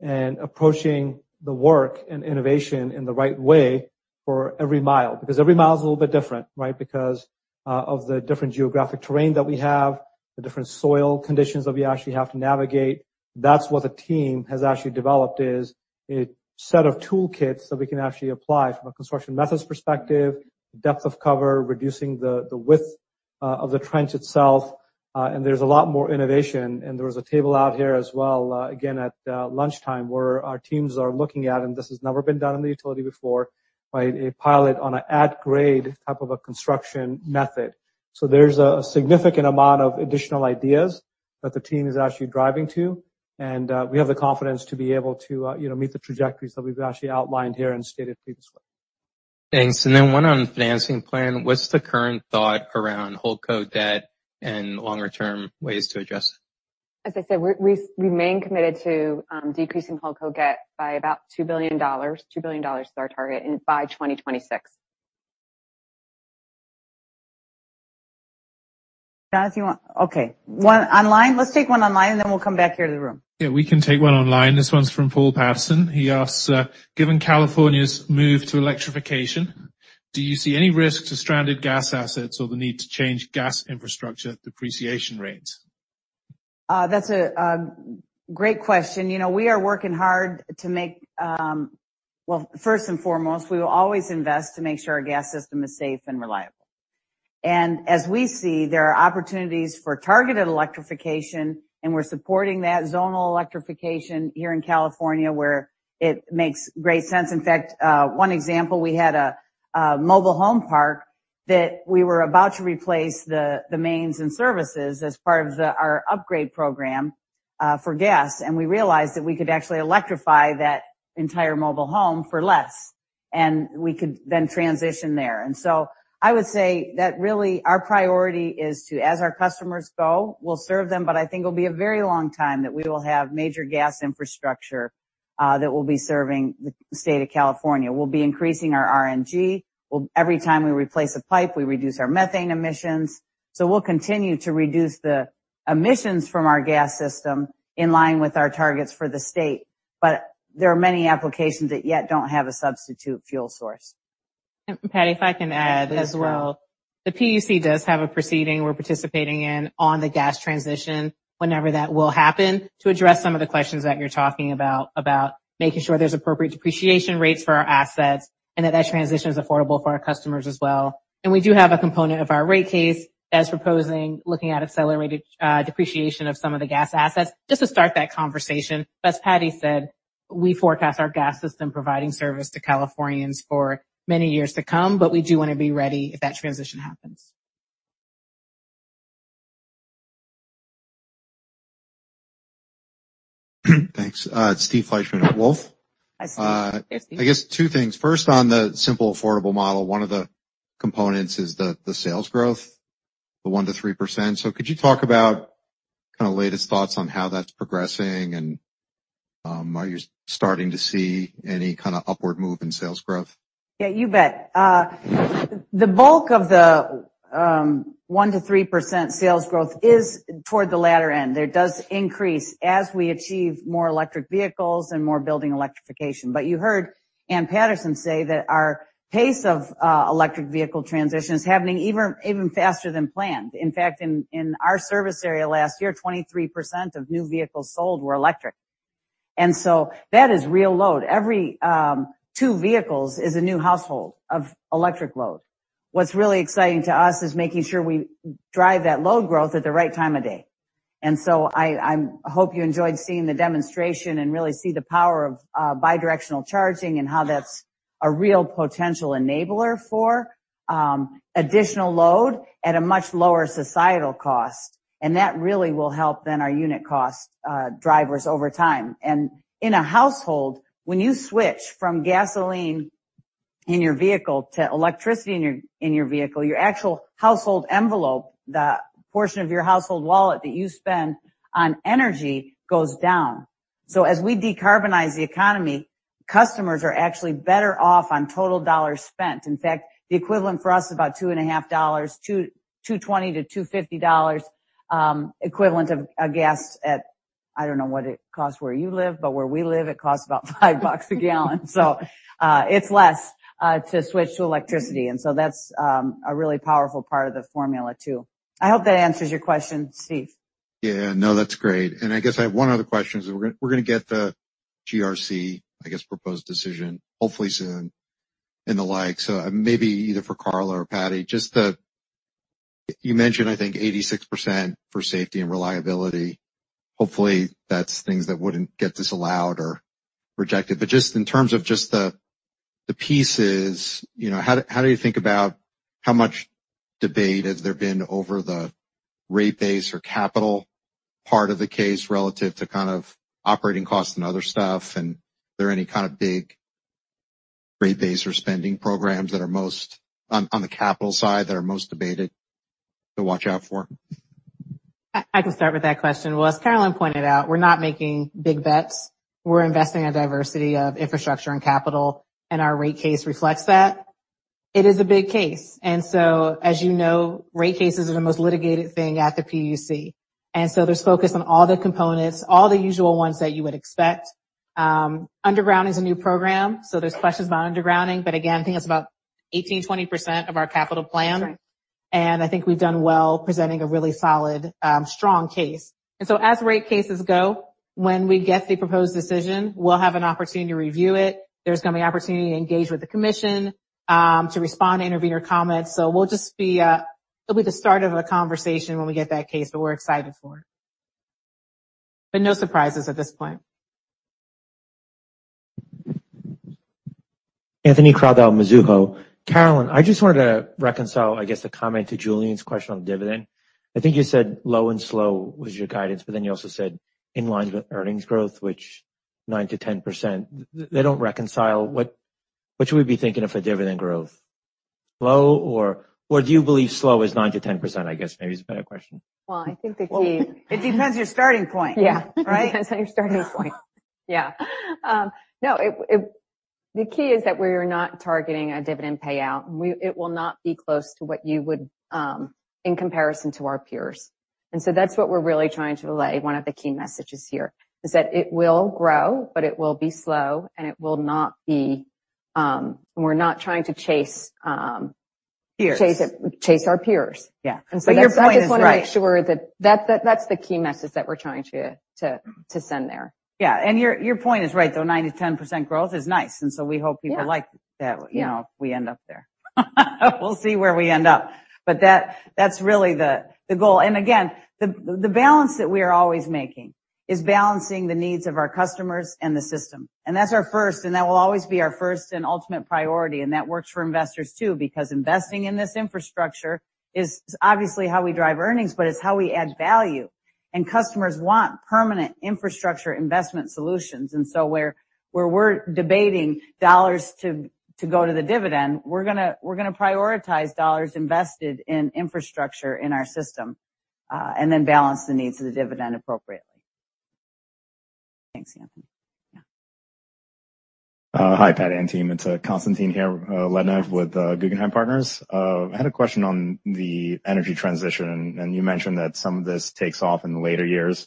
and approaching the work and innovation in the right way for every mile. Because every mile is a little bit different, right? Because of the different geographic terrain that we have, the different soil conditions that we actually have to navigate. That's what the team has actually developed is a set of toolkits that we can actually apply from a construction methods perspective, depth of cover, reducing the width of the trench itself. There's a lot more innovation, and there was a table out here as well, again at lunchtime, where our teams are looking at, and this has never been done in the utility before, right? A pilot on a at-grade type of a construction method. There's a significant amount of additional ideas that the team is actually driving to, and we have the confidence to be able to, you know, meet the trajectories that we've actually outlined here and stated previously. Thanks. One on financing plan. What's the current thought around holdco debt and longer-term ways to address it? As I said, we remain committed to decreasing holdco debt by about $2 billion. $2 billion is our target, and by 2026. John, if you want... Okay. One online. Let's take one online, and then we'll come back here to the room. Yeah, we can take one online. This one's from Paul Patterson. He asks, given California's move to electrification, do you see any risk to stranded gas assets or the need to change gas infrastructure depreciation rates? That's a great question. You know, we are working hard to make, Well, first and foremost, we will always invest to make sure our gas system is safe and reliable. As we see, there are opportunities for targeted electrification, and we're supporting that zonal electrification here in California, where it makes great sense. In fact, 1 example, we had a mobile home park that we were about to replace the mains and services as part of our upgrade program for gas. We realized that we could actually electrify that entire mobile home for less, and we could then transition there. I would say that really our priority is to, as our customers go, we'll serve them, but I think it'll be a very long time that we will have major gas infrastructure that will be serving the state of California. We'll be increasing our RNG. Every time we replace a pipe, we reduce our methane emissions. We'll continue to reduce the emissions from our gas system in line with our targets for the state. There are many applications that yet don't have a substitute fuel source. Patti, if I can add as well. Please, Carla. The PUC does have a proceeding we're participating in on the gas transition, whenever that will happen, to address some of the questions that you're talking about making sure there's appropriate depreciation rates for our assets and that that transition is affordable for our customers as well. We do have a component of our rate case that's proposing looking at accelerated depreciation of some of the gas assets, just to start that conversation. As Patti said, we forecast our gas system providing service to Californians for many years to come, but we do wanna be ready if that transition happens. Thanks. Steve Fleishman at Wolfe. Hi, Steve. Hi, Steve. I guess two things. First, on the Simple, Affordable Model, one of the components is the sales growth, the 1%-3%. Could you talk about kind of latest thoughts on how that's progressing and, are you starting to see any kind of upward move in sales growth? Yeah, you bet. The bulk of the 1%-3% sales growth is toward the latter end. There does increase as we achieve more electric vehicles and more building electrification. You heard Ann Patterson say that our pace of electric vehicle transition is happening even faster than planned. In fact, in our service area last year, 23% of new vehicles sold were electric. That is real load. Every two vehicles is a new household of electric load. What's really exciting to us is making sure we drive that load growth at the right time of day. I'm hope you enjoyed seeing the demonstration and really see the power of bidirectional charging and how that's a real potential enabler for additional load at a much lower societal cost. That really will help then our unit cost drivers over time. In a household, when you switch from gasoline in your vehicle to electricity in your vehicle, your actual household envelope, the portion of your household wallet that you spend on energy goes down. As we decarbonize the economy, customers are actually better off on total dollars spent. In fact, the equivalent for us is about two and a half dollars, $2.20-$2.50, equivalent of a gas at. I don't know what it costs where you live, but where we live, it costs about $5 a gallon. It's less to switch to electricity. That's a really powerful part of the formula too. I hope that answers your question, Steve. Yeah. No, that's great. I guess I have one other question, so we're gonna get the GRC, I guess, proposed decision, hopefully soon and the like. Maybe either for Carla or Patti. You mentioned, I think, 86% for safety and reliability. Hopefully, that's things that wouldn't get disallowed or rejected. Just in terms of just the pieces, you know, how do you think about how much debate has there been over the rate base or capital part of the case relative to kind of operating costs and other stuff? Are there any kind of big rate base or spending programs that are most on the capital side that are most debated to watch out for? I can start with that question. Well, as Carolyn pointed out, we're not making big bets. We're investing in diversity of infrastructure and capital. Our rate case reflects that. It is a big case. As you know, rate cases are the most litigated thing at the PUC, and so there's focus on all the components, all the usual ones that you would expect. Underground is a new program, so there's questions about undergrounding. Again, I think it's about 18%-20% of our capital plan. That's right. I think we've done well presenting a really solid, strong case. As rate cases go, when we get the proposed decision, we'll have an opportunity to review it. There's going to be opportunity to engage with the Commission, to respond to intervener comments. We'll just be, it'll be the start of a conversation when we get that case, but we're excited for it. No surprises at this point. Anthony Crowdell, Mizuho. Carolyn, I just wanted to reconcile, I guess, the comment to Julian's question on dividend. I think you said low and slow was your guidance, you also said in line with earnings growth, which 9%-10%, they don't reconcile. What should we be thinking of for dividend growth? Low or do you believe slow is 9%-10%, I guess maybe is a better question. Well, I think the. It depends on your starting point. Yeah. Right? Depends on your starting point. Yeah. No, the key is that we are not targeting a dividend payout, and it will not be close to what you would, in comparison to our peers. That's what we're really trying to relay. One of the key messages here is that it will grow, but it will be slow and it will not be, we're not trying to chase- Peers. Chase, chase our peers. Yeah. Your point is right. I just want to make sure that that's the key message that we're trying to send there. Yeah. Your point is right, though 9%-10% growth is nice, we hope people like that. Yeah. You know, if we end up there, we'll see where we end up. That's really the goal. Again, the balance that we are always making is balancing the needs of our customers and the system. That's our first and that will always be our first and ultimate priority. That works for investors too, because investing in this infrastructure is obviously how we drive earnings, but it's how we add value. Customers want permanent infrastructure investment solutions. So where we're debating dollars to go to the dividend, we're gonna prioritize dollars invested in infrastructure in our system, and then balance the needs of the dividend appropriately. Thanks, Anthony. Yeah. Hi, Patti and team. It's Constantine here, Lednev with Guggenheim Partners. I had a question on the energy transition. You mentioned that some of this takes off in the later years.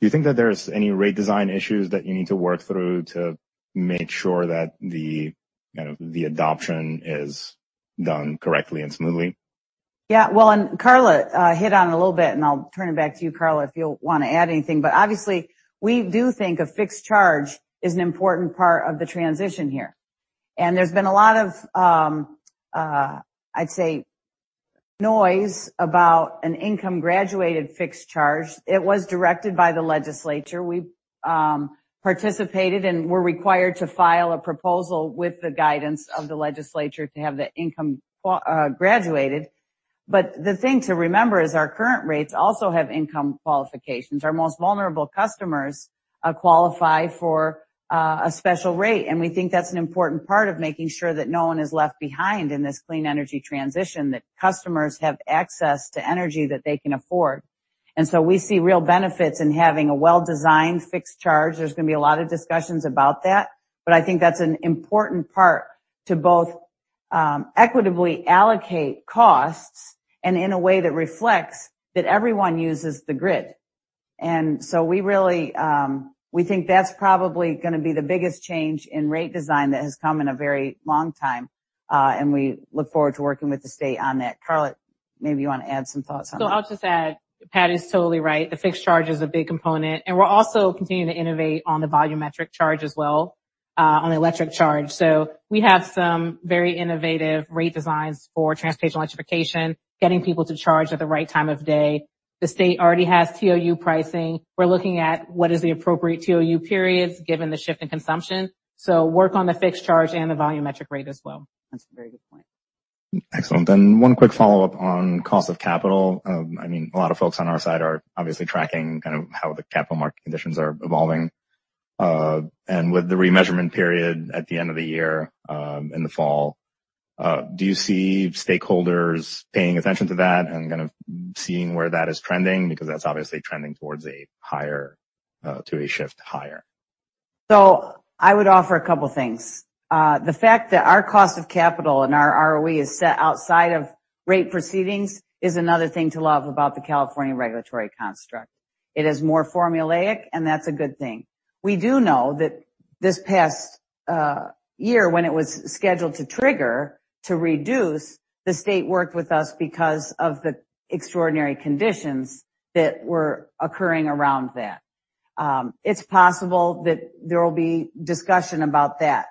Do you think that there's any rate design issues that you need to work through to make sure that the kind of the adoption is done correctly and smoothly? Yeah. Well, Carla hit on it a little bit, and I'll turn it back to you, Carla, if you want to add anything. Obviously, we do think a fixed charge is an important part of the transition here. There's been a lot of, I'd say noise about an income graduated fixed charge. It was directed by the legislature. We've participated and we're required to file a proposal with the guidance of the legislature to have the income graduated. The thing to remember is our current rates also have income qualifications. Our most vulnerable customers qualify for a special rate, and we think that's an important part of making sure that no one is left behind in this clean energy transition, that customers have access to energy that they can afford. We see real benefits in having a well-designed fixed charge. There's going to be a lot of discussions about that, but I think that's an important part to both equitably allocate costs and in a way that reflects that everyone uses the grid. We really, we think that's probably gonna be the biggest change in rate design that has come in a very long time. We look forward to working with the state on that. Carla, maybe you want to add some thoughts on that. I'll just add, Pat is totally right. The fixed charge is a big component, and we're also continuing to innovate on the volumetric charge as well, on the electric charge. We have some very innovative rate designs for transportation electrification, getting people to charge at the right time of day. The state already has TOU pricing. We're looking at what is the appropriate TOU periods given the shift in consumption. Work on the fixed charge and the volumetric rate as well. That's a very good point. Excellent. One quick follow-up on cost of capital. I mean, a lot of folks on our side are obviously tracking kind of how the capital market conditions are evolving. With the remeasurement period at the end of the year, in the fall, do you see stakeholders paying attention to that and kind of seeing where that is trending? That's obviously trending towards a higher, to a shift higher. I would offer a couple of things. The fact that our cost of capital and our ROE is set outside of rate proceedings is another thing to love about the California regulatory construct. It is more formulaic, and that's a good thing. We do know that this past year, when it was scheduled to trigger to reduce, the state worked with us because of the extraordinary conditions that were occurring around that. It's possible that there will be discussion about that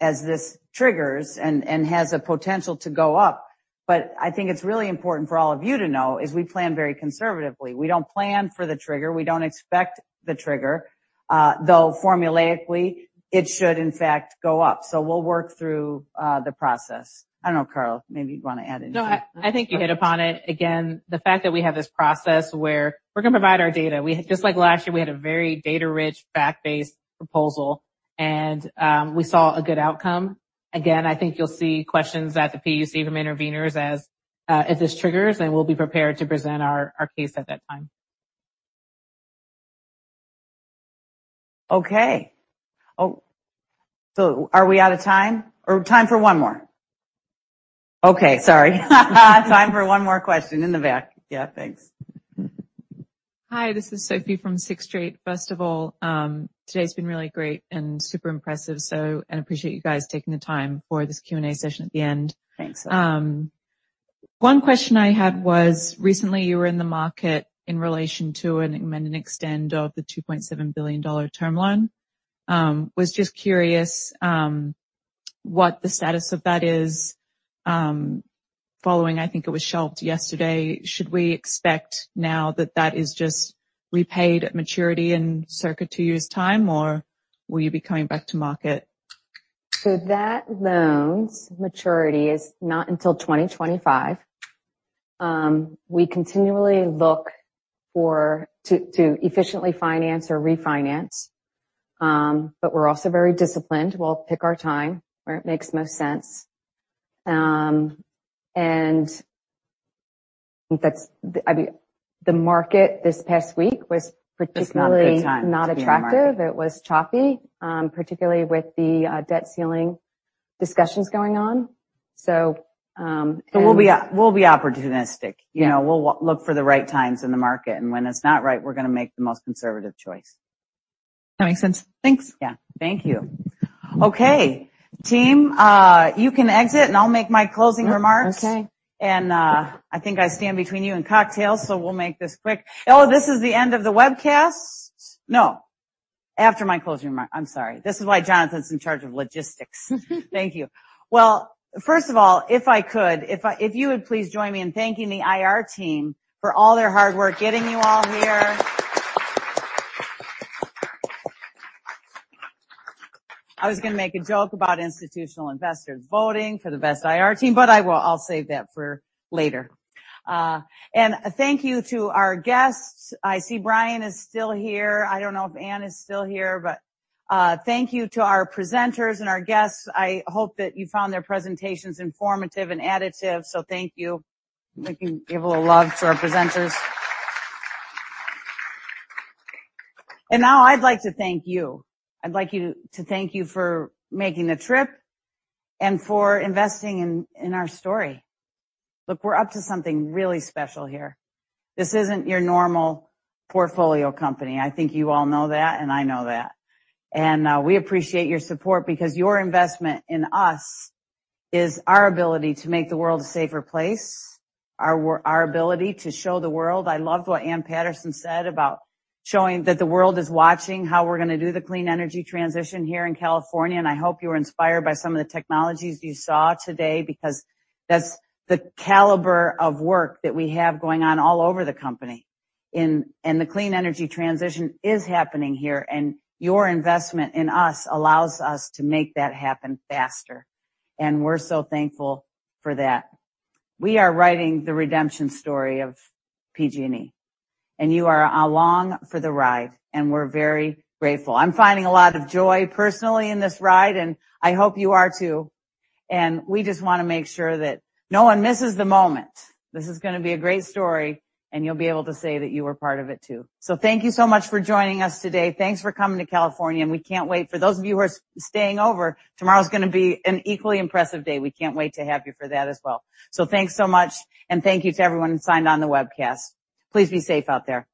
as this triggers and has a potential to go up. I think it's really important for all of you to know is we plan very conservatively. We don't plan for the trigger. We don't expect the trigger, though formulaically it should in fact go up. We'll work through the process. I don't know, Carla, maybe you'd want to add anything. No, I think you hit upon it. Again, the fact that we have this process where we're gonna provide our data. Just like last year, we had a very data-rich, fact-based proposal, and we saw a good outcome. I think you'll see questions at the PUC from interveners as, if this triggers. We'll be prepared to present our case at that time. Okay. Oh, are we out of time? Time for one more. Okay, sorry. Time for one more question in the back. Yeah, thanks. Hi, this is Sofie from Sixth Street. First of all, today's been really great and super impressive, so and appreciate you guys taking the time for this Q&A session at the end. Thanks. One question I had was, recently, you were in the market in relation to an amend and extend of the $2.7 billion term loan. Was just curious what the status of that is, following, I think it was shelved yesterday. Should we expect now that that is just repaid at maturity in circa two years time, or will you be coming back to market? That loan's maturity is not until 2025. We continually look to efficiently finance or refinance, we're also very disciplined. We'll pick our time where it makes most sense. The market this past week was particularly- It's not a good time to be in the market. -not attractive. It was choppy, particularly with the debt ceiling discussions going on. We'll be opportunistic. Yeah. You know, we'll look for the right times in the market. When it's not right, we're gonna make the most conservative choice. That makes sense. Thanks. Yeah. Thank you. Okay. Team, you can exit, I'll make my closing remarks. Okay. I think I stand between you and cocktails, so we'll make this quick. This is the end of the webcast? No. After my closing remark. I'm sorry. This is why Jonathan's in charge of logistics. Thank you. First of all, if I could, if you would please join me in thanking the IR team for all their hard work getting you all here. I was gonna make a joke about institutional investors voting for the best IR team, but I'll save that for later. Thank you to our guests. I see Brian is still here. I don't know if Ann is still here. Thank you to our presenters and our guests. I hope that you found their presentations informative and additive, so thank you. We can give a little love to our presenters. Now I'd like to thank you. I'd like you to thank you for making the trip and for investing in our story. Look, we're up to something really special here. This isn't your normal portfolio company. I think you all know that, and I know that. We appreciate your support because your investment in us is our ability to make the world a safer place, our ability to show the world. I loved what Ann Patterson said about showing that the world is watching how we're gonna do the clean energy transition here in California, and I hope you were inspired by some of the technologies you saw today because that's the caliber of work that we have going on all over the company. The clean energy transition is happening here, and your investment in us allows us to make that happen faster. We're so thankful for that. We are writing the redemption story of PG&E, and you are along for the ride, and we're very grateful. I'm finding a lot of joy personally in this ride, and I hope you are too. We just wanna make sure that no one misses the moment. This is gonna be a great story, and you'll be able to say that you were part of it too. Thank you so much for joining us today. Thanks for coming to California. We can't wait. For those of you who are staying over, tomorrow's gonna be an equally impressive day. We can't wait to have you for that as well. Thanks so much, and thank you to everyone who signed on the webcast. Please be safe out there.